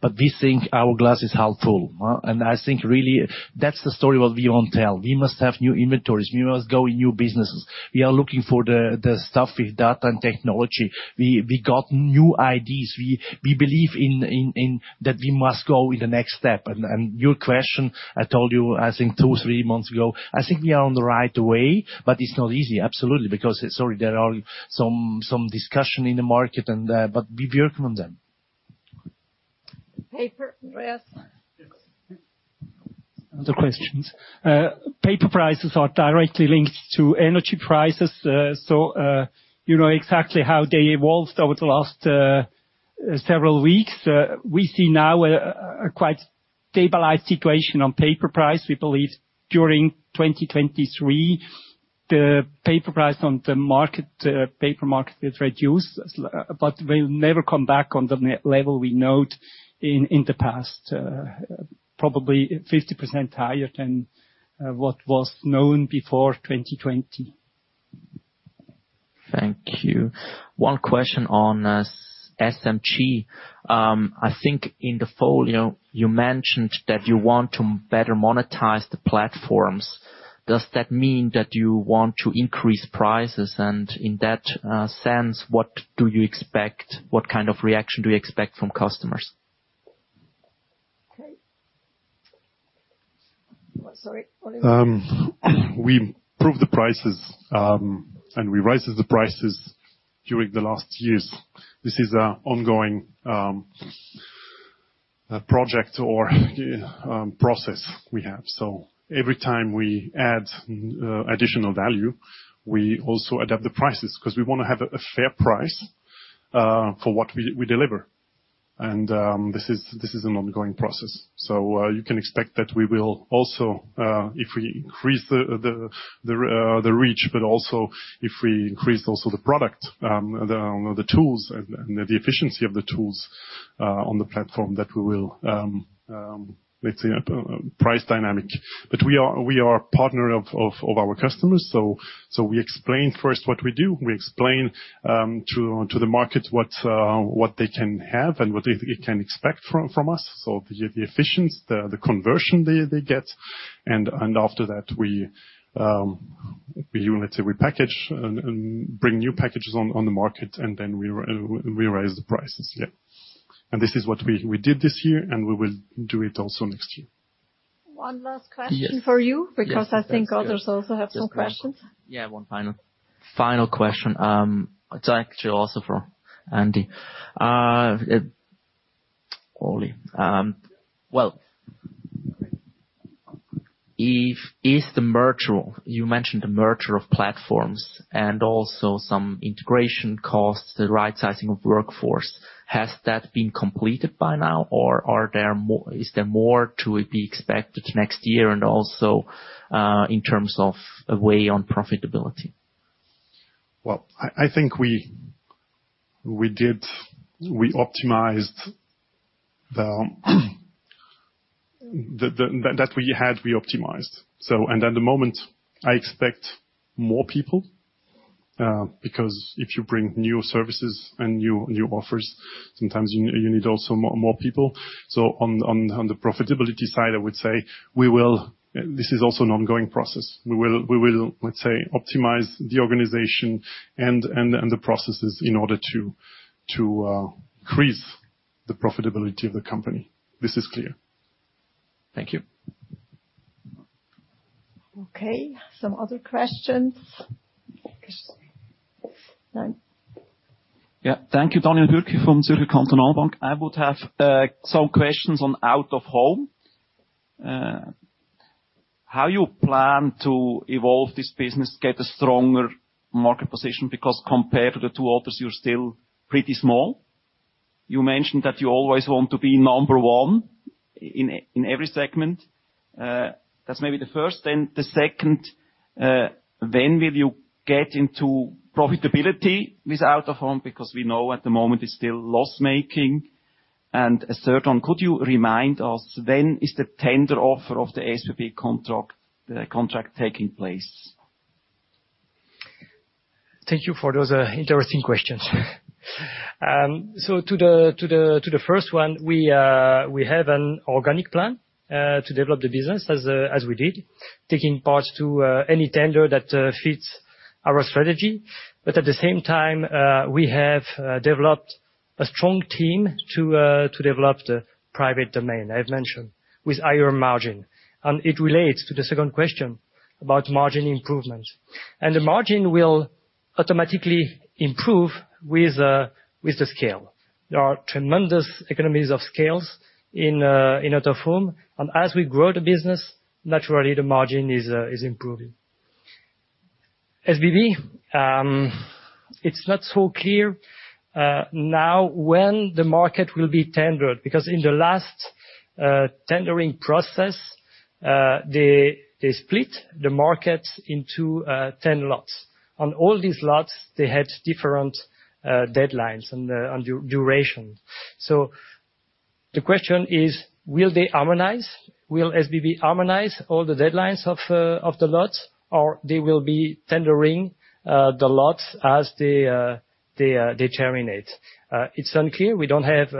but we think our glass is half full, huh? I think really that's the story what we won't tell. We must have new inventories. We must go in new businesses. We are looking for the stuff with data and technology. We got new ideas. We believe in that we must go in the next step. Your question, I told you, I think two to three months ago, I think we are on the right way, but it's not easy. Absolutely. Because, sorry, there are some discussion in the market, but we work on them. Paper, Andreas? Yes. Other questions. Paper prices are directly linked to energy prices. You know exactly how they evolved over the last several weeks. We see now a quite stabilized situation on paper price. We believe, during 2023, the paper price on the market, paper market will reduce, but will never come back on the level we known in the past. Probably 50% higher than what was known before 2020. Thank you. One question on SMG. I think in the fall, you know, you mentioned that you want to better monetize the platforms. Does that mean that you want to increase prices? In that sense, what do you expect? What kind of reaction do you expect from customers? Okay. Sorry, Olivier. We prove the prices, and we raises the prices during the last years. This is a ongoing project or process we have. Every time we add additional value, we also adapt the prices 'cause we wanna have a fair price for what we deliver. This is an ongoing process. You can expect that we will also, if we increase the reach, but also if we increase also the product, the tools and the, and the efficiency of the tools, on the platform that we will, let's say, price dynamic. We are a partner of our customers, so we explain first what we do. We explain to the market what they can have and what they can expect from us, so the efficiency, the conversion they get. After that we, let's say we package and bring new packages on the market and then we raise the prices. Yeah. This is what we did this year, and we will do it also next year. One last question for you. Yes. Because I think others also have some questions. Yeah, one final question. It's actually also for Andy. Oli. You mentioned the merger of platforms and also some integration costs, the right sizing of workforce. Has that been completed by now, or is there more to be expected next year and also, in terms of a way on profitability? Well, I think we optimized that we had, we optimized. At the moment, I expect more people because if you bring new services and new offers, sometimes you need also more people. On the profitability side, I would say we will. This is also an ongoing process. We will, let's say, optimize the organization and the processes in order to increase the profitability of the company. This is clear. Thank you. Okay. Some other questions. Daniel. Yeah. Thank you. Daniel Bürki from Zürcher Kantonalbank. I would have some questions on out-of-home. How you plan to evolve this business, get a stronger market position, because compared to the two others, you're still pretty small. You mentioned that you always want to be number one in every segment. That's maybe the first. The second, when will you get into profitability with out-of-home? Because we know at the moment it's still loss-making. A third one, could you remind us when is the tender offer of the SBB contract, the contract taking place? Thank you for those interesting questions. To the first one, we have an organic plan to develop the business as we did, taking part to any tender that fits our strategy. At the same time, we have developed a strong team to develop the private domain I've mentioned with higher margin. It relates to the second question about margin improvement. The margin will automatically improve with the scale. There are tremendous economies of scales in out-of-home. As we grow the business, naturally the margin is improving. SBB, it's not so clear now when the market will be tendered, because in the last tendering process, they split the market into 10 lots. On all these lots, they had different deadlines and duration. The question is, will they harmonize? Will SBB harmonize all the deadlines of the lots or they will be tendering the lots as they terminate? It's unclear. We don't have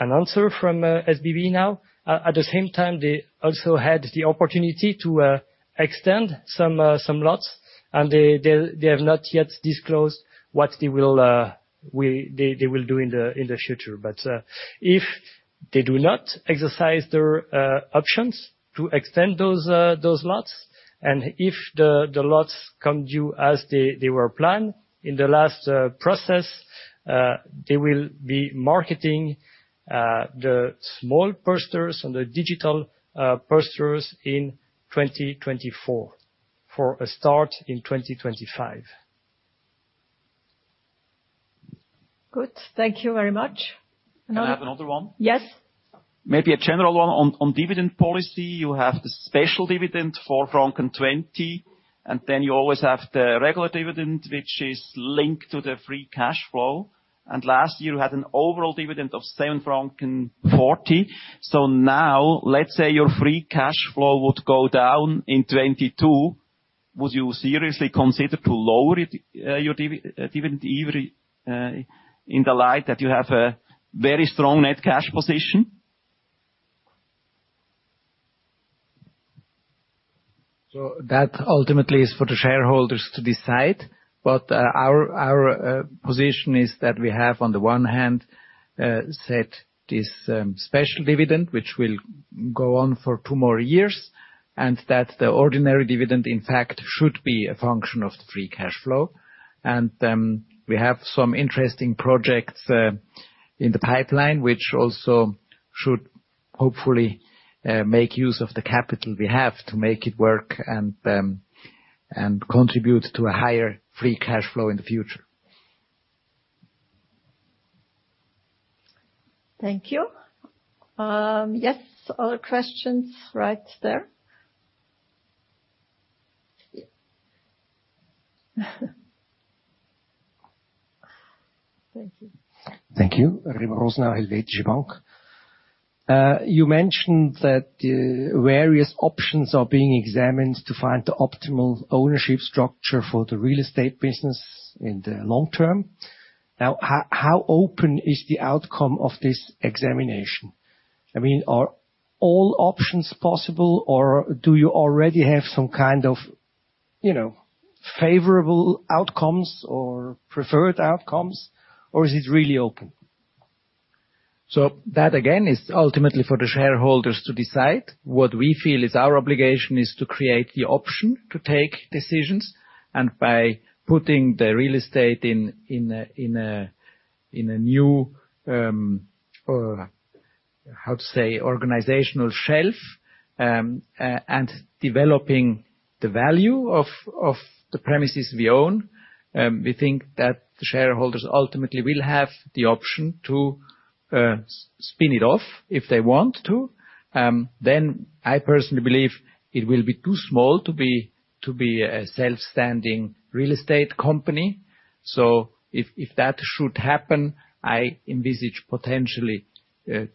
an answer from SBB now. At the same time, they also had the opportunity to extend some lots, and they have not yet disclosed what they will do in the future. If they do not exercise their options to extend those lots, and if the lots come due as they were planned in the last process, they will be marketing the small posters and the digital posters in 2024 for a start in 2025. Good. Thank you very much. Another- I have another one. Yes. Maybe a general one on dividend policy. You have the special dividend, 4.20 franc, and then you always have the regular dividend, which is linked to the free cash flow. Last year, you had an overall dividend of 7.40 franc. Now, let's say your free cash flow would go down in 2022. Would you seriously consider to lower it, your dividend even, in the light that you have a very strong net cash position? That ultimately is for the shareholders to decide. Our position is that we have, on the one hand, set this special dividend which will go on for two more years, and that the ordinary dividend, in fact, should be a function of the free cash flow. We have some interesting projects in the pipeline, which also should hopefully make use of the capital we have to make it work and contribute to a higher free cash flow in the future. Thank you. Yes, other questions right there. Thank you. Thank you. Remo Rosenau, Helvetische Bank. You mentioned that various options are being examined to find the optimal ownership structure for the real estate business in the long term. How open is the outcome of this examination? I mean, are all options possible, or do you already have some kind of, you know, favorable outcomes or preferred outcomes, or is it really open? That, again, is ultimately for the shareholders to decide. What we feel is our obligation is to create the option to take decisions. By putting the real estate in a new, how to say, organizational shelf, and developing the value of the premises we own, we think that the shareholders ultimately will have the option to spin it off if they want to. I personally believe it will be too small to be a self-standing real estate company. If that should happen, I envisage potentially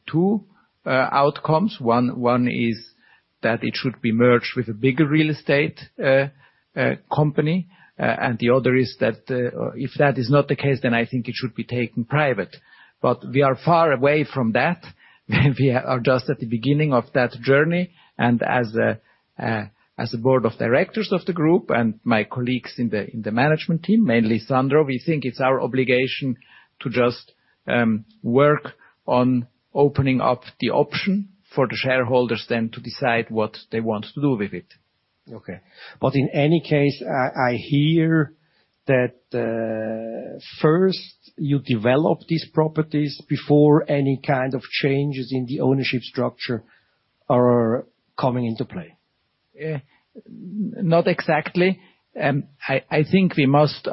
two outcomes. One is that it should be merged with a bigger real estate company. The other is that, if that is not the case, I think it should be taken private. We are far away from that. We are just at the beginning of that journey. As the board of directors of the group and my colleagues in the management team, mainly Sandro, we think it's our obligation to just work on opening up the option for the shareholders then to decide what they want to do with it. Okay. In any case, I hear that first you develop these properties before any kind of changes in the ownership structure are coming into play. Not exactly. I think we must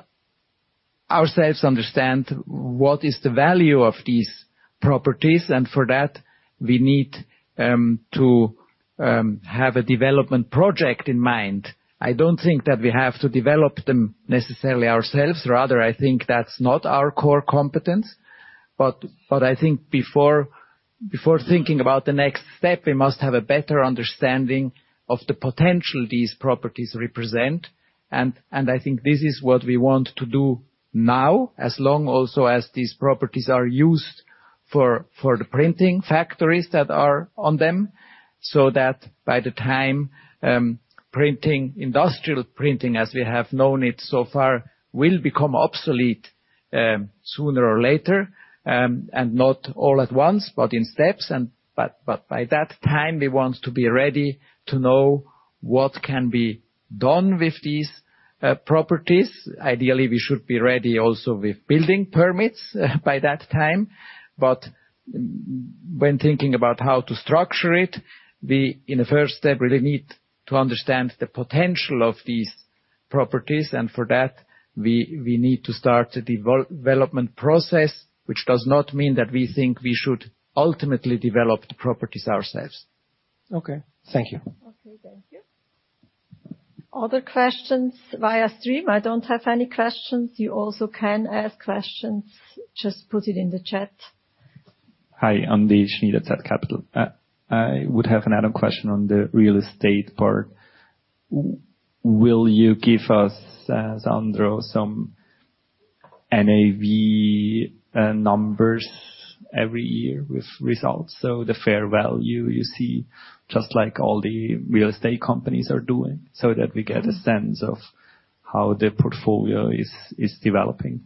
ourselves understand what is the value of these properties. For that, we need to have a development project in mind. I don't think that we have to develop them necessarily ourselves. Rather, I think that's not our core competence. I think before thinking about the next step, we must have a better understanding of the potential these properties represent. I think this is what we want to do now, as long also as these properties are used for the printing factories that are on them. By the time printing, industrial printing, as we have known it so far, will become obsolete sooner or later, and not all at once, but in steps. By that time, we want to be ready to know what can be done with these properties. Ideally, we should be ready also with building permits by that time. When thinking about how to structure it, we in the first step really need to understand the potential of these properties. For that we need to start the development process, which does not mean that we think we should ultimately develop the properties ourselves. Okay. Thank you. Okay. Thank you. Other questions via stream? I don't have any questions. You also can ask questions. Just put it in the chat. Hi, Andy Schnyder, zCapital. I would have an add-on question on the real estate part. Will you give us, Sandro, some NAV numbers every year with results? The fair value you see, just like all the real estate companies are doing, so that we get a sense of how the portfolio is developing.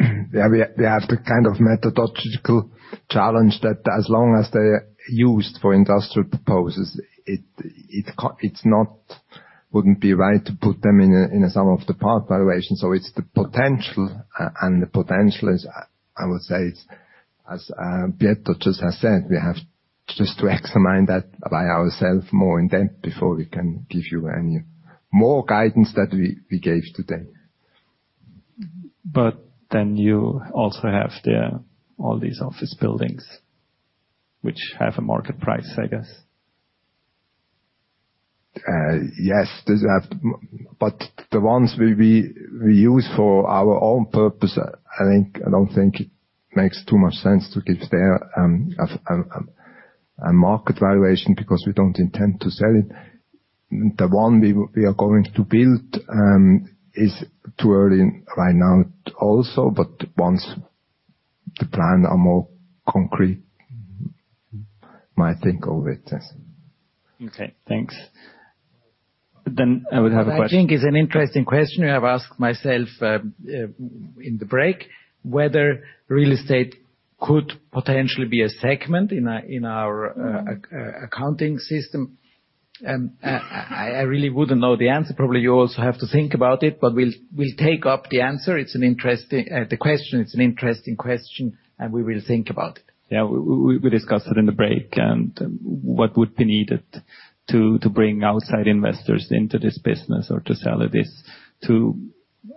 Yeah. We have the kind of methodological challenge that as long as they're used for industrial purposes, wouldn't be right to put them in a, in a sum of the part valuation. It's the potential. The potential is, I would say it's, as Pietro just has said, we have just to examine that by ourselves more in depth before we can give you any more guidance that we gave today. You also have the, all these office buildings which have a market price, I guess. Yes, those have. The ones we use for our own purpose, I don't think. Makes too much sense to give their a market valuation because we don't intend to sell it. The one we are going to build, is too early right now also. Once the plan are more concrete, might think of it, yes. Okay, thanks. I would have a question. I think it's an interesting question I have asked myself in the break, whether real estate could potentially be a segment in our, in our accounting system. I really wouldn't know the answer. Probably you also have to think about it, but we'll take up the answer. It's an interesting question, and we will think about it. Yeah. We discussed it in the break and what would be needed to bring outside investors into this business or to sell it is to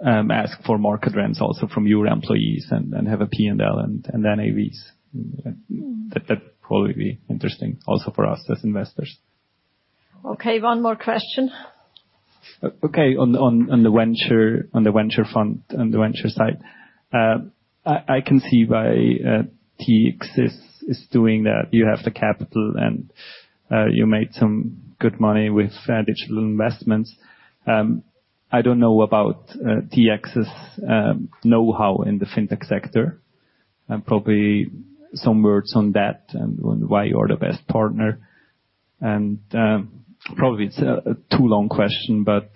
ask for market rents also from your employees and have a P&L and NAVs. That probably be interesting also for us as investors. Okay, one more question. Okay. On the venture side, I can see why TX is doing that. You have the capital and you made some good money with digital investments. I don't know about TX's know-how in the fintech sector, and probably some words on that and on why you're the best partner, and probably it's a too long question, but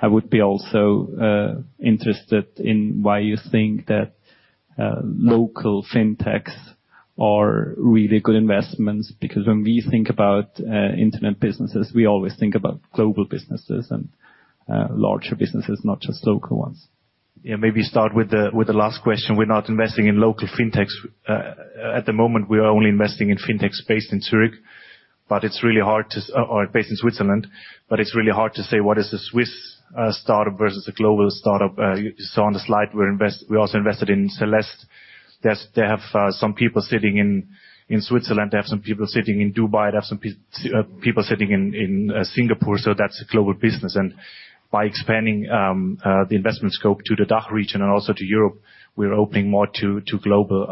I would be also interested in why you think that local fintechs are really good investments. When we think about internet businesses, we always think about global businesses and larger businesses, not just local ones. Maybe start with the last question. We're not investing in local fintechs. At the moment, we are only investing in fintechs based in Zürich, but it's really hard or based in Switzerland, but it's really hard to say what is a Swiss startup versus a global startup. You saw on the slide, we also invested in CLST. They have some people sitting in Switzerland. They have some people sitting in Dubai. They have some people sitting in Singapore, so that's a global business. By expanding the investment scope to the DACH region and also to Europe, we're opening more to global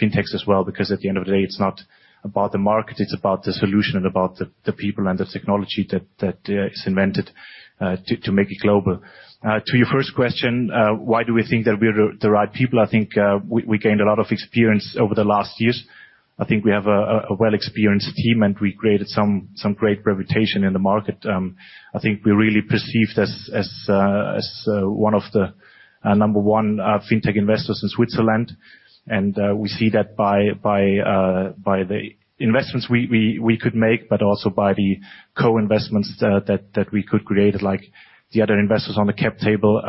fintechs as well, because at the end of the day, it's not about the market, it's about the solution and about the people and the technology that is invented to make it global. To your first question, why do we think that we're the right people? I think we gained a lot of experience over the last years. I think we have a well-experienced team, and we created some great reputation in the market. I think we're really perceived as one of the number one fintech investors in Switzerland. We see that by the investments we could make, but also by the co-investments that we could create, like the other investors on the cap table,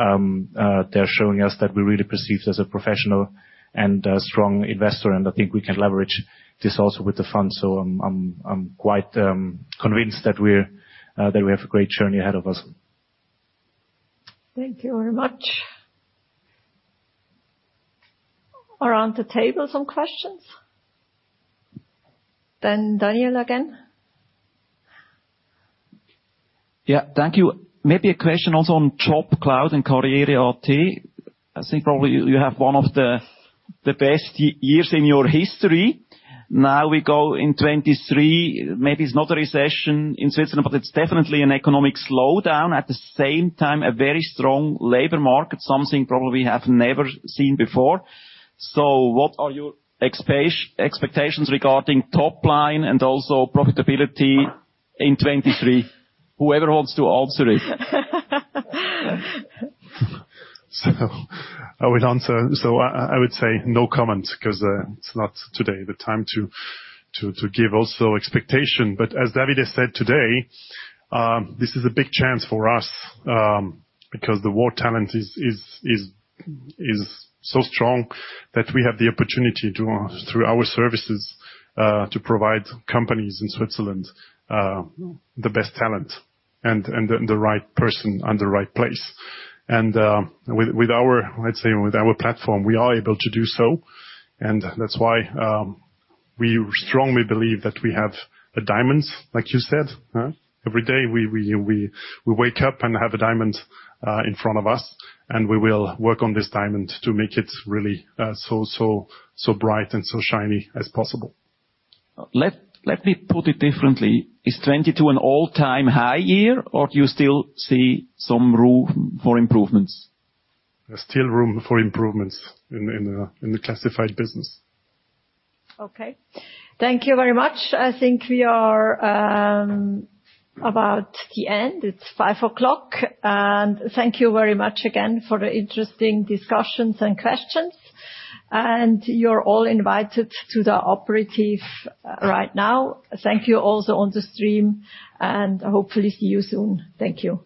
they're showing us that we're really perceived as a professional and a strong investor, and I think we can leverage this also with the fund. I'm quite convinced that we're that we have a great journey ahead of us. Thank you very much. Around the table, some questions. Daniel again. Yeah. Thank you. Maybe a question also on JobCloud and karriere.at. I think probably you have one of the best years in your history. We go in 2023. Maybe it's not a recession in Switzerland, but it's definitely an economic slowdown. At the same time, a very strong labor market, something probably we have never seen before. What are your expectations regarding top line and also profitability in 2023? Whoever wants to answer it. I will answer. I would say no comment 'cause it's not today the time to give also expectation. As Davide said today, this is a big chance for us because the war talent is so strong that we have the opportunity to, through our services, to provide companies in Switzerland the best talent and the right person and the right place. With our, let's say, with our platform, we are able to do so, and that's why we strongly believe that we have the diamonds, like you said, huh? Every day, we wake up and have a diamond in front of us, and we will work on this diamond to make it really so bright and so shiny as possible. Let me put it differently. Is 2022 an all-time high year, or do you still see some room for improvements? There's still room for improvements in the classified business. Okay. Thank you very much. I think we are about the end. It's 5:00. Thank you very much again for the interesting discussions and questions. You're all invited to the operative right now. Thank you also on the stream, and hopefully see you soon. Thank you.